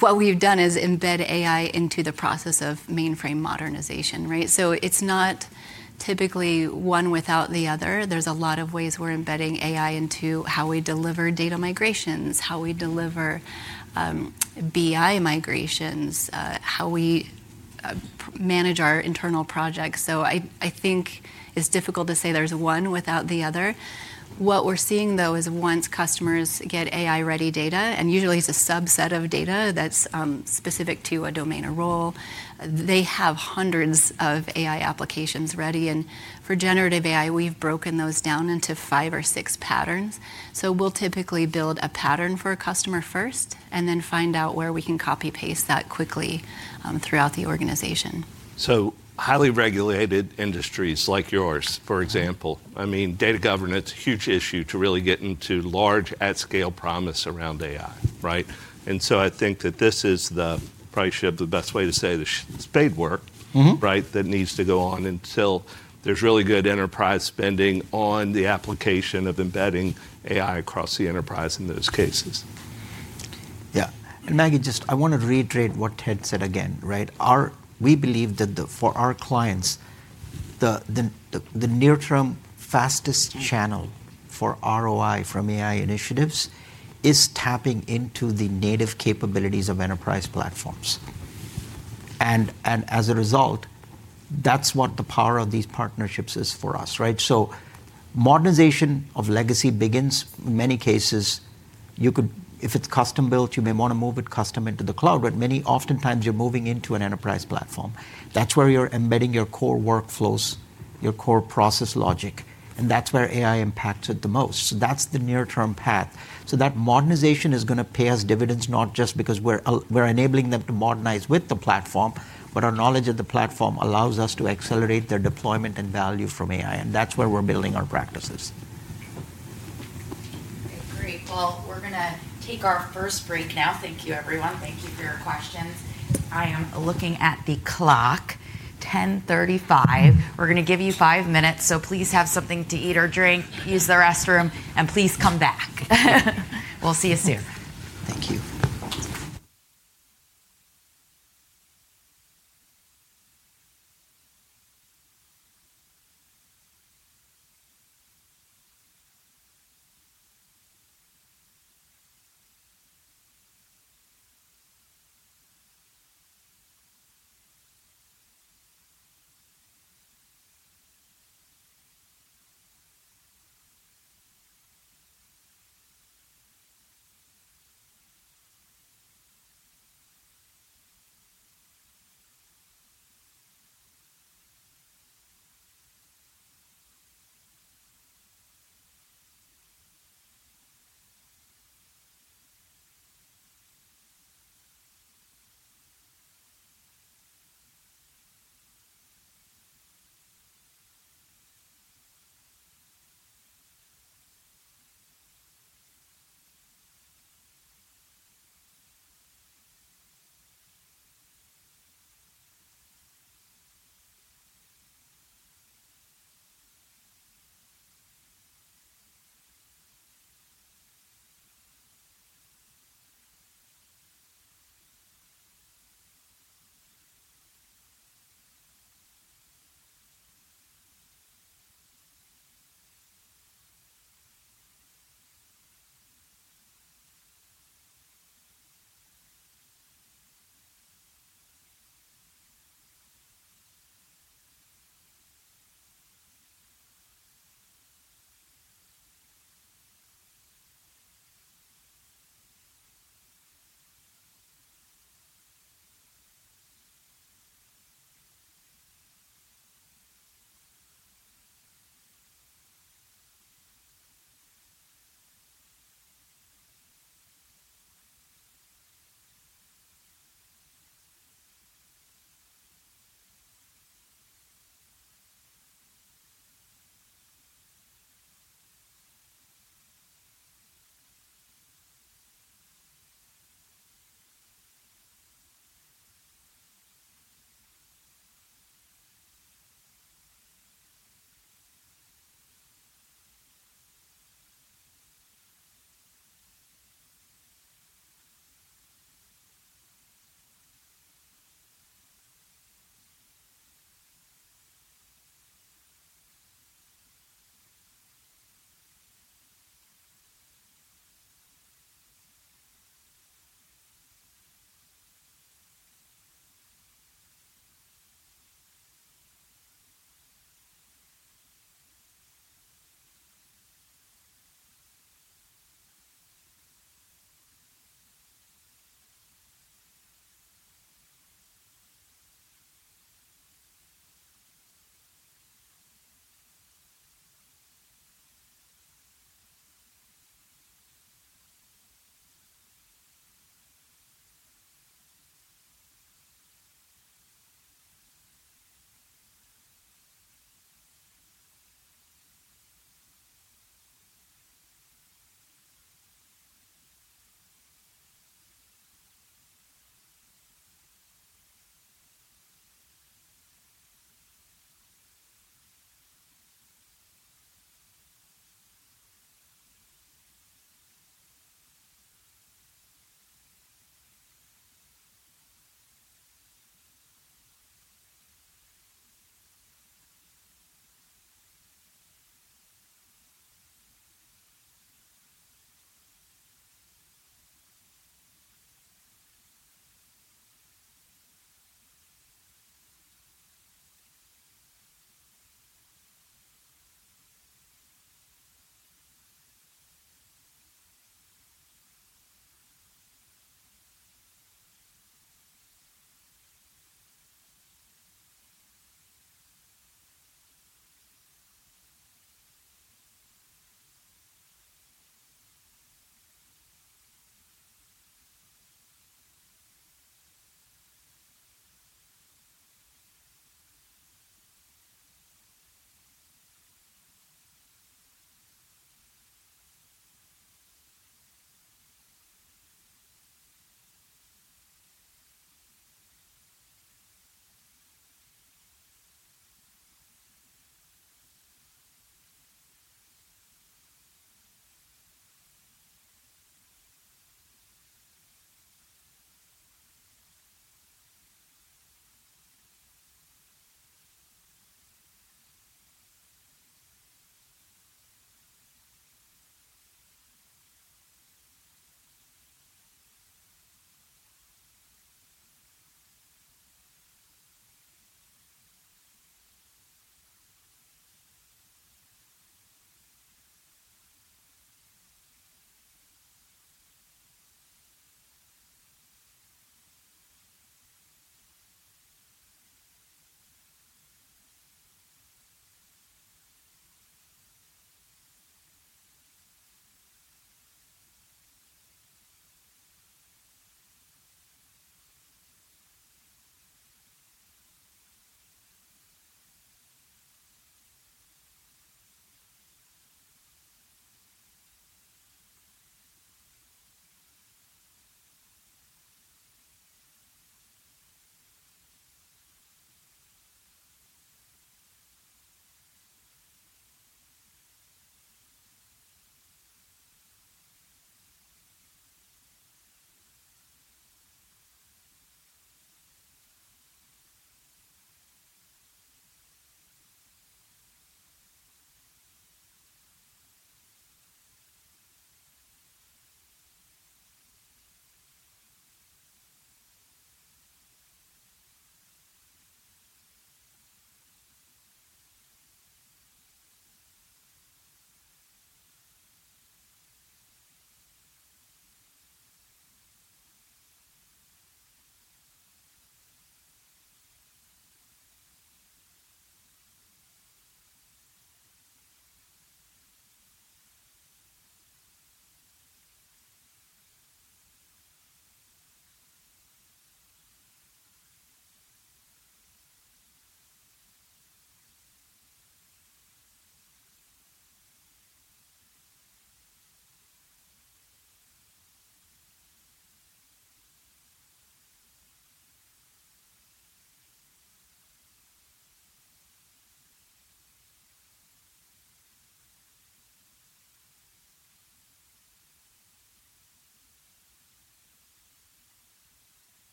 D: What we've done is embed AI into the process of mainframe modernization, right? It's not typically one without the other. There are a lot of ways we're embedding AI into how we deliver data migrations, how we deliver BI migrations, how we manage our internal projects. I think it's difficult to say there's one without the other. What we're seeing, though, is once customers get AI-ready data, and usually it's a subset of data that's specific to a domain or role, they have hundreds of AI applications ready. For generative AI, we've broken those down into 5 or 6 patterns. We'll typically build a pattern for a customer first and then find out where we can copy-paste that quickly throughout the organization.
E: Highly regulated industries like yours, for example, I mean, data governance, huge issue to really get into large at-scale promise around AI, right? I think that this is probably, should have the best way to say, the spade work, right, that needs to go on until there's really good enterprise spending on the application of embedding AI across the enterprise in those cases.
C: Yeah. Maggie, just I want to reiterate what Ted said again, right? We believe that for our clients, the near-term fastest channel for ROI from AI initiatives is tapping into the native capabilities of enterprise platforms. As a result, that's what the power of these partnerships is for us, right? Modernization of legacy begins. In many cases, if it's custom-built, you may want to move it custom into the cloud, but many oftentimes you're moving into an enterprise platform. That's where you're embedding your core workflows, your core process logic, and that's where AI impacts it the most. That is the near-term path. That modernization is going to pay us dividends, not just because we're enabling them to modernize with the platform, but our knowledge of the platform allows us to accelerate their deployment and value from AI. That is where we're building our practices.
A: Great. We're going to take our first break now. Thank you, everyone. Thank you for your questions. I am looking at the clock, 10:35. We're going to give you 5 minutes, so please have something to eat or drink, use the restroom, and please come back. We'll see you soon. Thank you.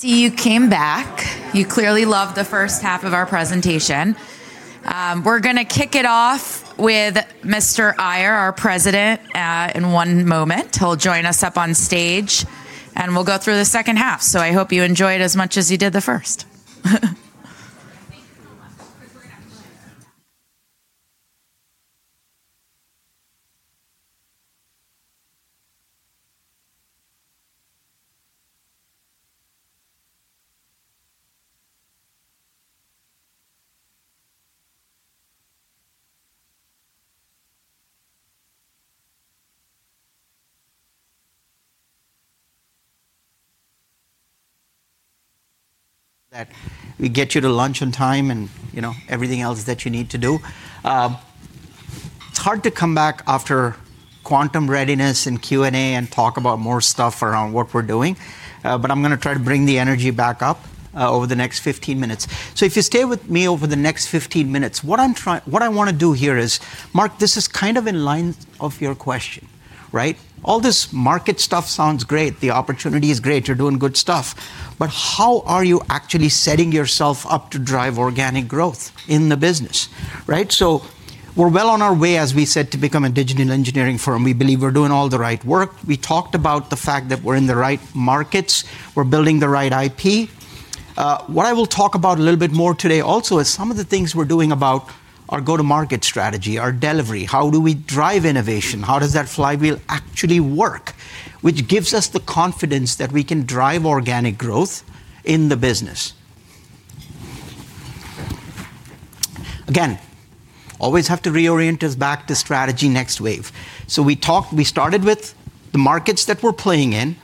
A: See, you came back. You clearly loved the first half of our presentation. We're going to kick it off with Mr. Iyer, our President, in one moment. He'll join us up on stage, and we'll go through the second half. I hope you enjoyed as much as you did the first.
C: That we get you to lunch on time and everything else that you need to do. It's hard to come back after quantum readiness and Q&A and talk about more stuff around what we're doing, but I'm going to try to bring the energy back up over the next 15 minutes. If you stay with me over the next 15 minutes, what I want to do here is, Mark, this is kind of in line of your question, right? All this market stuff sounds great. The opportunity is great. You're doing good stuff. How are you actually setting yourself up to drive organic growth in the business, right? We are well on our way, as we said, to become a digital engineering firm. We believe we are doing all the right work. We talked about the fact that we are in the right markets. We are building the right IP. What I will talk about a little bit more today also is some of the things we are doing about our go-to-market strategy, our delivery. How do we drive innovation? How does that flywheel actually work, which gives us the confidence that we can drive organic growth in the business? Again, always have to reorient us back to strategy next wave. We started with the markets that we are playing in.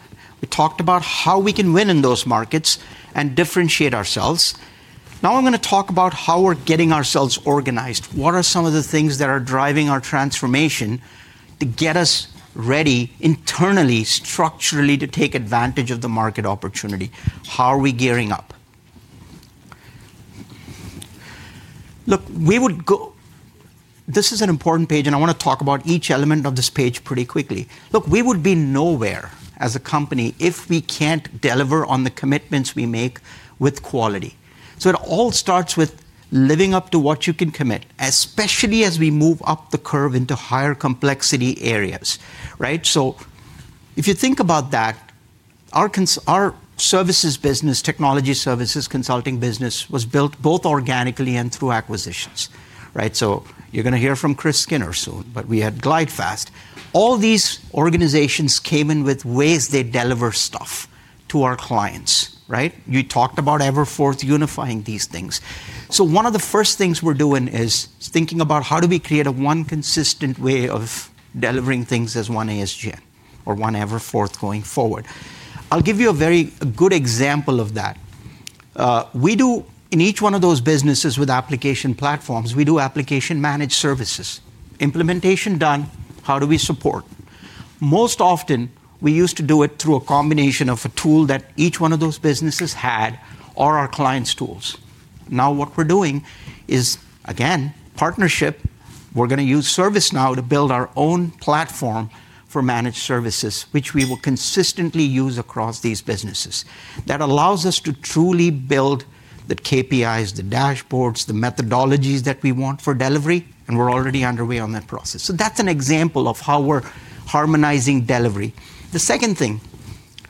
C: We talked about how we can win in those markets and differentiate ourselves. Now I am going to talk about how we are getting ourselves organized. What are some of the things that are driving our transformation to get us ready internally, structurally, to take advantage of the market opportunity? How are we gearing up? Look, this is an important page, and I want to talk about each element of this page pretty quickly. Look, we would be nowhere as a company if we can't deliver on the commitments we make with quality. It all starts with living up to what you can commit, especially as we move up the curve into higher complexity areas, right? If you think about that, our services business, technology services consulting business, was built both organically and through acquisitions, right? You're going to hear from Chris Skinner soon, but we had GlideFast. All these organizations came in with ways they deliver stuff to our clients, right? We talked about EverForth unifying these things. One of the first things we're doing is thinking about how do we create a one consistent way of delivering things as one ASGN or one EverForth going forward. I'll give you a very good example of that. In each one of those businesses with application platforms, we do application managed services. Implementation done. How do we support? Most often, we used to do it through a combination of a tool that each one of those businesses had or our clients' tools. Now what we're doing is, again, partnership. We're going to use ServiceNow to build our own platform for managed services, which we will consistently use across these businesses. That allows us to truly build the KPIs, the dashboards, the methodologies that we want for delivery, and we're already underway on that process. That's an example of how we're harmonizing delivery. The second thing,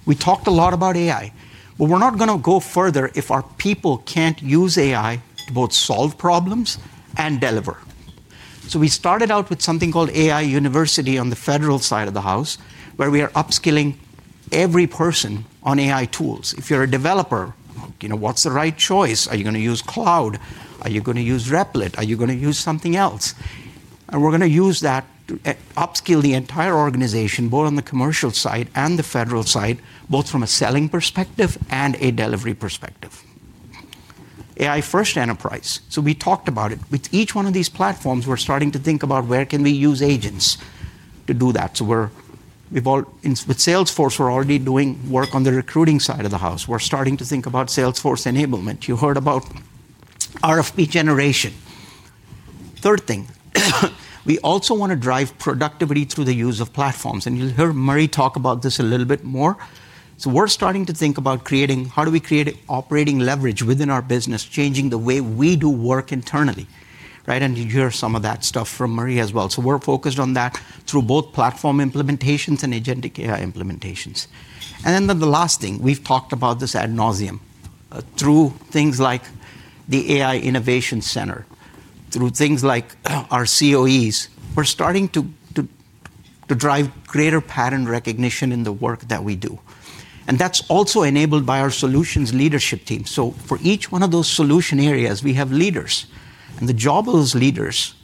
C: we talked a lot about AI. We're not going to go further if our people can't use AI to both solve problems and deliver. We started out with something called AI University on the federal side of the house, where we are upskilling every person on AI tools. If you're a developer, what's the right choice? Are you going to use cloud? Are you going to use Replit? Are you going to use something else? We're going to use that to upskill the entire organization, both on the commercial side and the federal side, both from a selling perspective and a delivery perspective. AI First Enterprise. We talked about it. With each one of these platforms, we're starting to think about where can we use agents to do that. With Salesforce, we're already doing work on the recruiting side of the house. We're starting to think about Salesforce enablement. You heard about RFP generation. Third thing, we also want to drive productivity through the use of platforms. You will hear Marie talk about this a little bit more. We're starting to think about creating how do we create operating leverage within our business, changing the way we do work internally, right? You hear some of that stuff from Marie as well. We're focused on that through both platform implementations and agentic AI implementations. The last thing, we've talked about this ad nauseam through things like the AI Innovation Center, through things like our COEs. We're starting to drive greater pattern recognition in the work that we do. That's also enabled by our solutions leadership team. For each one of those solution areas, we have leaders. The job of those leaders,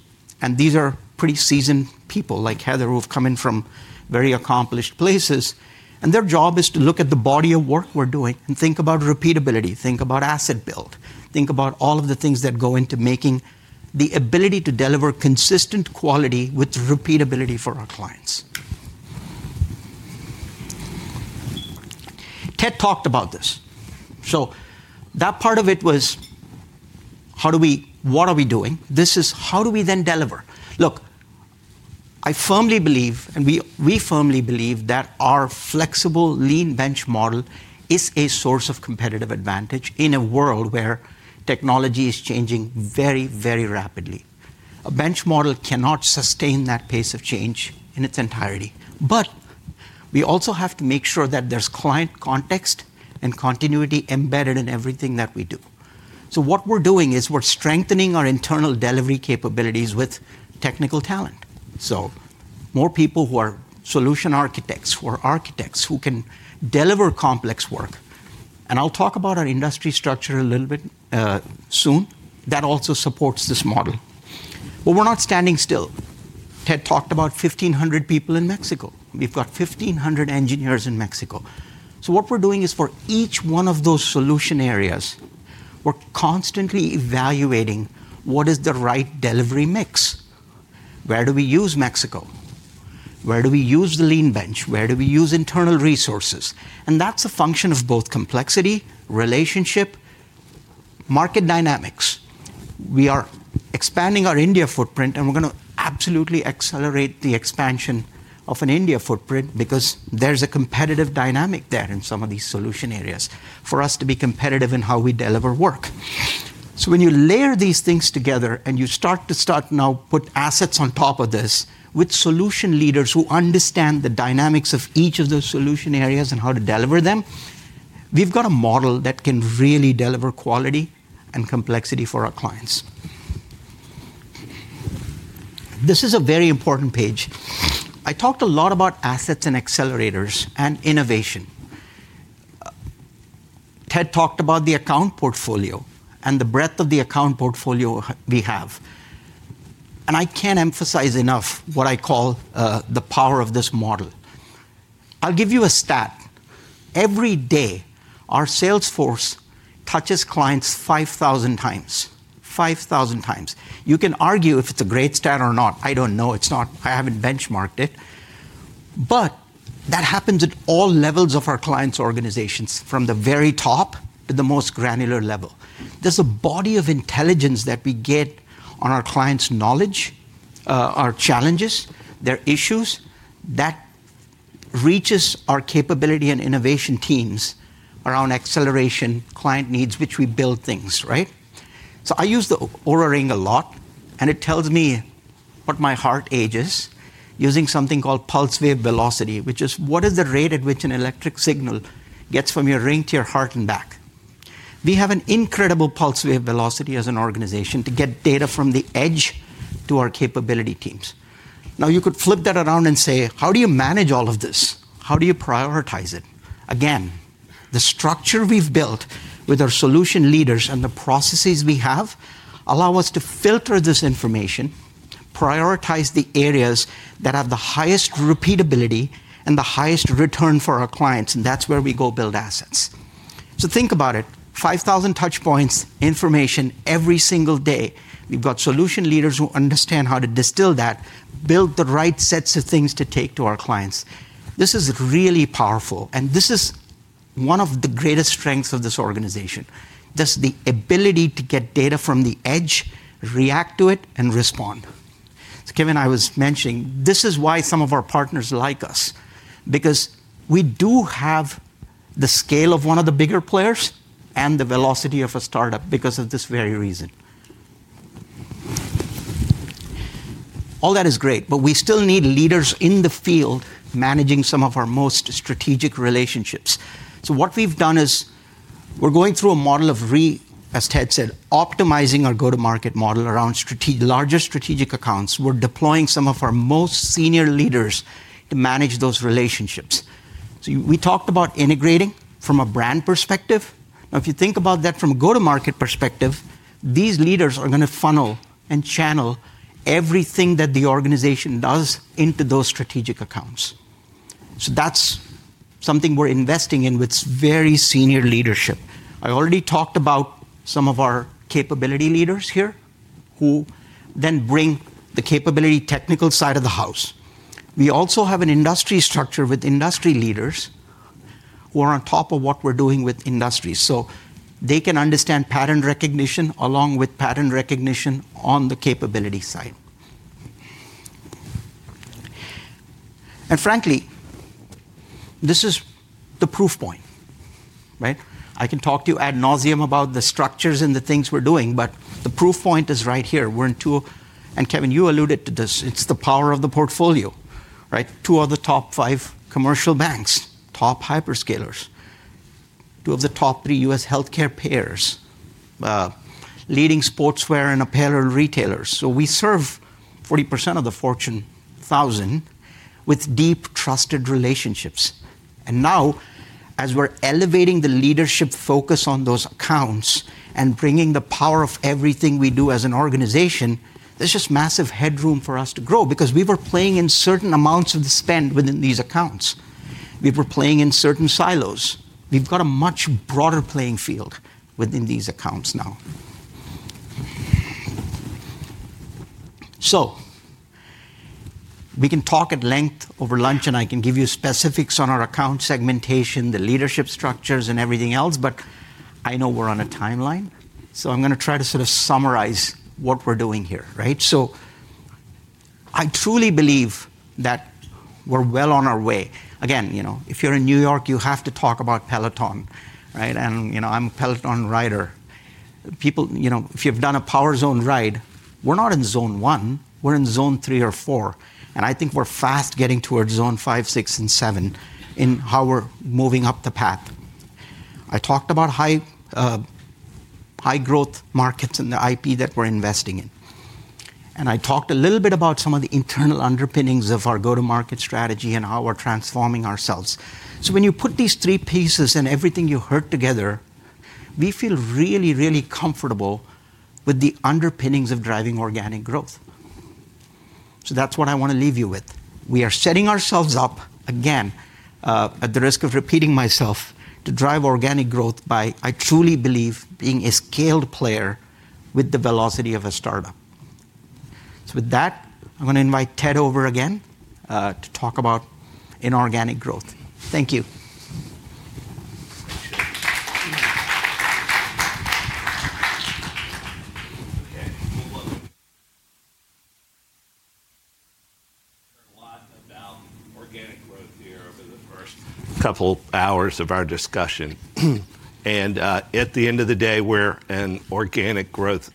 C: and these are pretty seasoned people like Heather, who have come in from very accomplished places, and their job is to look at the body of work we're doing and think about repeatability, think about asset build, think about all of the things that go into making the ability to deliver consistent quality with repeatability for our clients. Ted talked about this. That part of it was, what are we doing? This is how do we then deliver? Look, I firmly believe, and we firmly believe that our flexible lean bench model is a source of competitive advantage in a world where technology is changing very, very rapidly. A bench model cannot sustain that pace of change in its entirety. We also have to make sure that there's client context and continuity embedded in everything that we do. What we're doing is we're strengthening our internal delivery capabilities with technical talent. More people who are solution architects who can deliver complex work. I'll talk about our industry structure a little bit soon. That also supports this model. We're not standing still. Ted talked about 1,500 people in Mexico. We've got 1,500 engineers in Mexico. What we're doing is for each one of those solution areas, we're constantly evaluating what is the right delivery mix. Where do we use Mexico? Where do we use the lean bench? Where do we use internal resources? That's a function of both complexity, relationship, market dynamics. We are expanding our India footprint, and we're going to absolutely accelerate the expansion of an India footprint because there's a competitive dynamic there in some of these solution areas for us to be competitive in how we deliver work. When you layer these things together and you start to now put assets on top of this with solution leaders who understand the dynamics of each of those solution areas and how to deliver them, we've got a model that can really deliver quality and complexity for our clients. This is a very important page. I talked a lot about assets and accelerators and innovation. Ted talked about the account portfolio and the breadth of the account portfolio we have. I can't emphasize enough what I call the power of this model. I'll give you a stat. Every day, our Salesforce touches clients 5,000 times, 5,000 times. You can argue if it's a great stat or not. I don't know. I haven't benchmarked it. That happens at all levels of our clients' organizations, from the very top to the most granular level. There's a body of intelligence that we get on our clients' knowledge, our challenges, their issues. That reaches our capability and innovation teams around acceleration, client needs, which we build things, right? I use the Oura ring a lot, and it tells me what my heart age is using something called pulse wave velocity, which is what is the rate at which an electric signal gets from your ring to your heart and back. We have an incredible pulse wave velocity as an organization to get data from the edge to our capability teams. Now, you could flip that around and say, how do you manage all of this? How do you prioritize it? Again, the structure we've built with our solution leaders and the processes we have allow us to filter this information, prioritize the areas that have the highest repeatability and the highest return for our clients. That is where we go build assets. Think about it. 5,000 touch points, information every single day. We have solution leaders who understand how to distill that, build the right sets of things to take to our clients. This is really powerful. This is one of the greatest strengths of this organization. This is the ability to get data from the edge, react to it, and respond. As Kevin and I were mentioning, this is why some of our partners like us, because we do have the scale of one of the bigger players and the velocity of a startup because of this very reason. All that is great, but we still need leaders in the field managing some of our most strategic relationships. What we have done is we are going through a model of, as Ted said, optimizing our go-to-market model around larger strategic accounts. We're deploying some of our most senior leaders to manage those relationships. We talked about integrating from a brand perspective. Now, if you think about that from a go-to-market perspective, these leaders are going to funnel and channel everything that the organization does into those strategic accounts. That's something we're investing in with very senior leadership. I already talked about some of our capability leaders here who then bring the capability technical side of the house. We also have an industry structure with industry leaders who are on top of what we're doing with industry. They can understand pattern recognition along with pattern recognition on the capability side. Frankly, this is the proof point, right? I can talk to you ad nauseam about the structures and the things we're doing, but the proof point is right here. Kevin, you alluded to this.
B: It's the power of the portfolio, right? 2 of the top 5 commercial banks, top hyperscalers, 2 of the top 3 U.S. healthcare payers, leading sportswear and apparel retailers. We serve 40% of the Fortune 1000 with deep trusted relationships. Now, as we're elevating the leadership focus on those accounts and bringing the power of everything we do as an organization, there's just massive headroom for us to grow because we were playing in certain amounts of the spend within these accounts. We were playing in certain silos. We've got a much broader playing field within these accounts now. We can talk at length over lunch, and I can give you specifics on our account segmentation, the leadership structures, and everything else, but I know we're on a timeline. I'm going to try to sort of summarize what we're doing here, right? I truly believe that we're well on our way. Again, if you're in New York, you have to talk about Peloton, right? And I'm a Peloton rider. If you've done a power zone ride, we're not in zone one. We're in zone 3 or 4. I think we're fast getting towards zone 5, 6, and 7 in how we're moving up the path. I talked about high growth markets and the IP that we're investing in. I talked a little bit about some of the internal underpinnings of our go-to-market strategy and how we're transforming ourselves. When you put these 3 pieces and everything you heard together, we feel really, really comfortable with the underpinnings of driving organic growth. That's what I want to leave you with. We are setting ourselves up, again, at the risk of repeating myself, to drive organic growth by, I truly believe, being a scaled player with the velocity of a startup. With that, I'm going to invite Ted over again to talk about inorganic growth. Thank you. There's a lot about organic growth here over the first couple of hours of our discussion. At the end of the day, we're an organic growth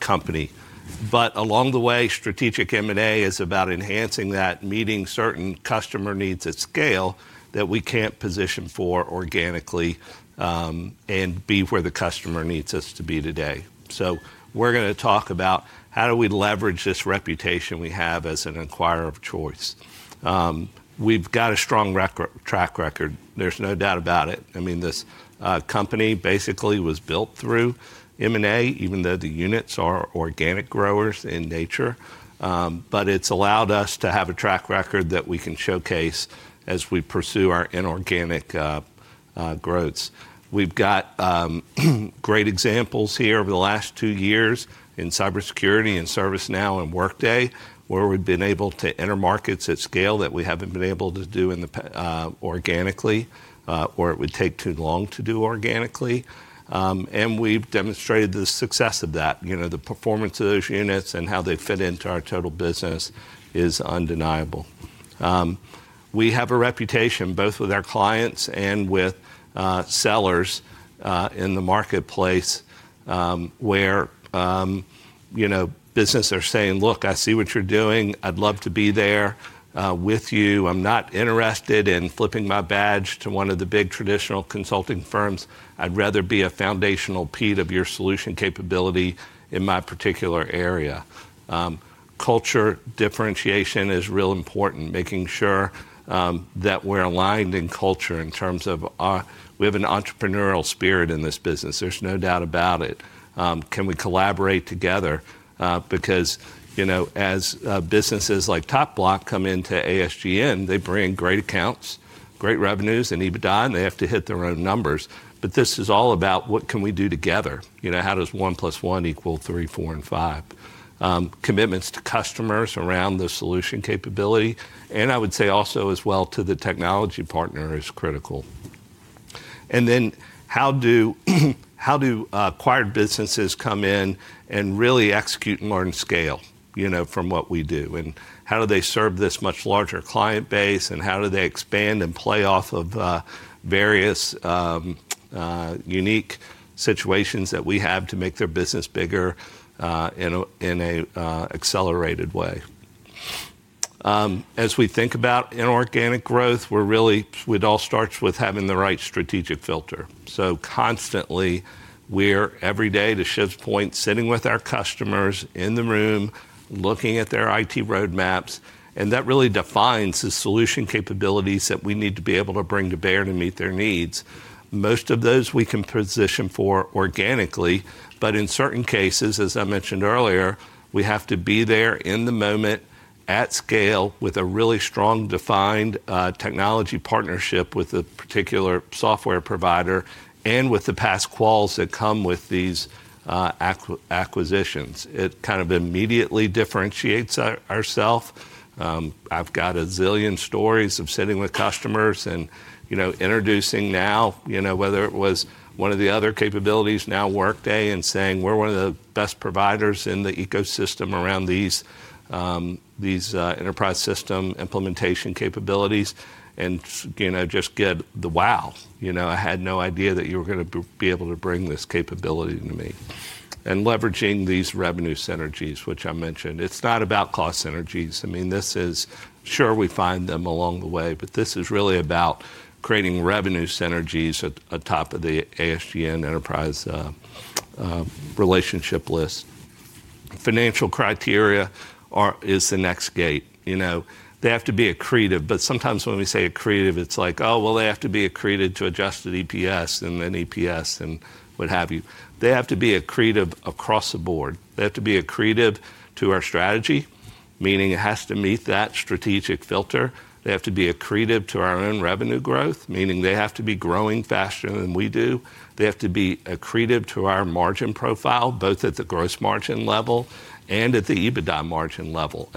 B: company. Along the way, strategic M&A is about enhancing that, meeting certain customer needs at scale that we can't position for organically and be where the customer needs us to be today. We're going to talk about how do we leverage this reputation we have as an acquirer of choice. We've got a strong track record. There's no doubt about it. I mean, this company basically was built through M&A, even though the units are organic growers in nature. It has allowed us to have a track record that we can showcase as we pursue our inorganic growths. We've got great examples here over the last 2 years in cybersecurity and ServiceNow and Workday, where we've been able to enter markets at scale that we haven't been able to do organically, or it would take too long to do organically. We've demonstrated the success of that. The performance of those units and how they fit into our total business is undeniable. We have a reputation both with our clients and with sellers in the marketplace where businesses are saying, "Look, I see what you're doing. I'd love to be there with you. I'm not interested in flipping my badge to one of the big traditional consulting firms. I'd rather be a foundational piece of your solution capability in my particular area. Culture differentiation is real important, making sure that we're aligned in culture in terms of we have an entrepreneurial spirit in this business. There's no doubt about it. Can we collaborate together? Because as businesses like TopBloc come into ASGN, they bring great accounts, great revenues, and EBITDA, and they have to hit their own numbers. This is all about what can we do together? How does one plus one equal 3, 4, and 5? Commitments to customers around the solution capability. I would say also as well to the technology partner is critical. How do acquired businesses come in and really execute and learn scale from what we do? How do they serve this much larger client base? How do they expand and play off of various unique situations that we have to make their business bigger in an accelerated way? As we think about inorganic growth, we'd all start with having the right strategic filter. Constantly, we're every day, to Shiv's point, sitting with our customers in the room, looking at their IT roadmaps. That really defines the solution capabilities that we need to be able to bring to bear to meet their needs. Most of those we can position for organically. In certain cases, as I mentioned earlier, we have to be there in the moment at scale with a really strong defined technology partnership with a particular software provider and with the past quals that come with these acquisitions. It kind of immediately differentiates ourself. I've got a zillion stories of sitting with customers and introducing now, whether it was one of the other capabilities, now Workday, and saying, "We're one of the best providers in the ecosystem around these enterprise system implementation capabilities," and just get the, "Wow. I had no idea that you were going to be able to bring this capability to me." I mean, leveraging these revenue synergies, which I mentioned. It's not about cost synergies. I mean, this is sure we find them along the way, but this is really about creating revenue synergies atop of the ASGN enterprise relationship list. Financial criteria is the next gate. They have to be accretive. Sometimes when we say accretive, it's like, "Oh, well, they have to be accretive to adjust to EPS and then EPS and what have you." They have to be accretive across the board. They have to be accretive to our strategy, meaning it has to meet that strategic filter. They have to be accretive to our own revenue growth, meaning they have to be growing faster than we do. They have to be accretive to our margin profile, both at the gross margin level and at the EBITDA margin level.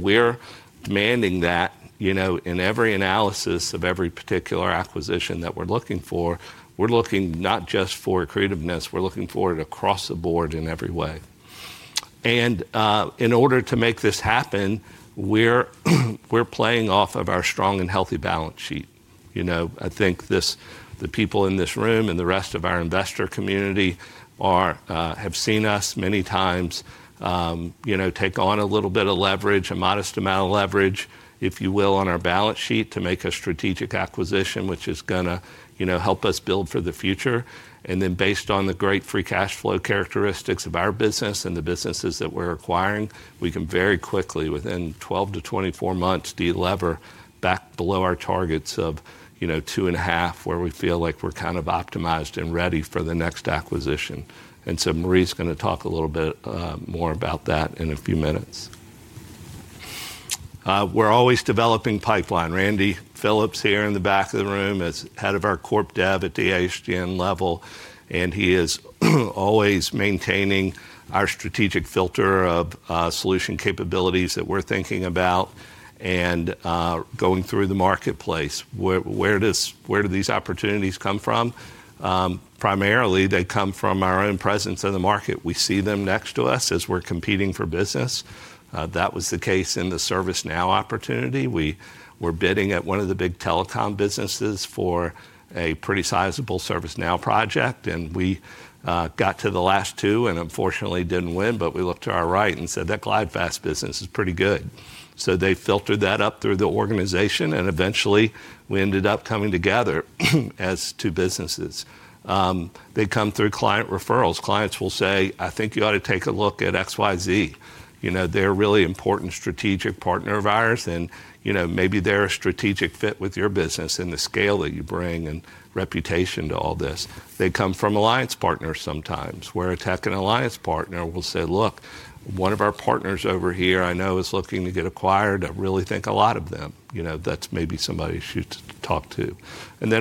B: We are demanding that in every analysis of every particular acquisition that we are looking for. We are looking not just for accretiveness. We are looking for it across the board in every way. In order to make this happen, we are playing off of our strong and healthy balance sheet. I think the people in this room and the rest of our investor community have seen us many times take on a little bit of leverage, a modest amount of leverage, if you will, on our balance sheet to make a strategic acquisition, which is going to help us build for the future. Then based on the great free cash flow characteristics of our business and the businesses that we're acquiring, we can very quickly, within 12-24 months, delever back below our targets of 2 and a half, where we feel like we're kind of optimized and ready for the next acquisition. Marie's going to talk a little bit more about that in a few minutes. We're always developing pipeline. Randy Phillips here in the back of the room is head of our corp dev at the ASGN level. He is always maintaining our strategic filter of solution capabilities that we're thinking about and going through the marketplace. Where do these opportunities come from? Primarily, they come from our own presence in the market. We see them next to us as we're competing for business. That was the case in the ServiceNow opportunity. We were bidding at one of the big telecom businesses for a pretty sizable ServiceNow project. We got to the last 2 and unfortunately didn't win, but we looked to our right and said, "That GlideFast business is pretty good." They filtered that up through the organization. Eventually, we ended up coming together as 2 businesses. They come through client referrals. Clients will say, "I think you ought to take a look at XYZ." They're a really important strategic partner of ours, and maybe they're a strategic fit with your business and the scale that you bring and reputation to all this. They come from alliance partners sometimes, where a tech and alliance partner will say, "Look, one of our partners over here I know is looking to get acquired. I really think a lot of them. That's maybe somebody you should talk to."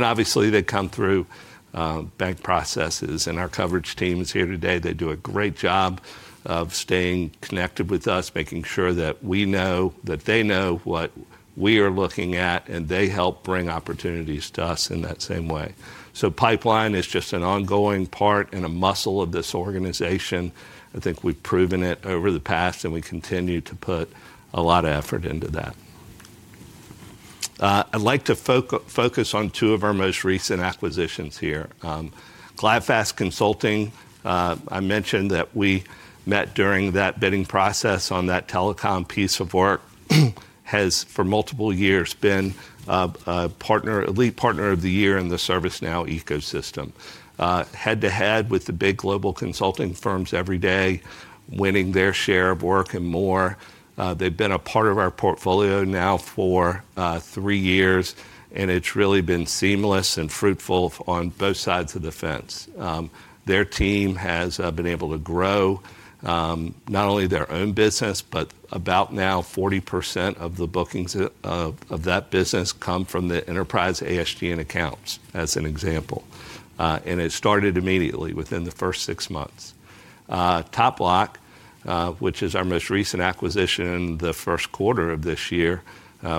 B: Obviously, they come through bank processes. Our coverage teams here today, they do a great job of staying connected with us, making sure that we know that they know what we are looking at, and they help bring opportunities to us in that same way. Pipeline is just an ongoing part and a muscle of this organization. I think we've proven it over the past, and we continue to put a lot of effort into that. I'd like to focus on 2 of our most recent acquisitions here. GlideFast Consulting, I mentioned that we met during that bidding process on that telecom piece of work, has for multiple years been a partner, elite partner of the year in the ServiceNow ecosystem. Head to head with the big global consulting firms every day, winning their share of work and more. They've been a part of our portfolio now for 3 years, and it's really been seamless and fruitful on both sides of the fence. Their team has been able to grow not only their own business, but about now 40% of the bookings of that business come from the enterprise ASGN accounts, as an example. It started immediately within the first 6 months. TopBloc, which is our most recent acquisition in the first quarter of this year,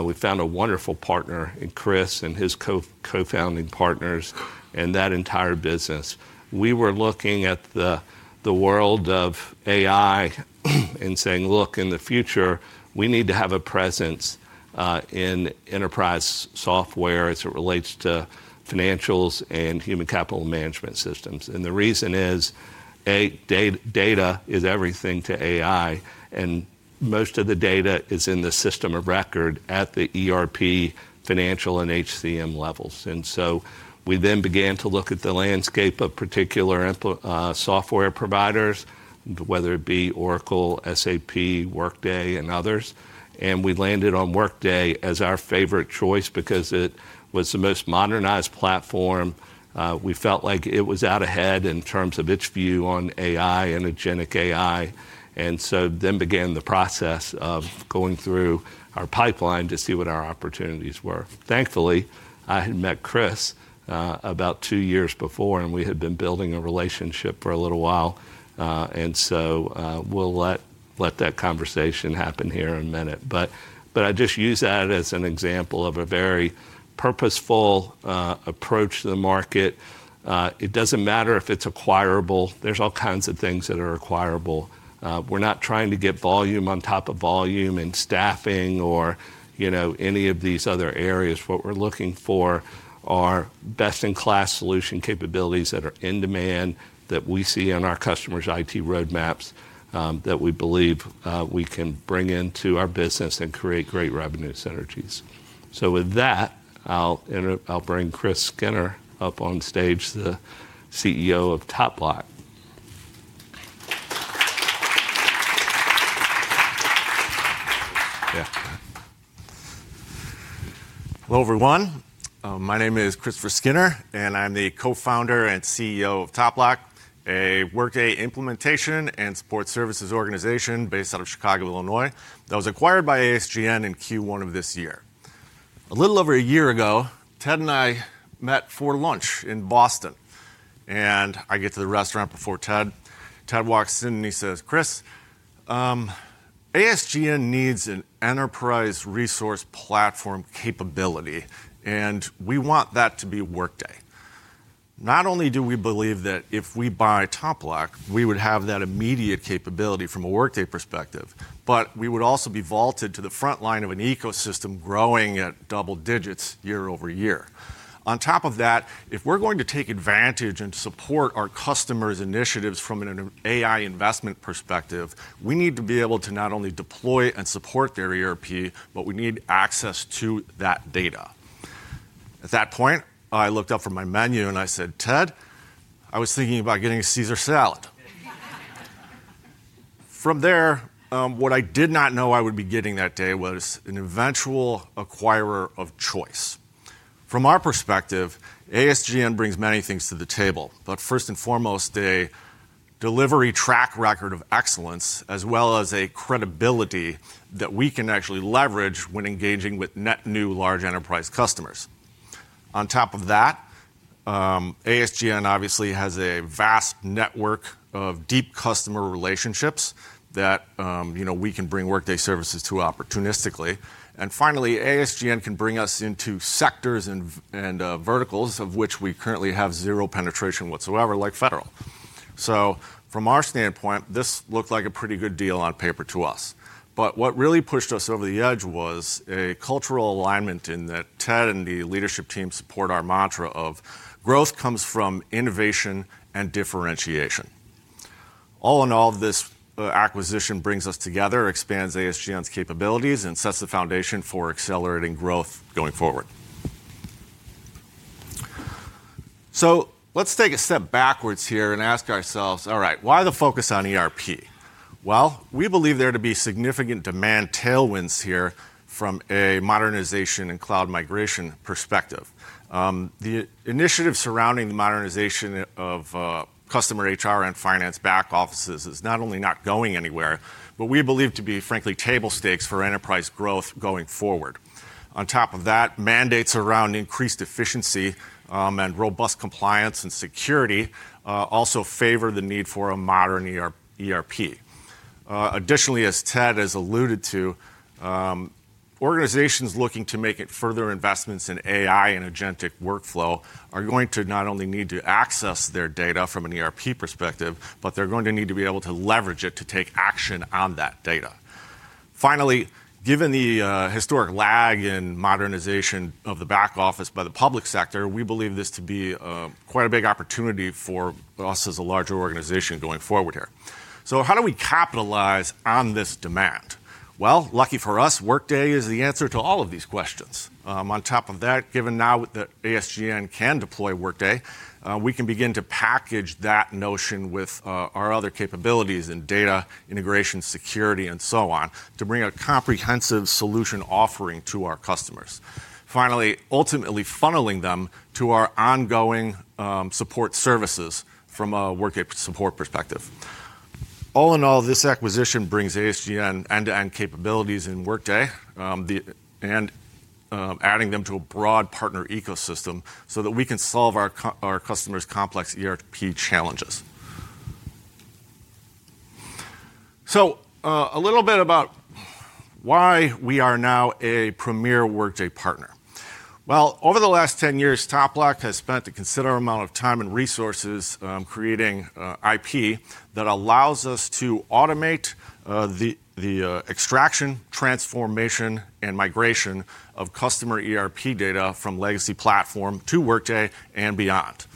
B: we found a wonderful partner in Chris and his co-founding partners and that entire business. We were looking at the world of AI and saying, "Look, in the future, we need to have a presence in enterprise software as it relates to financials and human capital management systems." The reason is data is everything to AI, and most of the data is in the system of record at the ERP, financial, and HCM levels. We then began to look at the landscape of particular software providers, whether it be Oracle, SAP, Workday, and others. We landed on Workday as our favorite choice because it was the most modernized platform. We felt like it was out ahead in terms of its view on AI, agentic AI. Then began the process of going through our pipeline to see what our opportunities were. Thankfully, I had met Chris about 2 years before, and we had been building a relationship for a little while. We will let that conversation happen here in a minute. I just use that as an example of a very purposeful approach to the market. It does not matter if it is acquirable. There are all kinds of things that are acquirable. We are not trying to get volume on top of volume in staffing or any of these other areas. What we are looking for are best-in-class solution capabilities that are in demand, that we see on our customers' IT roadmaps, that we believe we can bring into our business and create great revenue synergies. With that, I will bring Chris Skinner up on stage, the CEO of TopBloc.
K: Yeah. Hello, everyone. My name is Christopher Skinner, and I'm the co-founder and CEO of TopBloc, a Workday implementation and support services organization based out of Chicago, Illinois, that was acquired by ASGN in Q1 of this year. A little over a year ago, Ted and I met for lunch in Boston. I get to the restaurant before Ted. Ted walks in and he says, "Chris, ASGN needs an enterprise resource platform capability, and we want that to be Workday." Not only do we believe that if we buy TopBloc, we would have that immediate capability from a Workday perspective, but we would also be vaulted to the front line of an ecosystem growing at double digits year over year. On top of that, if we're going to take advantage and support our customers' initiatives from an AI investment perspective, we need to be able to not only deploy and support their ERP, but we need access to that data. At that point, I looked up from my menu and I said, "Ted, I was thinking about getting a Caesar salad." From there, what I did not know I would be getting that day was an eventual acquirer of choice. From our perspective, ASGN brings many things to the table, but first and foremost, a delivery track record of excellence as well as a credibility that we can actually leverage when engaging with net new large enterprise customers. On top of that, ASGN obviously has a vast ne2rk of deep customer relationships that we can bring Workday services to opportunistically. Finally, ASGN can bring us into sectors and verticals of which we currently have zero penetration whatsoever, like federal. From our standpoint, this looked like a pretty good deal on paper to us. What really pushed us over the edge was a cultural alignment in that Ted and the leadership team support our mantra of growth comes from innovation and differentiation. All in all, this acquisition brings us together, expands ASGN's capabilities, and sets the foundation for accelerating growth going forward. Let's take a step backwards here and ask ourselves, all right, why the focus on ERP? We believe there to be significant demand tailwinds here from a modernization and cloud migration perspective. The initiative surrounding the modernization of customer HR and finance back offices is not only not going anywhere, but we believe to be, frankly, table stakes for enterprise growth going forward. On top of that, mandates around increased efficiency and robust compliance and security also favor the need for a modern ERP. Additionally, as Ted has alluded to, organizations looking to make further investments in AI and agentic workflow are going to not only need to access their data from an ERP perspective, but they're going to need to be able to leverage it to take action on that data. Finally, given the historic lag in modernization of the back office by the public sector, we believe this to be quite a big opportunity for us as a larger organization going forward here. Lucky for us, Workday is the answer to all of these questions. On top of that, given now that ASGN can deploy Workday, we can begin to package that notion with our other capabilities in data integration, security, and so on to bring a comprehensive solution offering to our customers. Finally, ultimately funneling them to our ongoing support services from a Workday support perspective. All in all, this acquisition brings ASGN end-to-end capabilities in Workday and adding them to a broad partner ecosystem so that we can solve our customers' complex ERP challenges. A little bit about why we are now a premier Workday partner. Over the last 10 years, TopBloc has spent a considerable amount of time and resources creating IP that allows us to automate the extraction, transformation, and migration of customer ERP data from legacy platform to Workday and beyond.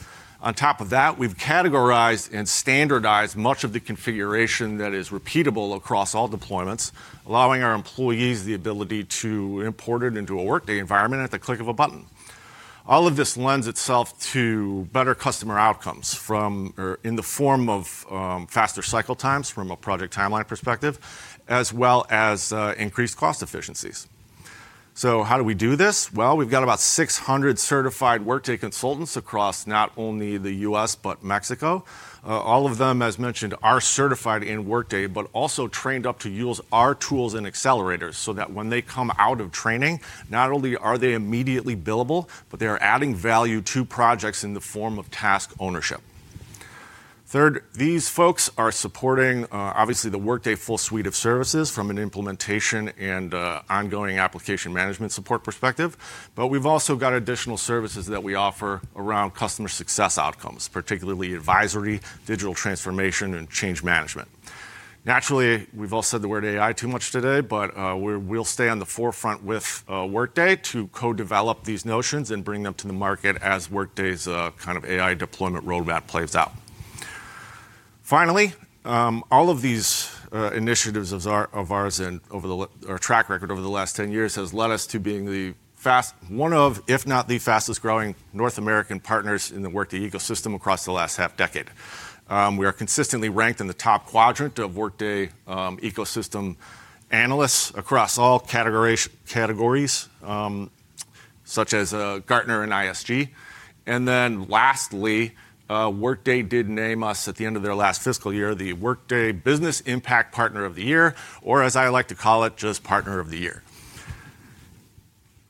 K: On top of that, we've categorized and standardized much of the configuration that is repeatable across all deployments, allowing our employees the ability to import it into a Workday environment at the click of a button. All of this lends itself to better customer outcomes in the form of faster cycle times from a project timeline perspective, as well as increased cost efficiencies. How do we do this? We've got about 600 certified Workday consultants across not only the U.S., but Mexico. All of them, as mentioned, are certified in Workday, but also trained up to use our tools and accelerators so that when they come out of training, not only are they immediately billable, but they are adding value to projects in the form of task ownership. Third, these folks are supporting, obviously, the Workday full suite of services from an implementation and ongoing application management support perspective. We have also got additional services that we offer around customer success outcomes, particularly advisory, digital transformation, and change management. Naturally, we have all said the word AI too much today, but we will stay on the forefront with Workday to co-develop these notions and bring them to the market as Workday's kind of AI deployment roadmap plays out. Finally, all of these initiatives of ours and our track record over the last 10 years has led us to being one of, if not the fastest growing North American partners in the Workday ecosystem across the last half-decade. We are consistently ranked in the top quadrant of Workday ecosystem analysts across all categories such as Gartner and ISG. Lastly, Workday did name us at the end of their last fiscal year the Workday Business Impact Partner of the Year, or as I like to call it, just Partner of the Year.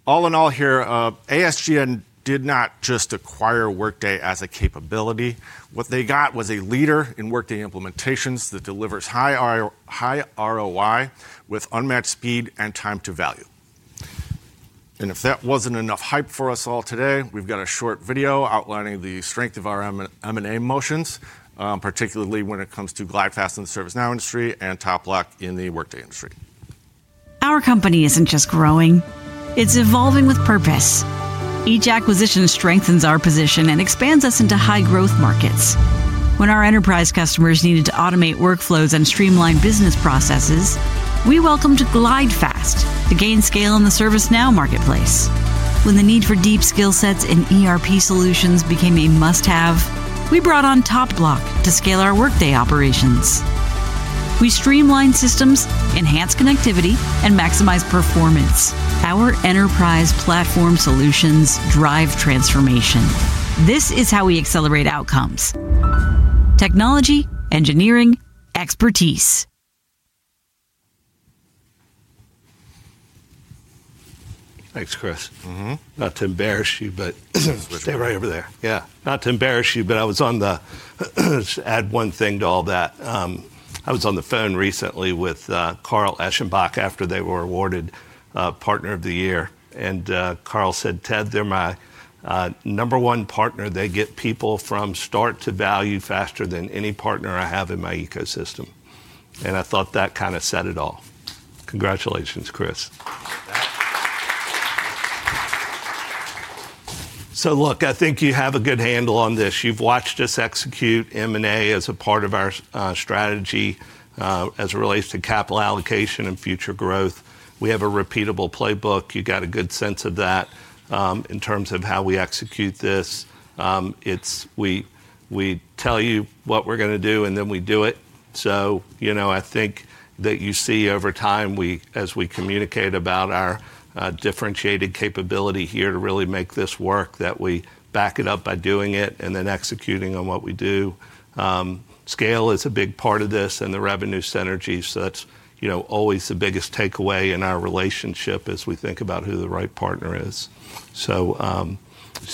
K: All in all here, ASGN did not just acquire Workday as a capability. What they got was a leader in Workday implementations that delivers high ROI with unmatched speed and time to value. If that was not enough hype for us all today, we have got a short video outlining the strength of our M&A motions, particularly when it comes to GlideFast in the ServiceNow industry and TopBloc in the Workday industry. Our company is not just growing. It is evolving with purpose. Each acquisition strengthens our position and expands us into high-growth markets. When our enterprise customers needed to automate workflows and streamline business processes, we welcomed GlideFast to gain scale in the ServiceNow marketplace. When the need for deep skill sets in ERP solutions became a must-have, we brought on TopBloc to scale our Workday operations. We streamline systems, enhance connectivity, and maximize performance. Our enterprise platform solutions drive transformation. This is how we accelerate outcomes: technology, engineering, expertise.
B: Thanks, Chris. Not to embarrass you, but stay right over there. Not to embarrass you, but I was on the—add one thing to all that. I was on the phone recently with Carl Eschenbach after they were awarded Partner of the Year. Carl said, "Ted, they're my number one partner. They get people from start to value faster than any partner I have in my ecosystem." I thought that kind of said it all. Congratulations, Chris. I think you have a good handle on this. You've watched us execute M&A as a part of our strategy as it relates to capital allocation and future growth. We have a repeatable playbook. You've got a good sense of that in terms of how we execute this. We tell you what we're going to do, and then we do it. I think that you see over time, as we communicate about our differentiated capability here to really make this work, that we back it up by doing it and then executing on what we do. Scale is a big part of this and the revenue synergy. That's always the biggest takeaway in our relationship as we think about who the right partner is.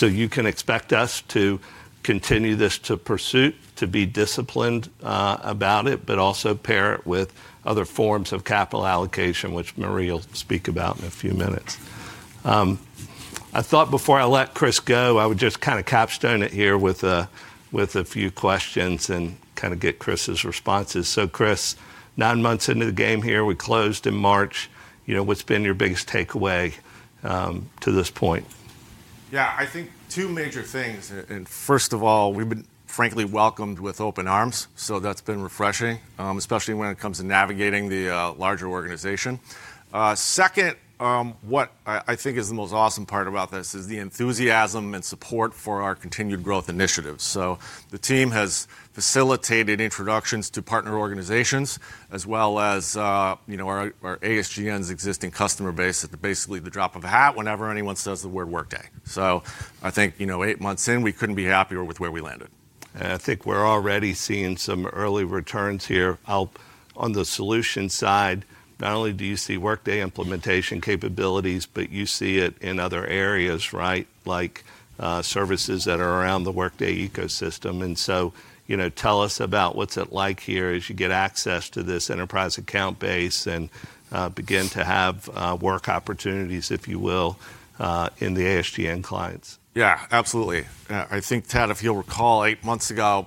B: You can expect us to continue this pursuit, to be disciplined about it, but also pair it with other forms of capital allocation, which Marie will speak about in a few minutes. I thought before I let Chris go, I would just kind of capstone it here with a few questions and kind of get Chris's responses. Chris, 9 months into the game here, we closed in March. What's been your biggest takeaway to this point?
K: Yeah, I think 2 major things. First of all, we've been frankly welcomed with open arms. That's been refreshing, especially when it comes to navigating the larger organization. Second, what I think is the most awesome part about this is the enthusiasm and support for our continued growth initiatives. The team has facilitated introductions to partner organizations, as well as ASGN's existing customer base at basically the drop of a hat whenever anyone says the word Workday. I think 8 months in, we couldn't be happier with where we landed. I think we're already seeing some early returns here. On the solution side, not only do you see Workday implementation capabilities, but you see it in other areas, like services that are around the Workday ecosystem. Tell us about what's it like here as you get access to this enterprise account base and begin to have work opportunities, if you will, in the ASGN clients. Yeah, absolutely. I think, Ted, if you'll recall, 8 months ago,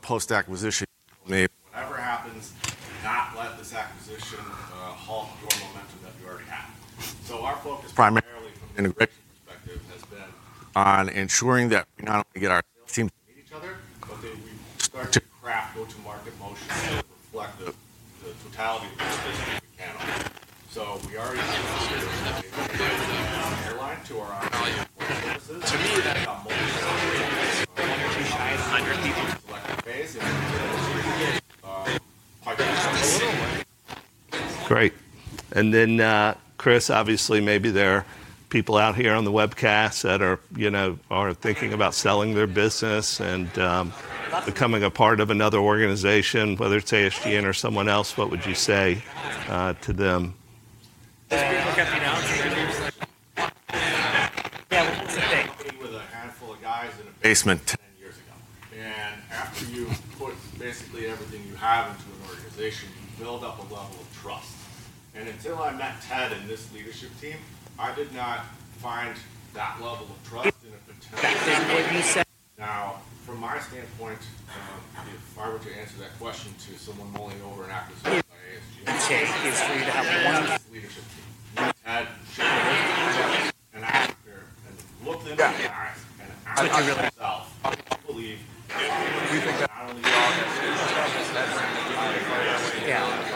K: post-acquisition, whatever happens, do not let this acquisition halt your momentum that you already have. Our focus primarily from an integration perspective has been on ensuring that we not only get our sales teams to meet each other, but that we start to craft go-to-market motions that reflect the totality of the business we can offer. We already have a series of alignments to our ongoing services. To me, that's a multitasking base. We're going to be shy of 100 people. Selective phase in our go-to-market.
B: Great. Chris, obviously, maybe there are people out here on the webcast that are thinking about selling their business and becoming a part of another organization, whether it's ASGN or someone else. What would you say to them? Yeah, we're just a handful of guys in a basement 10 years ago. After you put basically everything you have into an organization, you build up a level of trust.
K: Until I met Ted and this leadership team, I did not find that level of trust in a potential. Now, from my standpoint, if I were to answer that question to someone rolling over an acquisition by ASGN, it's for you to have one leadership team. Ted should have been an actor and looked at it and acted on it himself. I believe we think that not only you all have identity and identity planning.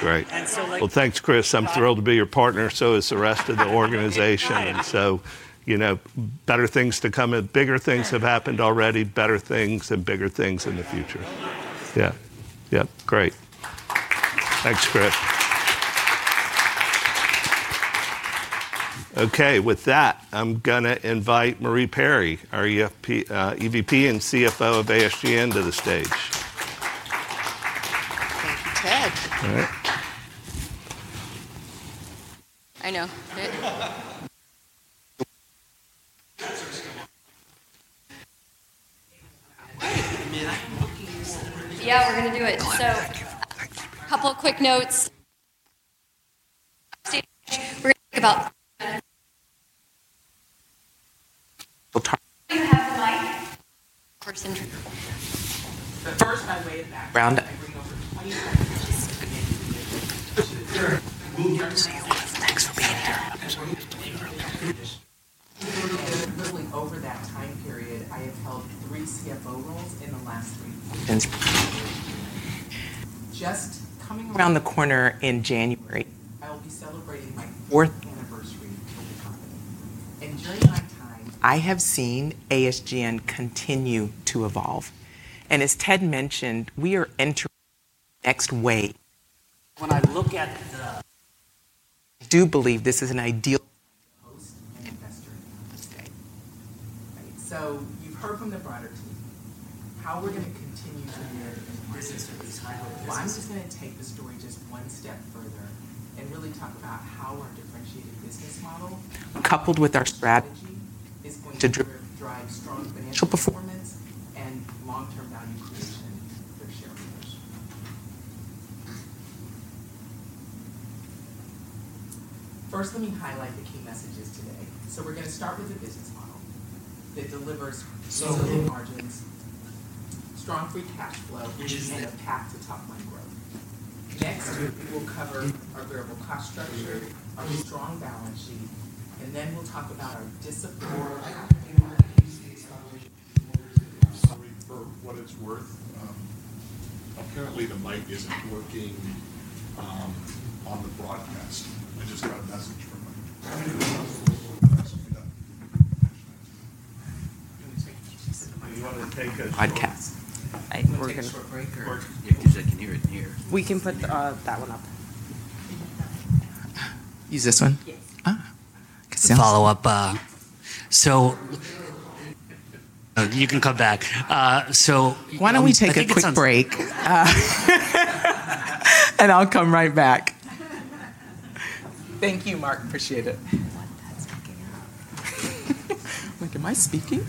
B: Great. Thanks, Chris. I'm thrilled to be your partner, so is the rest of the organization. Better things to come in. Bigger things have happened already. Better things and bigger things in the future. Yeah. Yep. Great. Thanks, Chris. Okay. With that, I'm going to invite Marie Perry, our EVP and CFO of ASGN, to the stage.
L: Thank you, Ted.
B: All right.
L: I know. Yeah, we're going to do it. A couple of quick notes. We're going to talk about just coming around the corner in January. I will be celebrating my fourth anniversary at the company. During my time, I have seen ASGN continue to evolve. As Ted mentioned, we are entering the next wave. When I look at the company, I do believe this is an ideal host and investor in the company today. Right? You have heard from the broader team how we're going to continue to build. This is going to be high. I'm just going to take the story one step further and really talk about how our differentiated business model, coupled with our strategy, is going to drive strong financial performance and long-term value creation for shareholders. First, let me highlight the key messages today. We're going to start with the business model that delivers. Margins, strong free cash flow, and a path to top-line growth. Next, we'll cover our variable cost structure, our strong balance sheet, and then we'll talk about our discipline.
B: Apparently, the mic isn't working on the broadcast. I just got a message from my podcast. I think we're going to. I can hear it in here. We can put that one up. Use this one? Yes. Follow-up. You can come back. Why don't we take a quick break? I'll come right back. Thank you, Mark. Appreciate it. I'm like, am I speaking?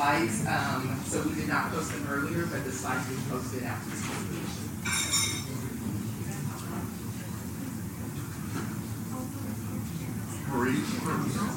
B: This was planned for the anticipation. Right? This was just part of the build-up. I will say that the slides—so we did not post them earlier, but the slides were posted after the presentation. Got a little soul. The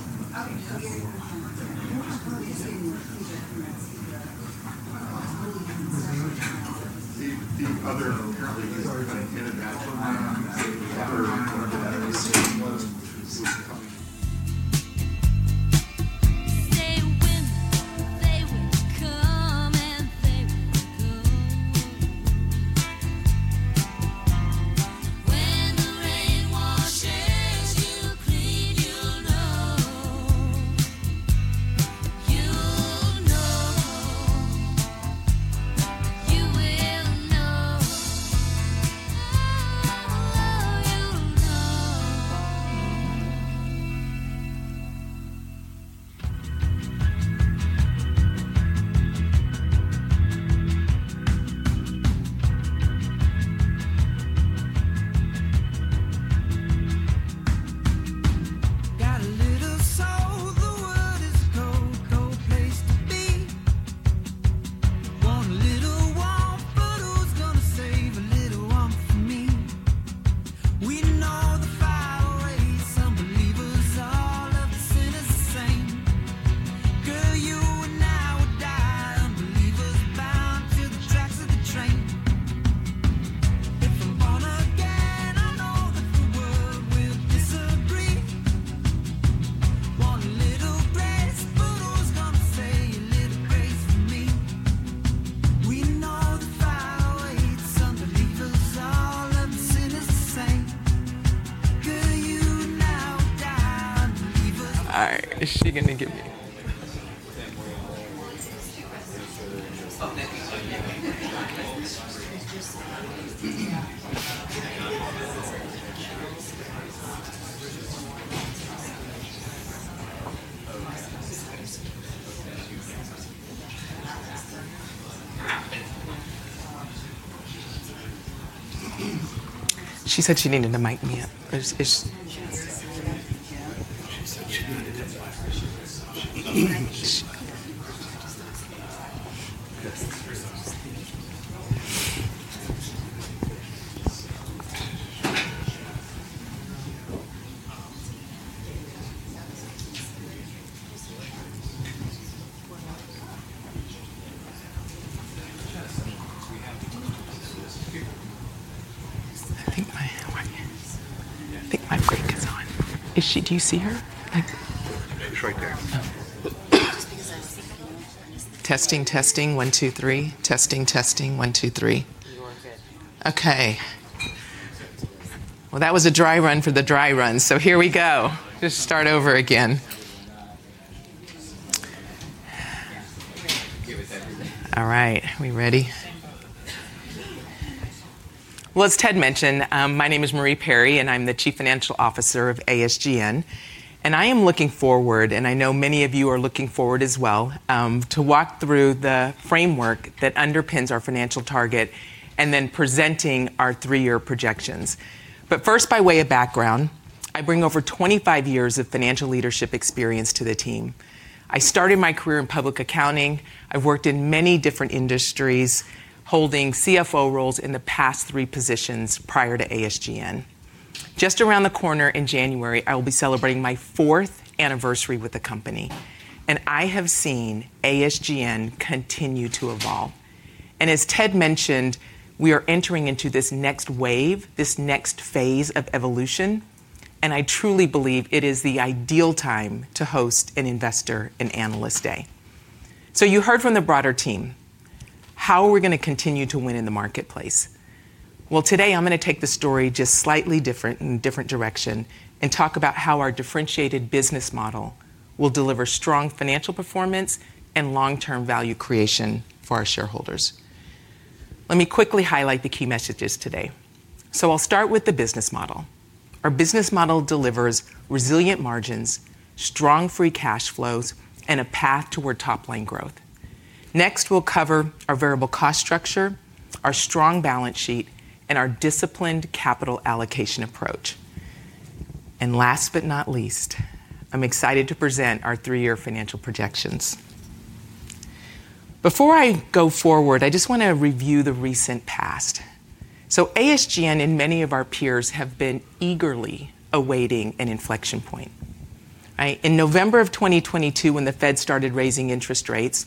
B: I think my mic is on. Is she—do you see her? She's right there. Just because I'm seeing you. Testing, testing, 1, 2, 3. Testing, testing, 1, 2, 3. Okay. That was a dry run for the dry run. Here we go. Just start over again. All right.
L: Are we ready? As Ted mentioned, my name is Marie Perry, and I'm the Chief Financial Officer of ASGN. I am looking forward, and I know many of you are looking forward as well, to walk through the framework that underpins our financial target and then presenting our 3-year projections. First, by way of background, I bring over 25 years of financial leadership experience to the team. I started my career in public accounting. I've worked in many different industries, holding CFO roles in the past 3 positions prior to ASGN. Just around the corner in January, I will be celebrating my fourth anniversary with the company. I have seen ASGN continue to evolve. As Ted mentioned, we are entering into this next wave, this next phase of evolution. I truly believe it is the ideal time to host an Investor and Analyst Day. You heard from the broader team. How are we going to continue to win in the marketplace? Today, I'm going to take the story just slightly different in a different direction and talk about how our differentiated business model will deliver strong financial performance and long-term value creation for our shareholders. Let me quickly highlight the key messages today. I'll start with the business model. Our business model delivers resilient margins, strong free cash flows, and a path toward top-line growth. Next, we'll cover our variable cost structure, our strong balance sheet, and our disciplined capital allocation approach. Last but not least, I'm excited to present our 3-year financial projections. Before I go forward, I just want to review the recent past. ASGN and many of our peers have been eagerly awaiting an inflection point. In November of 2022, when the Fed started raising interest rates,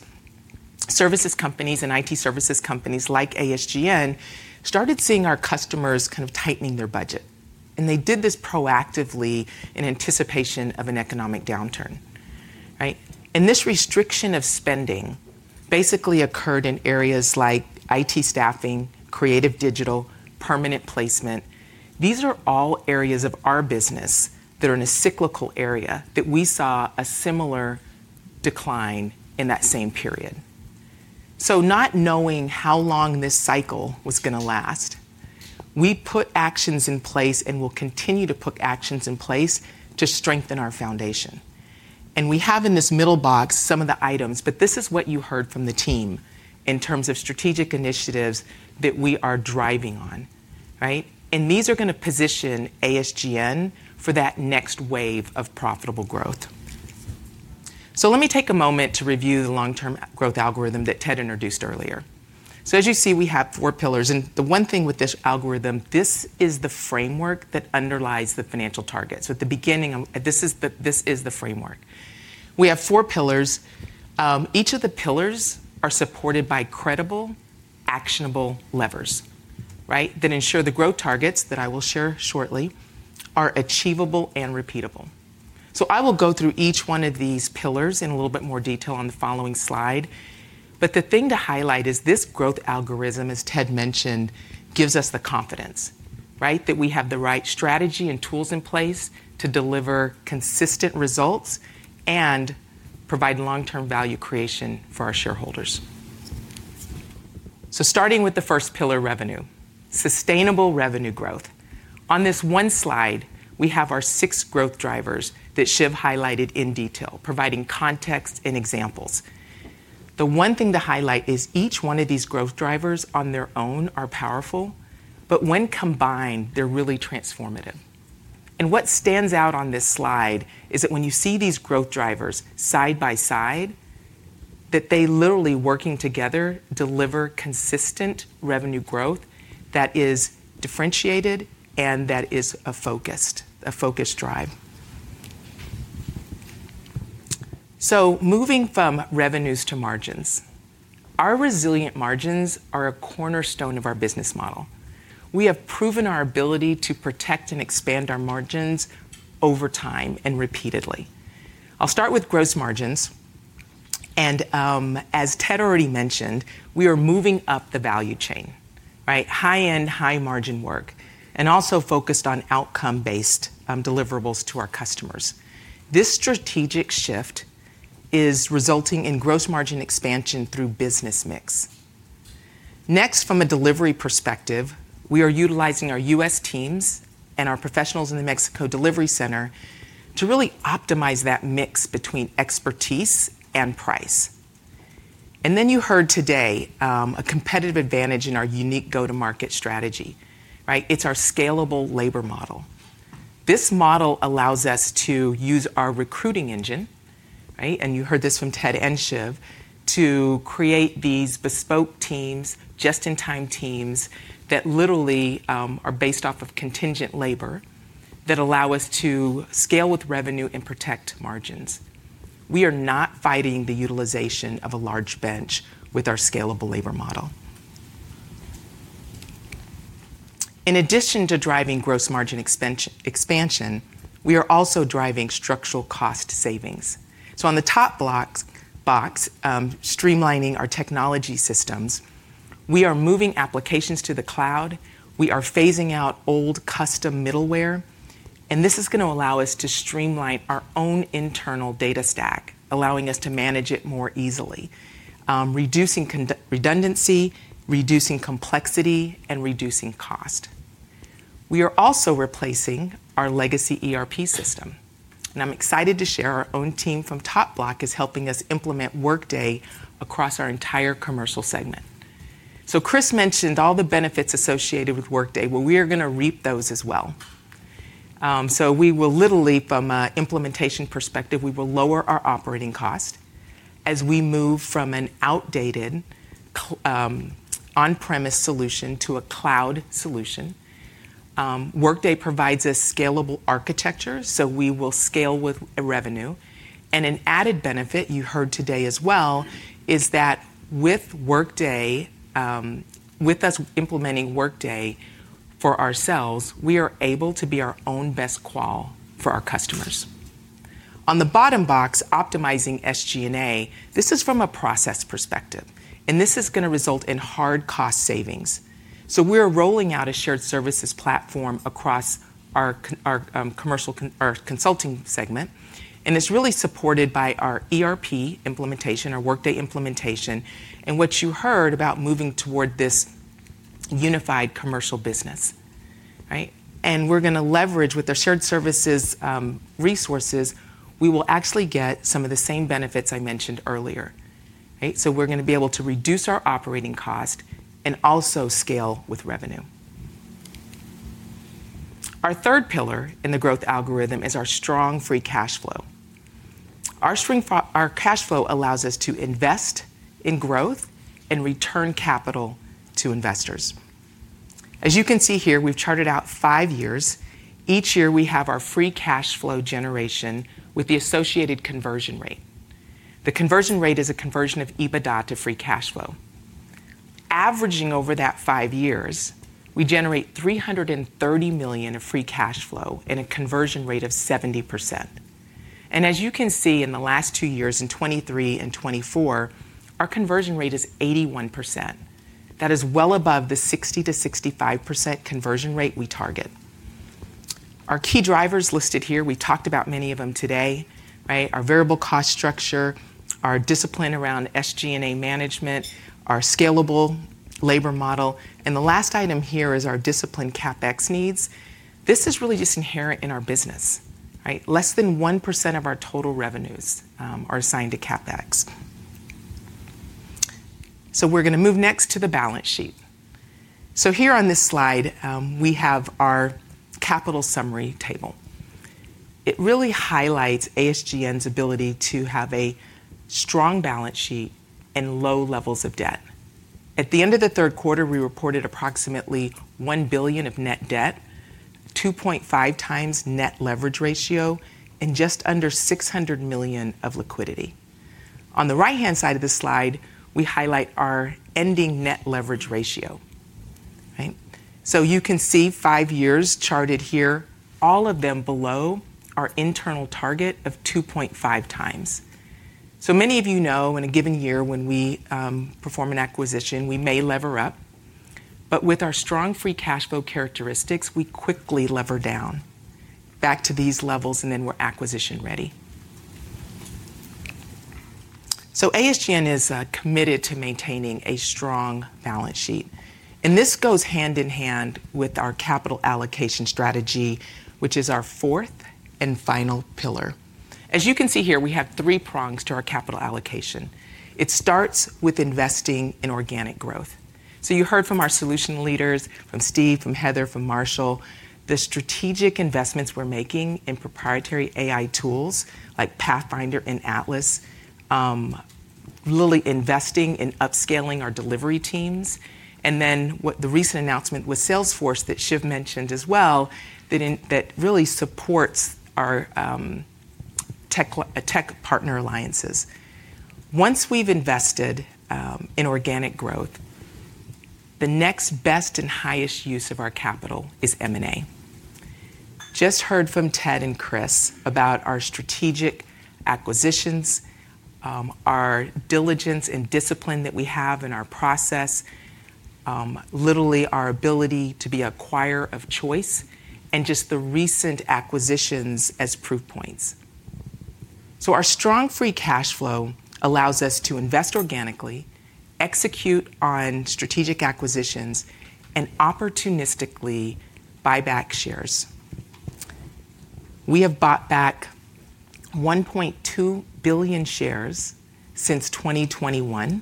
L: services companies and IT services companies like ASGN started seeing our customers kind of tightening their budget. They did this proactively in anticipation of an economic downturn. This restriction of spending basically occurred in areas like IT staffing, creative digital, permanent placement. These are all areas of our business that are in a cyclical area that we saw a similar decline in that same period. Not knowing how long this cycle was going to last, we put actions in place and will continue to put actions in place to strengthen our foundation. We have in this middle box some of the items, but this is what you heard from the team in terms of strategic initiatives that we are driving on. These are going to position ASGN for that next wave of profitable growth. Let me take a moment to review the long-term growth algorithm that Ted introduced earlier. As you see, we have 4 pillars. The one thing with this algorithm, this is the framework that underlies the financial targets. At the beginning, this is the framework. We have 4 pillars. Each of the pillars are supported by credible, actionable levers that ensure the growth targets that I will share shortly are achievable and repeatable. I will go through each one of these pillars in a little bit more detail on the following slide. The thing to highlight is this growth algorithm, as Ted mentioned, gives us the confidence that we have the right strategy and tools in place to deliver consistent results and provide long-term value creation for our shareholders. Starting with the first pillar, revenue. Sustainable revenue growth. On this one slide, we have our 6 growth drivers that Shiv highlighted in detail, providing context and examples. The one thing to highlight is each one of these growth drivers on their own are powerful, but when combined, they're really transformative. What stands out on this slide is that when you see these growth drivers side by side, that they literally, working together, deliver consistent revenue growth that is differentiated and that is a focused drive. Moving from revenues to margins, our resilient margins are a cornerstone of our business model. We have proven our ability to protect and expand our margins over time and repeatedly. I'll start with gross margins. As Ted already mentioned, we are moving up the value chain. High-end, high-margin work, and also focused on outcome-based deliverables to our customers. This strategic shift is resulting in gross margin expansion through business mix. Next, from a delivery perspective, we are utilizing our US teams and our professionals in the Mexico delivery center to really optimize that mix between expertise and price. You heard today a competitive advantage in our unique go-to-market strategy. It's our scalable labor model. This model allows us to use our recruiting engine, and you heard this from Ted and Shiv, to create these bespoke teams, just-in-time teams that literally are based off of contingent labor that allow us to scale with revenue and protect margins. We are not fighting the utilization of a large bench with our scalable labor model. In addition to driving gross margin expansion, we are also driving structural cost savings. On the top box, streamlining our technology systems, we are moving applications to the cloud. We are phasing out old custom middleware. This is going to allow us to streamline our own internal data stack, allowing us to manage it more easily, reducing redundancy, reducing complexity, and reducing cost. We are also replacing our legacy ERP system. I'm excited to share our own team from TopBloc is helping us implement Workday across our entire commercial segment. Chris mentioned all the benefits associated with Workday. We are going to reap those as well. We will literally, from an implementation perspective, lower our operating cost as we move from an outdated on-premise solution to a cloud solution. Workday provides a scalable architecture, so we will scale with revenue. An added benefit you heard today as well is that with us implementing Workday for ourselves, we are able to be our own best qual for our customers. On the bottom box, optimizing SG&A, this is from a process perspective. This is going to result in hard cost savings. We are rolling out a shared services platform across our commercial or consulting segment. It is really supported by our ERP implementation, our Workday implementation, and what you heard about moving toward this unified commercial business. We are going to leverage with our shared services resources, we will actually get some of the same benefits I mentioned earlier. We are going to be able to reduce our operating cost and also scale with revenue. Our third pillar in the growth algorithm is our strong free cash flow. Our cash flow allows us to invest in growth and return capital to investors. As you can see here, we have charted out 5 years. Each year, we have our free cash flow generation with the associated conversion rate. The conversion rate is a conversion of EBITDA to free cash flow. Averaging over that 5 years, we generate $330 million of free cash flow and a conversion rate of 70%. As you can see in the last 2 years, in 2023 and 2024, our conversion rate is 81%. That is well above the 60-65% conversion rate we target. Our key drivers listed here, we talked about many of them today, our variable cost structure, our discipline around SG&A management, our scalable labor model. The last item here is our discipline CapEx needs. This is really just inherent in our business. Less than 1% of our total revenues are assigned to CapEx. We are going to move next to the balance sheet. Here on this slide, we have our capital summary table. It really highlights ASGN's ability to have a strong balance sheet and low levels of debt. At the end of the third quarter, we reported approximately $1 billion of net debt, 2.5 times net leverage ratio, and just under $600 million of liquidity. On the right-hand side of the slide, we highlight our ending net leverage ratio. You can see 5 years charted here, all of them below our internal target of 2.5 times. Many of you know in a given year when we perform an acquisition, we may lever up. With our strong free cash flow characteristics, we quickly lever down back to these levels, and then we're acquisition ready. ASGN is committed to maintaining a strong balance sheet. This goes hand in hand with our capital allocation strategy, which is our fourth and final pillar. As you can see here, we have 3 prongs to our capital allocation. It starts with investing in organic growth. You heard from our solution leaders, from Steve, from Heather, from Marshall, the strategic investments we're making in proprietary AI tools like Pathfinder and Atlas, really investing in upscaling our delivery teams. The recent announcement with Salesforce that Shiv mentioned as well really supports our tech partner alliances. Once we've invested in organic growth, the next best and highest use of our capital is M&A. You just heard from Ted and Chris about our strategic acquisitions, our diligence and discipline that we have in our process, literally our ability to be a choir of choice, and just the recent acquisitions as proof points. Our strong free cash flow allows us to invest organically, execute on strategic acquisitions, and opportunistically buy back shares. We have bought back 1.2 billion shares since 2021.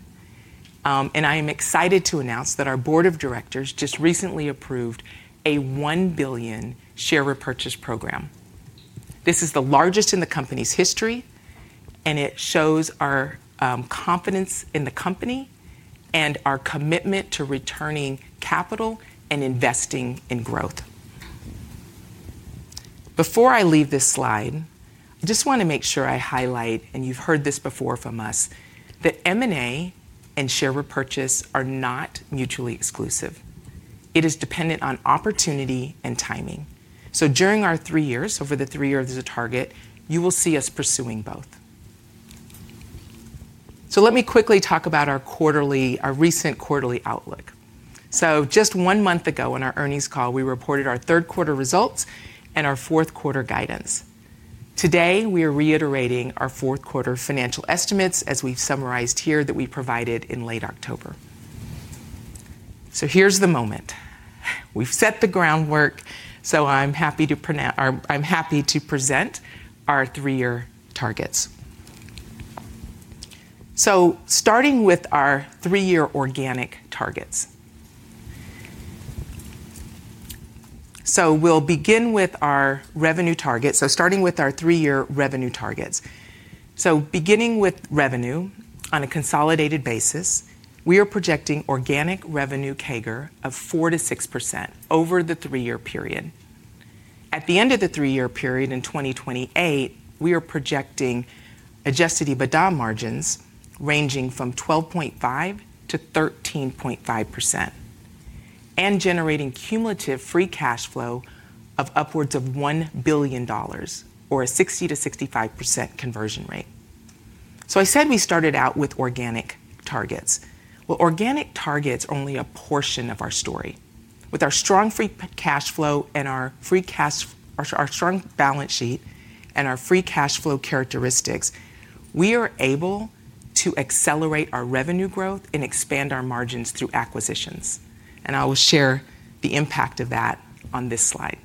L: I am excited to announce that our board of directors just recently approved a 1 billion share repurchase program. This is the largest in the company's history, and it shows our confidence in the company and our commitment to returning capital and investing in growth. Before I leave this slide, I just want to make sure I highlight, and you've heard this before from us, that M&A and share repurchase are not mutually exclusive. It is dependent on opportunity and timing. During our 3 years, over the 3 years as a target, you will see us pursuing both. Let me quickly talk about our recent quarterly outlook. Just one month ago on our earnings call, we reported our third quarter results and our fourth quarter guidance. Today, we are reiterating our fourth quarter financial estimates as we've summarized here that we provided in late October. Here's the moment. We've set the groundwork, so I'm happy to present our 3-year targets. Starting with our 3-year organic targets. We'll begin with our revenue targets. Starting with our 3-year revenue targets. Beginning with revenue on a consolidated basis, we are projecting organic revenue CAGR of 4-6% over the 3-year period. At the end of the 3-year period in 2028, we are projecting Adjusted EBITDA margins ranging from 12.5-13.5% and generating cumulative free cash flow of upwards of $1 billion or a 60-65% conversion rate. I said we started out with organic targets. Organic targets are only a portion of our story. With our strong free cash flow and our strong balance sheet and our free cash flow characteristics, we are able to accelerate our revenue growth and expand our margins through acquisitions. I will share the impact of that on this slide.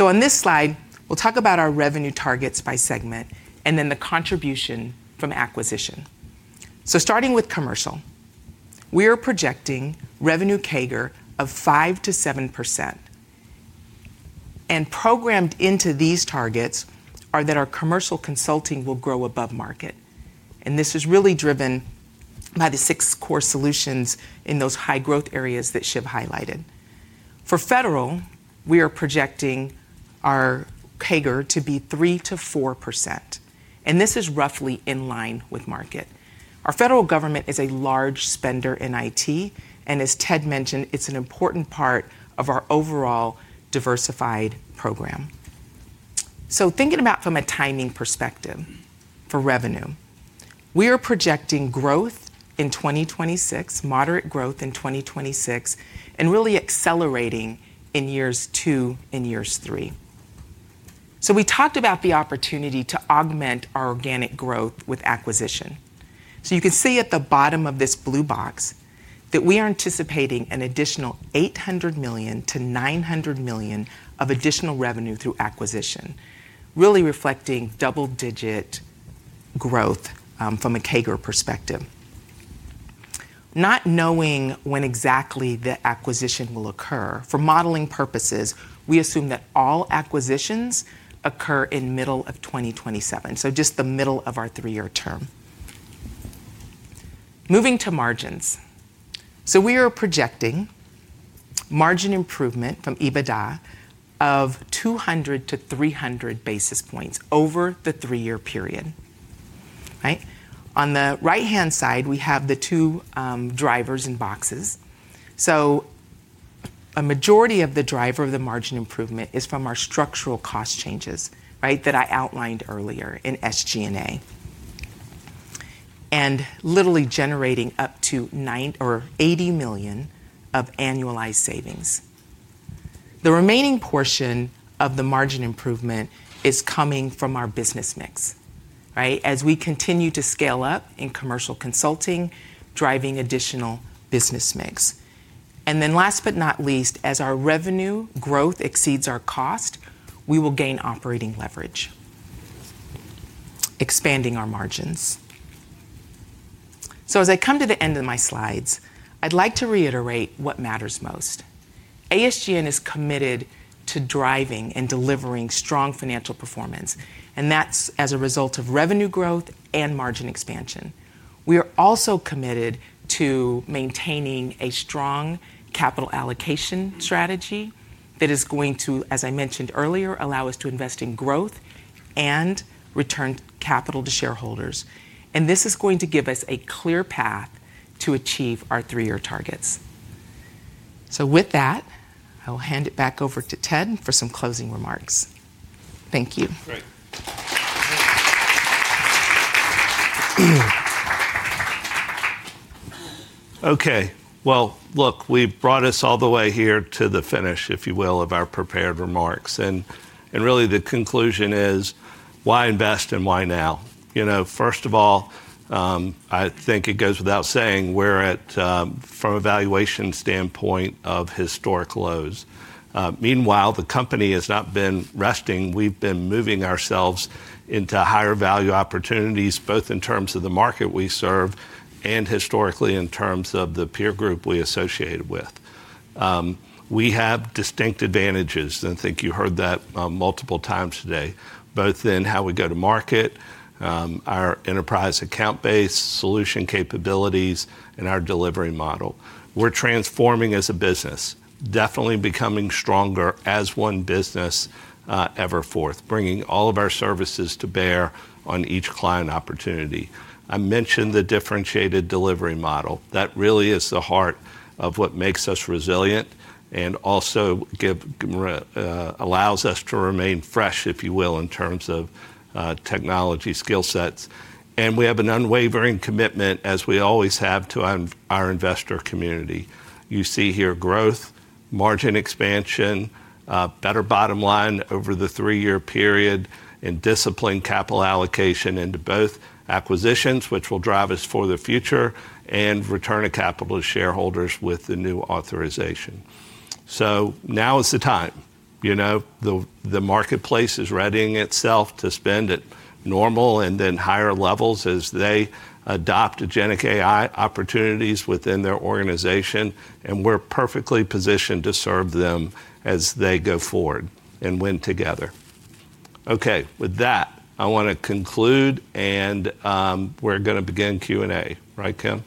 L: On this slide, we'll talk about our revenue targets by segment and then the contribution from acquisition. Starting with commercial, we are projecting revenue CAGR of 5-7%. Programmed into these targets are that our commercial consulting will grow above market. This is really driven by the 6 core solutions in those high growth areas that Shiv highlighted. For federal, we are projecting our CAGR to be 3-4%. This is roughly in line with market. Our federal government is a large spender in IT. As Ted mentioned, it's an important part of our overall diversified program. Thinking about from a timing perspective for revenue, we are projecting growth in 2026, moderate growth in 2026, and really accelerating in years 2 and years 3. We talked about the opportunity to augment our organic growth with acquisition. You can see at the bottom of this blue box that we are anticipating an additional $800 million-$900 million of additional revenue through acquisition, really reflecting double-digit growth from a CAGR perspective. Not knowing when exactly the acquisition will occur, for modeling purposes, we assume that all acquisitions occur in the middle of 2027, just the middle of our 3-year term. Moving to margins. We are projecting margin improvement from EBITDA of 200-300 basis points over the 3-year period. On the right-hand side, we have the 2 drivers and boxes. A majority of the driver of the margin improvement is from our structural cost changes that I outlined earlier in SG&A and literally generating up to $80 million of annualized savings. The remaining portion of the margin improvement is coming from our business mix. As we continue to scale up in commercial consulting, driving additional business mix. Last but not least, as our revenue growth exceeds our cost, we will gain operating leverage, expanding our margins. As I come to the end of my slides, I'd like to reiterate what matters most. ASGN is committed to driving and delivering strong financial performance. That's as a result of revenue growth and margin expansion. We are also committed to maintaining a strong capital allocation strategy that is going to, as I mentioned earlier, allow us to invest in growth and return capital to shareholders. This is going to give us a clear path to achieve our 3-year targets. With that, I'll hand it back over to Ted for some closing remarks. Thank you.
B: Great. Okay. Look, we've brought us all the way here to the finish, if you will, of our prepared remarks. Really, the conclusion is why invest and why now? First of all, I think it goes without saying we're at, from a valuation standpoint, historic lows. Meanwhile, the company has not been resting. We've been moving ourselves into higher value opportunities, both in terms of the market we serve and historically in terms of the peer group we associate with. We have distinct advantages. I think you heard that multiple times today, both in how we go to market, our enterprise account-based solution capabilities, and our delivery model. We're transforming as a business, definitely becoming stronger as one business EverForth, bringing all of our services to bear on each client opportunity. I mentioned the differentiated delivery model. That really is the heart of what makes us resilient and also allows us to remain fresh, if you will, in terms of technology skill sets. We have an unwavering commitment, as we always have, to our investor community. You see here growth, margin expansion, better bottom line over the 3-year period, and disciplined capital allocation into both acquisitions, which will drive us for the future, and return of capital to shareholders with the new authorization. Now is the time. The marketplace is readying itself to spend at normal and then higher levels as they adopt agentic AI opportunities within their organization. We are perfectly positioned to serve them as they go forward and win together. Okay. With that, I want to conclude, and we're going to begin Q&A. Right, Kim?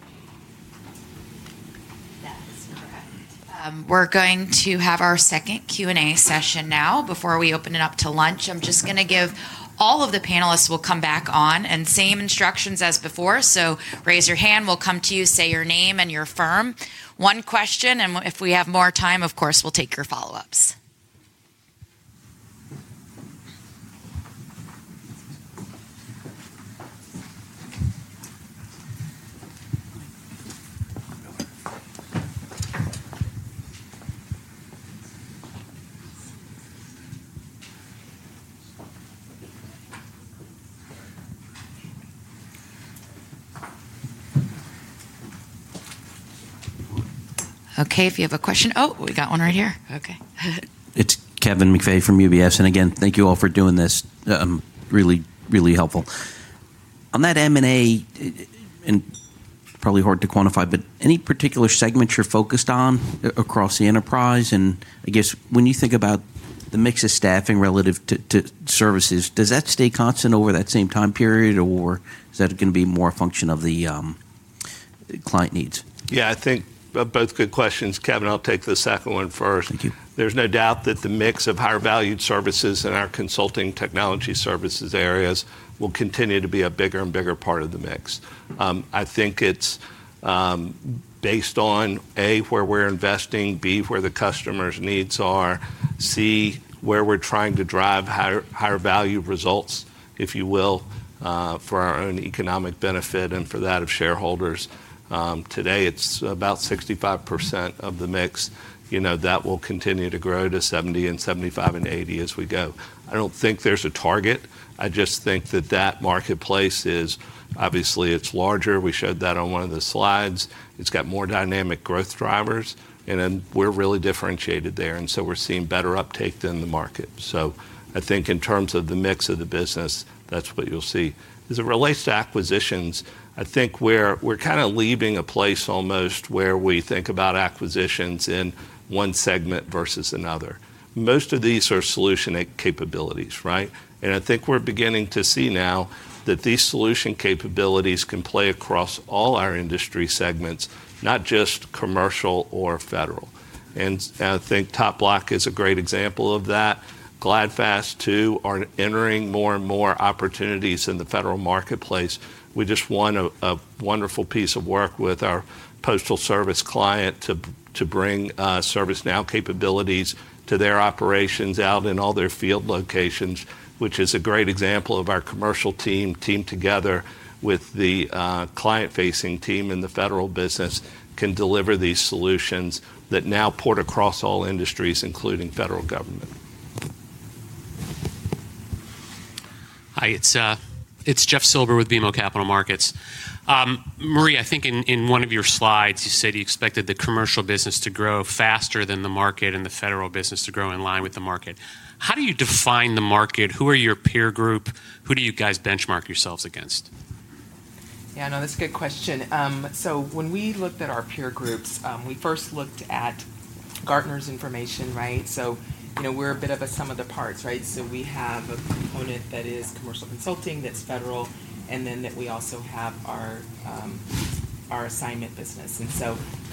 A: That is correct. We're going to have our second Q&A session now. Before we open it up to lunch, I'm just going to give all of the panelists will come back on and same instructions as before. Raise your hand. We'll come to you, say your name and your firm. One question, and if we have more time, of course, we'll take your follow-ups. Okay. If you have a question, oh, we got one right here. Okay.
I: It's Kevin McVeigh from UBS. Again, thank you all for doing this. Really, really helpful. On that M&A, and probably hard to quantify, but any particular segments you're focused on across the enterprise? I guess when you think about the mix of staffing relative to services, does that stay constant over that same time period, or is that going to be more a function of the client needs?
B: Yeah, I think both good questions. Kevin, I'll take the second one first. Thank you. There's no doubt that the mix of higher valued services and our consulting technology services areas will continue to be a bigger and bigger part of the mix. I think it's based on, A, where we're investing, B, where the customers' needs are, C, where we're trying to drive higher value results, if you will, for our own economic benefit and for that of shareholders. Today, it's about 65% of the mix. That will continue to grow to 70-75-80% as we go. I don't think there's a target. I just think that that marketplace is obviously larger. We showed that on one of the slides. It's got more dynamic growth drivers. We're really differentiated there. We're seeing better uptake than the market. I think in terms of the mix of the business, that's what you'll see. As it relates to acquisitions, I think we're kind of leaving a place almost where we think about acquisitions in one segment versus another. Most of these are solution capabilities. I think we're beginning to see now that these solution capabilities can play across all our industry segments, not just commercial or federal. I think TopBloc is a great example of that. GlideFast, too, are entering more and more opportunities in the federal marketplace. We just won a wonderful piece of work with our postal service client to bring ServiceNow capabilities to their operations out in all their field locations, which is a great example of our commercial team teamed together with the client-facing team in the federal business can deliver these solutions that now port across all industries, including federal government.
M: Hi. It's Jeff Silber with BMO Capital Markets. Marie, I think in one of your slides, you said you expected the commercial business to grow faster than the market and the federal business to grow in line with the market. How do you define the market? Who are your peer group? Who do you guys benchmark yourselves against?
L: Yeah, no, that's a good question. When we looked at our peer groups, we first looked at Gartner's information. We're a bit of a sum of the parts. We have a component that is commercial consulting, that's federal, and then we also have our assignment business.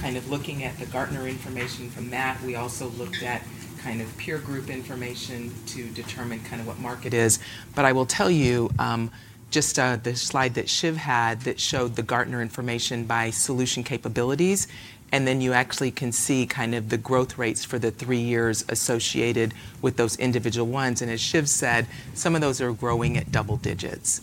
L: Kind of looking at the Gartner information from that, we also looked at peer group information to determine what market is. I will tell you just the slide that Shiv had that showed the Gartner information by solution capabilities. You actually can see the growth rates for the 3 years associated with those individual ones. As Shiv said, some of those are growing at double digits.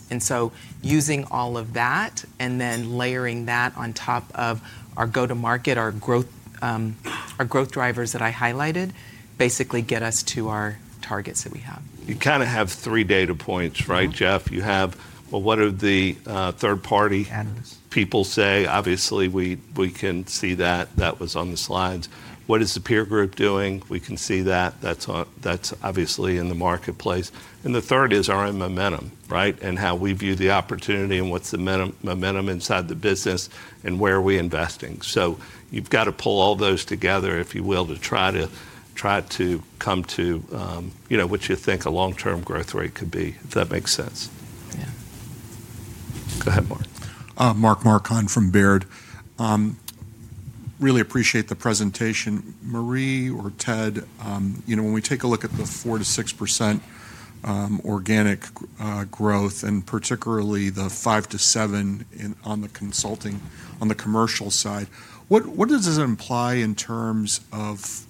L: Using all of that and then layering that on top of our go-to-market, our growth drivers that I highlighted basically get us to our targets that we have.
B: You kind of have 3 data points, right, Jeff? You have, well, what are the third-party people say? Obviously, we can see that. That was on the slides. What is the peer group doing? We can see that. That's obviously in the marketplace. The third is our own momentum and how we view the opportunity and what's the momentum inside the business and where are we investing. You have to pull all those together, if you will, to try to come to what you think a long-term growth rate could be, if that makes sense. Yeah. Go ahead, Mark.
H: Mark Marcon from Baird. Really appreciate the presentation. Marie or Ted, when we take a look at the 4-6% organic growth, and particularly the 5-7% on the consulting on the commercial side, what does this imply in terms of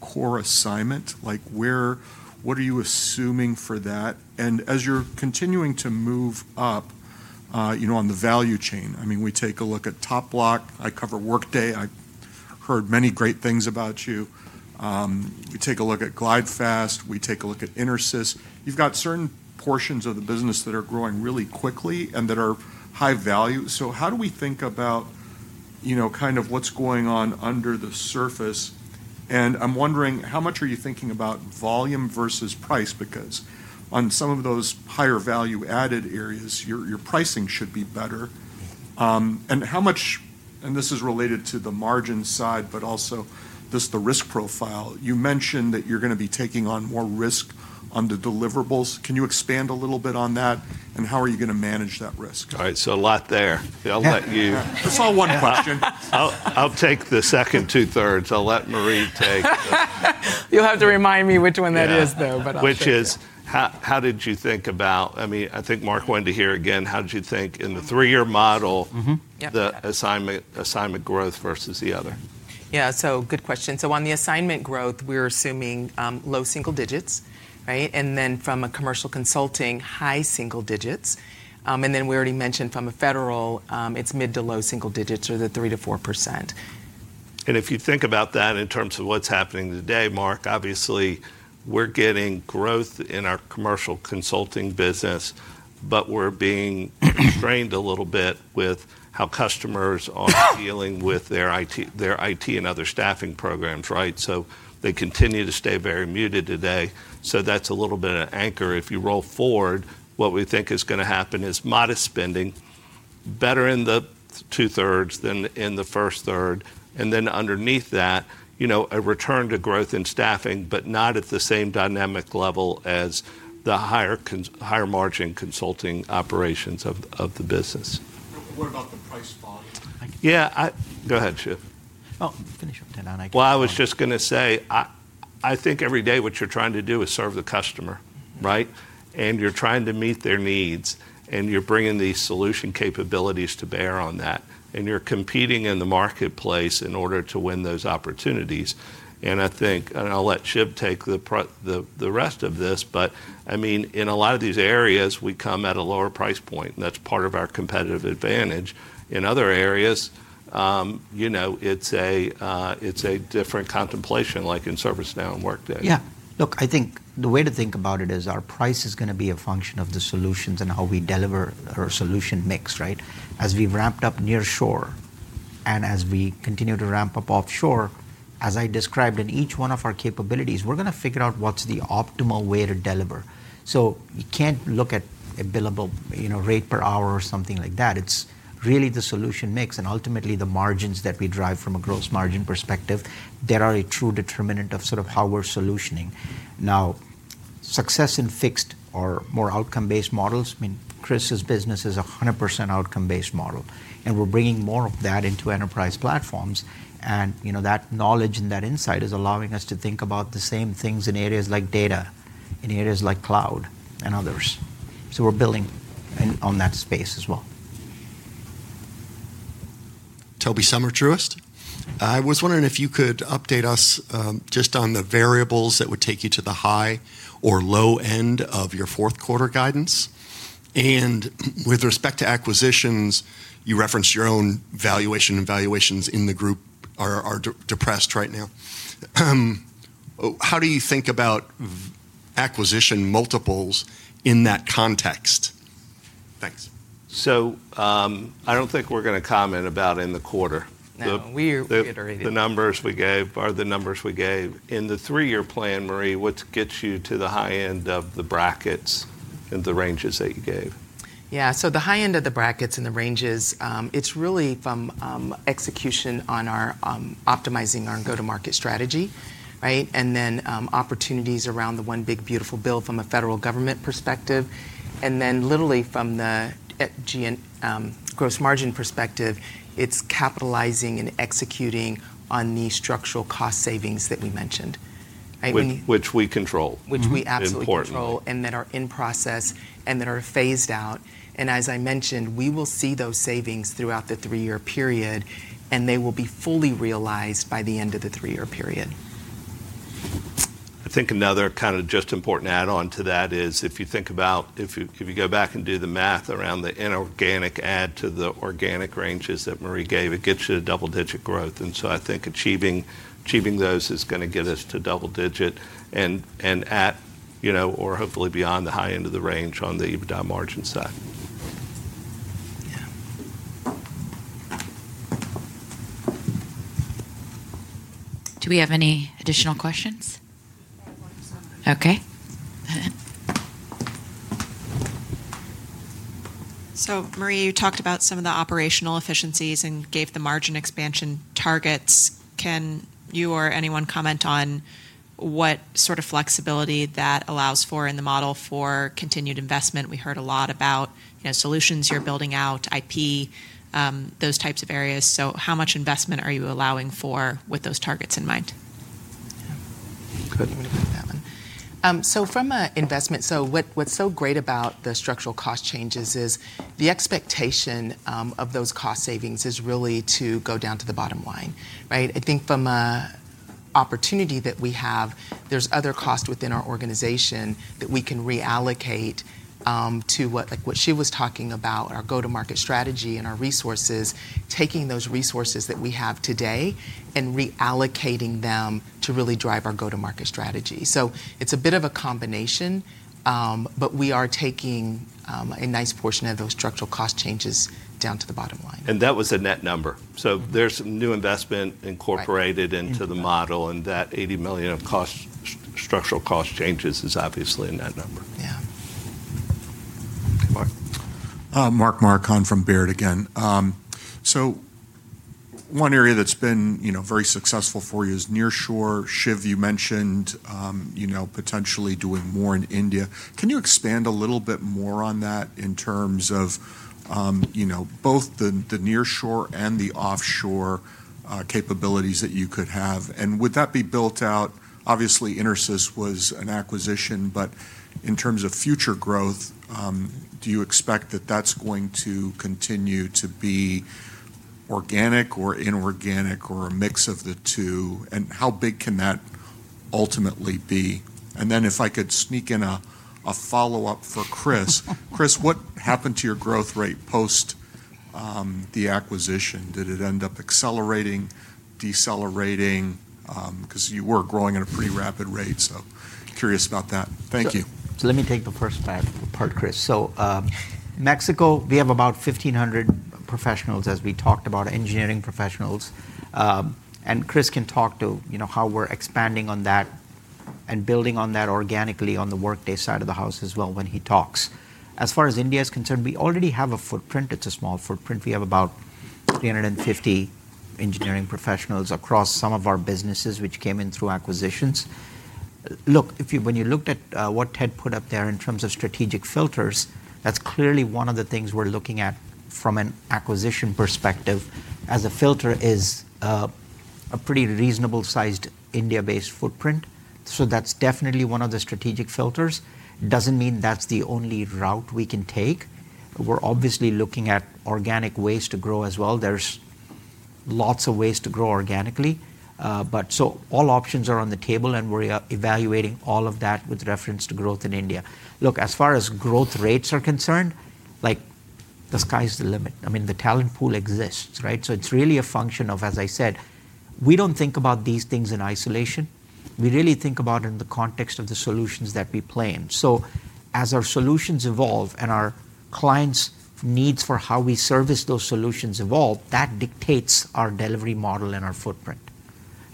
H: core assignment? What are you assuming for that? As you're continuing to move up on the value chain, I mean, we take a look at TopBloc. I cover Workday. I heard many great things about you. We take a look at GlideFast. We take a look at InterSys. You've got certain portions of the business that are growing really quickly and that are high value. How do we think about kind of what's going on under the surface? I'm wondering, how much are you thinking about volume versus price? Because on some of those higher value-added areas, your pricing should be better. This is related to the margin side, but also just the risk profile. You mentioned that you're going to be taking on more risk on the deliverables. Can you expand a little bit on that? How are you going to manage that risk?
B: All right. A lot there. I'll let you.
H: It's all one question.
B: I'll take the second 2-thirds. I'll let Marie take the.
L: You'll have to remind me which one that is, though.
B: Which is, how did you think about, I mean, I think Mark wanted to hear again, how did you think in the 3-year model, the assignment growth versus the other?
L: Yeah. Good question. On the assignment growth, we're assuming low single digits. From a commercial consulting, high single digits. We already mentioned from a federal, it's mid to low single digits or the 3%-4%.
B: If you think about that in terms of what's happening today, Mark, obviously, we're getting growth in our commercial consulting business, but we're being strained a little bit with how customers are dealing with their IT and other staffing programs. They continue to stay very muted today. That's a little bit of anchor. If you roll forward, what we think is going to happen is modest spending, better in the 2-thirds than in the first-third. Underneath that, a return to growth in staffing, but not at the same dynamic level as the higher margin consulting operations of the business.
H: What about the price volume?
B: Yeah. Go ahead, Shiv.
C: Oh, finish up, Ted.
B: I was just going to say, I think every day what you're trying to do is serve the customer. And you're trying to meet their needs. And you're bringing these solution capabilities to bear on that. And you're competing in the marketplace in order to win those opportunities. I think, and I'll let Shiv take the rest of this, but I mean, in a lot of these areas, we come at a lower price point. And that's part of our competitive advantage. In other areas, it's a different contemplation, like in ServiceNow and Workday.
C: Yeah. Look, I think the way to think about it is our price is going to be a function of the solutions and how we deliver our solution mix. As we've ramped up nearshore and as we continue to ramp up offshore, as I described in each one of our capabilities, we're going to figure out what's the optimal way to deliver. You can't look at a billable rate per hour or something like that. It's really the solution mix and ultimately the margins that we drive from a gross margin perspective. They are a true determinant of sort of how we're solutioning. Now, success in fixed or more outcome-based models, I mean, Chris's business is a 100% outcome-based model. And we're bringing more of that into enterprise platforms. That knowledge and that insight is allowing us to think about the same things in areas like data, in areas like cloud, and others. We are building on that space as well.
G: I was wondering if you could update us just on the variables that would take you to the high or low end of your fourth-quarter guidance. With respect to acquisitions, you referenced your own valuation and valuations in the group are depressed right now. How do you think about acquisition multiples in that context? Thanks.
B: I don't think we're going to comment about in the quarter. No, we reiterated. The numbers we gave are the numbers we gave. In the 3-year plan, Marie, what gets you to the high end of the brackets and the ranges that you gave?
L: Yeah. The high end of the brackets and the ranges, it's really from execution on optimizing our go-to-market strategy. Then opportunities around the one big beautiful bill from a federal government perspective. Literally from the gross margin perspective, it's capitalizing and executing on the structural cost savings that we mentioned.
B: Which we control.
L: Which we absolutely control.
B: Important.
L: That are in process and that are phased out. As I mentioned, we will see those savings throughout the 3-year period. They will be fully realized by the end of the 3-year period.
B: I think another kind of just important add-on to that is if you think about if you go back and do the math around the inorganic add to the organic ranges that Marie gave, it gets you to double-digit growth. I think achieving those is going to get us to double-digit and at or hopefully beyond the high end of the range on the EBITDA margin side.
A: Yeah. Do we have any additional questions? OK.
J: So Marie, you talked about some of the operational efficiencies and gave the margin expansion targets. Can you or anyone comment on what sort of flexibility that allows for in the model for continued investment? We heard a lot about solutions you're building out, IP, those types of areas. So how much investment are you allowing for with those targets in mind?
L: Good. Let me put that one. From an investment, what's so great about the structural cost changes is the expectation of those cost savings is really to go down to the bottom line. I think from an opportunity that we have, there's other costs within our organization that we can reallocate to what Shiv was talking about, our go-to-market strategy and our resources, taking those resources that we have today and reallocating them to really drive our go-to-market strategy. It is a bit of a combination. We are taking a nice portion of those structural cost changes down to the bottom line.
B: That was a net number. There is new investment incorporated into the model. That $80 million of structural cost changes is obviously a net number.
L: Yeah.
H: Mark Marcon from Baird again. One area that's been very successful for you is nearshore. Shiv, you mentioned potentially doing more in India. Can you expand a little bit more on that in terms of both the nearshore and the offshore capabilities that you could have? Would that be built out? Obviously, InterSys was an acquisition. In terms of future growth, do you expect that that's going to continue to be organic or inorganic or a mix of the 2? How big can that ultimately be? If I could sneak in a follow-up for Chris. Chris, what happened to your growth rate post the acquisition? Did it end up accelerating, decelerating? You were growing at a pretty rapid rate. Curious about that. Thank you.
C: Let me take the first part, Chris. Mexico, we have about 1,500 professionals, as we talked about, engineering professionals. Chris can talk to how we're expanding on that and building on that organically on the Workday side of the house as well when he talks. As far as India is concerned, we already have a footprint. It's a small footprint. We have about 350 engineering professionals across some of our businesses which came in through acquisitions. Look, when you looked at what Ted put up there in terms of strategic filters, that's clearly one of the things we're looking at from an acquisition perspective as a filter is a pretty reasonable-sized India-based footprint. That's definitely one of the strategic filters. Doesn't mean that's the only route we can take. We're obviously looking at organic ways to grow as well. There's lots of ways to grow organically. All options are on the table. We're evaluating all of that with reference to growth in India. Look, as far as growth rates are concerned, the sky's the limit. I mean, the talent pool exists. It's really a function of, as I said, we don't think about these things in isolation. We really think about it in the context of the solutions that we plan. As our solutions evolve and our clients' needs for how we service those solutions evolve, that dictates our delivery model and our footprint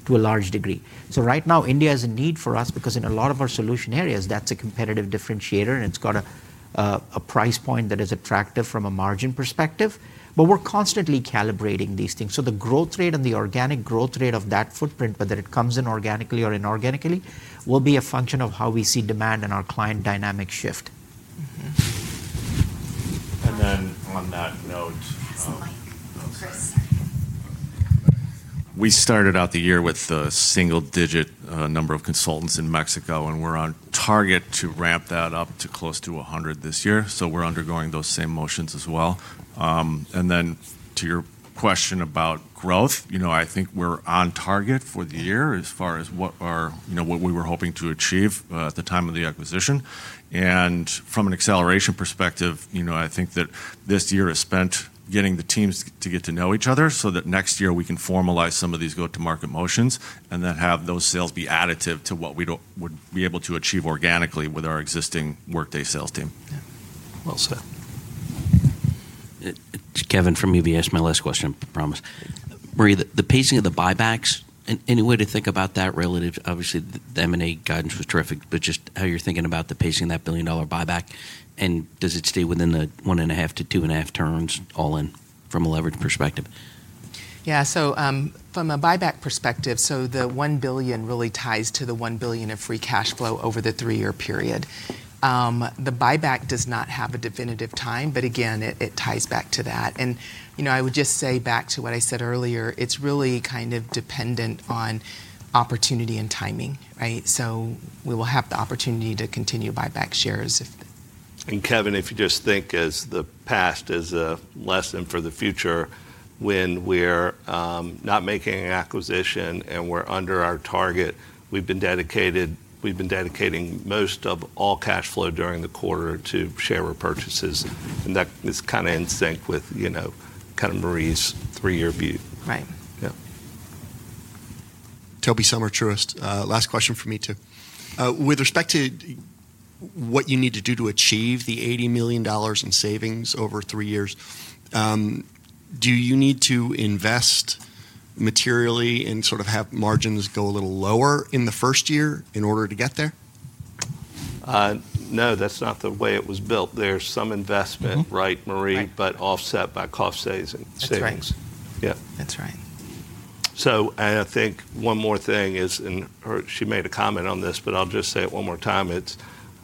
C: to a large degree. Right now, India has a need for us because in a lot of our solution areas, that's a competitive differentiator. It's got a price point that is attractive from a margin perspective. We're constantly calibrating these things. The growth rate and the organic growth rate of that footprint, whether it comes in organically or inorganically, will be a function of how we see demand and our client dynamic shift.
K: On that note. This is Mike. We started out the year with the single-digit number of consultants in Mexico. We're on target to ramp that up to close to 100 this year. We're undergoing those same motions as well. To your question about growth, I think we're on target for the year as far as what we were hoping to achieve at the time of the acquisition. From an acceleration perspective, I think that this year is spent getting the teams to get to know each other so that next year we can formalize some of these go-to-market motions and then have those sales be additive to what we would be able to achieve organically with our existing Workday sales team.
I: Kevin, from UBS, my last question, I promise. Marie, the pacing of the buybacks, any way to think about that relative to obviously, the M&A guidance was terrific. Just how you're thinking about the pacing of that billion-dollar buyback. Does it stay within the 1.5-2.5 turns all in from a leverage perspective?
L: Yeah. From a buyback perspective, the $1 billion really ties to the $1 billion of free cash flow over the 3-year period. The buyback does not have a definitive time. Again, it ties back to that. I would just say back to what I said earlier, it is really kind of dependent on opportunity and timing. We will have the opportunity to continue to buy back shares.
B: Kevin, if you just think as the past as a lesson for the future, when we're not making an acquisition and we're under our target, we've been dedicating most of all cash flow during the quarter to share repurchases. That is kind of in sync with kind of Marie's 3-year view.
L: Right.
G: Last question for me, too. With respect to what you need to do to achieve the $80 million in savings over 3 years, do you need to invest materially and sort of have margins go a little lower in the first year in order to get there?
A: No, that's not the way it was built. There's some investment, right, Marie, but offset by cost savings.
G: That's right.
B: Yeah.
G: That's right.
B: I think one more thing is, and she made a comment on this, but I'll just say it one more time.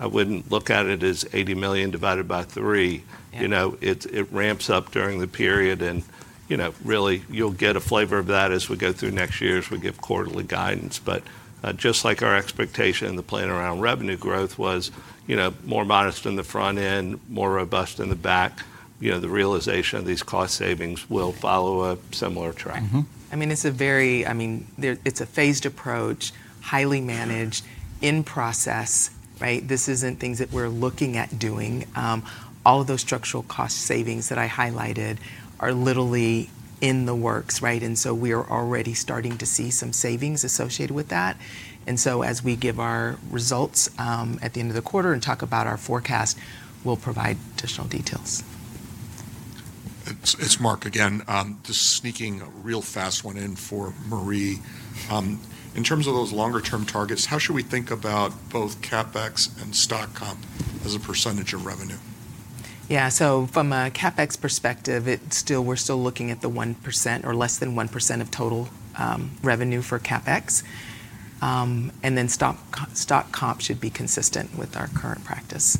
B: I wouldn't look at it as $80 million divided by 3. It ramps up during the period. Really, you'll get a flavor of that as we go through next year as we give quarterly guidance. Just like our expectation and the plan around revenue growth was more modest in the front end, more robust in the back, the realization of these cost savings will follow a similar track.
L: I mean, it's a very, I mean, it's a phased approach, highly managed, in process. This isn't things that we're looking at doing. All of those structural cost savings that I highlighted are literally in the works. We are already starting to see some savings associated with that. As we give our results at the end of the quarter and talk about our forecast, we'll provide additional details.
H: It's Mark, again. Just sneaking a real fast one in for Marie. In terms of those longer-term targets, how should we think about both CapEx and stock comp as a percentage of revenue?
L: Yeah. From a CapEx perspective, we're still looking at the 1% or less than 1% of total revenue for CapEx. Stock comp should be consistent with our current practice.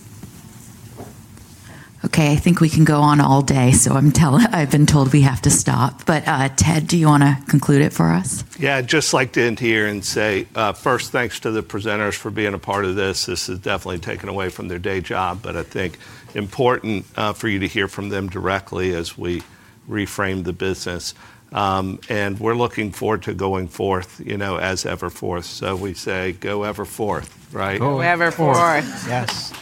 A: OK. I think we can go on all day. I have been told we have to stop. Ted, do you want to conclude it for us?
B: Yeah. I'd just like to end here and say, first, thanks to the presenters for being a part of this. This is definitely taken away from their day job. I think important for you to hear from them directly as we reframe the business. We're looking forward to going forth as EverForth. We say, go EverForth. Right? Go EverForth. Yes.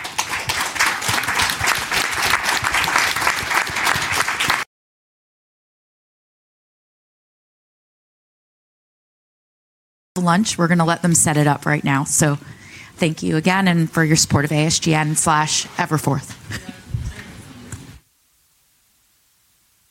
A: Lunch. We're going to let them set it up right now. Thank you again and for your support of ASGN, EverForth.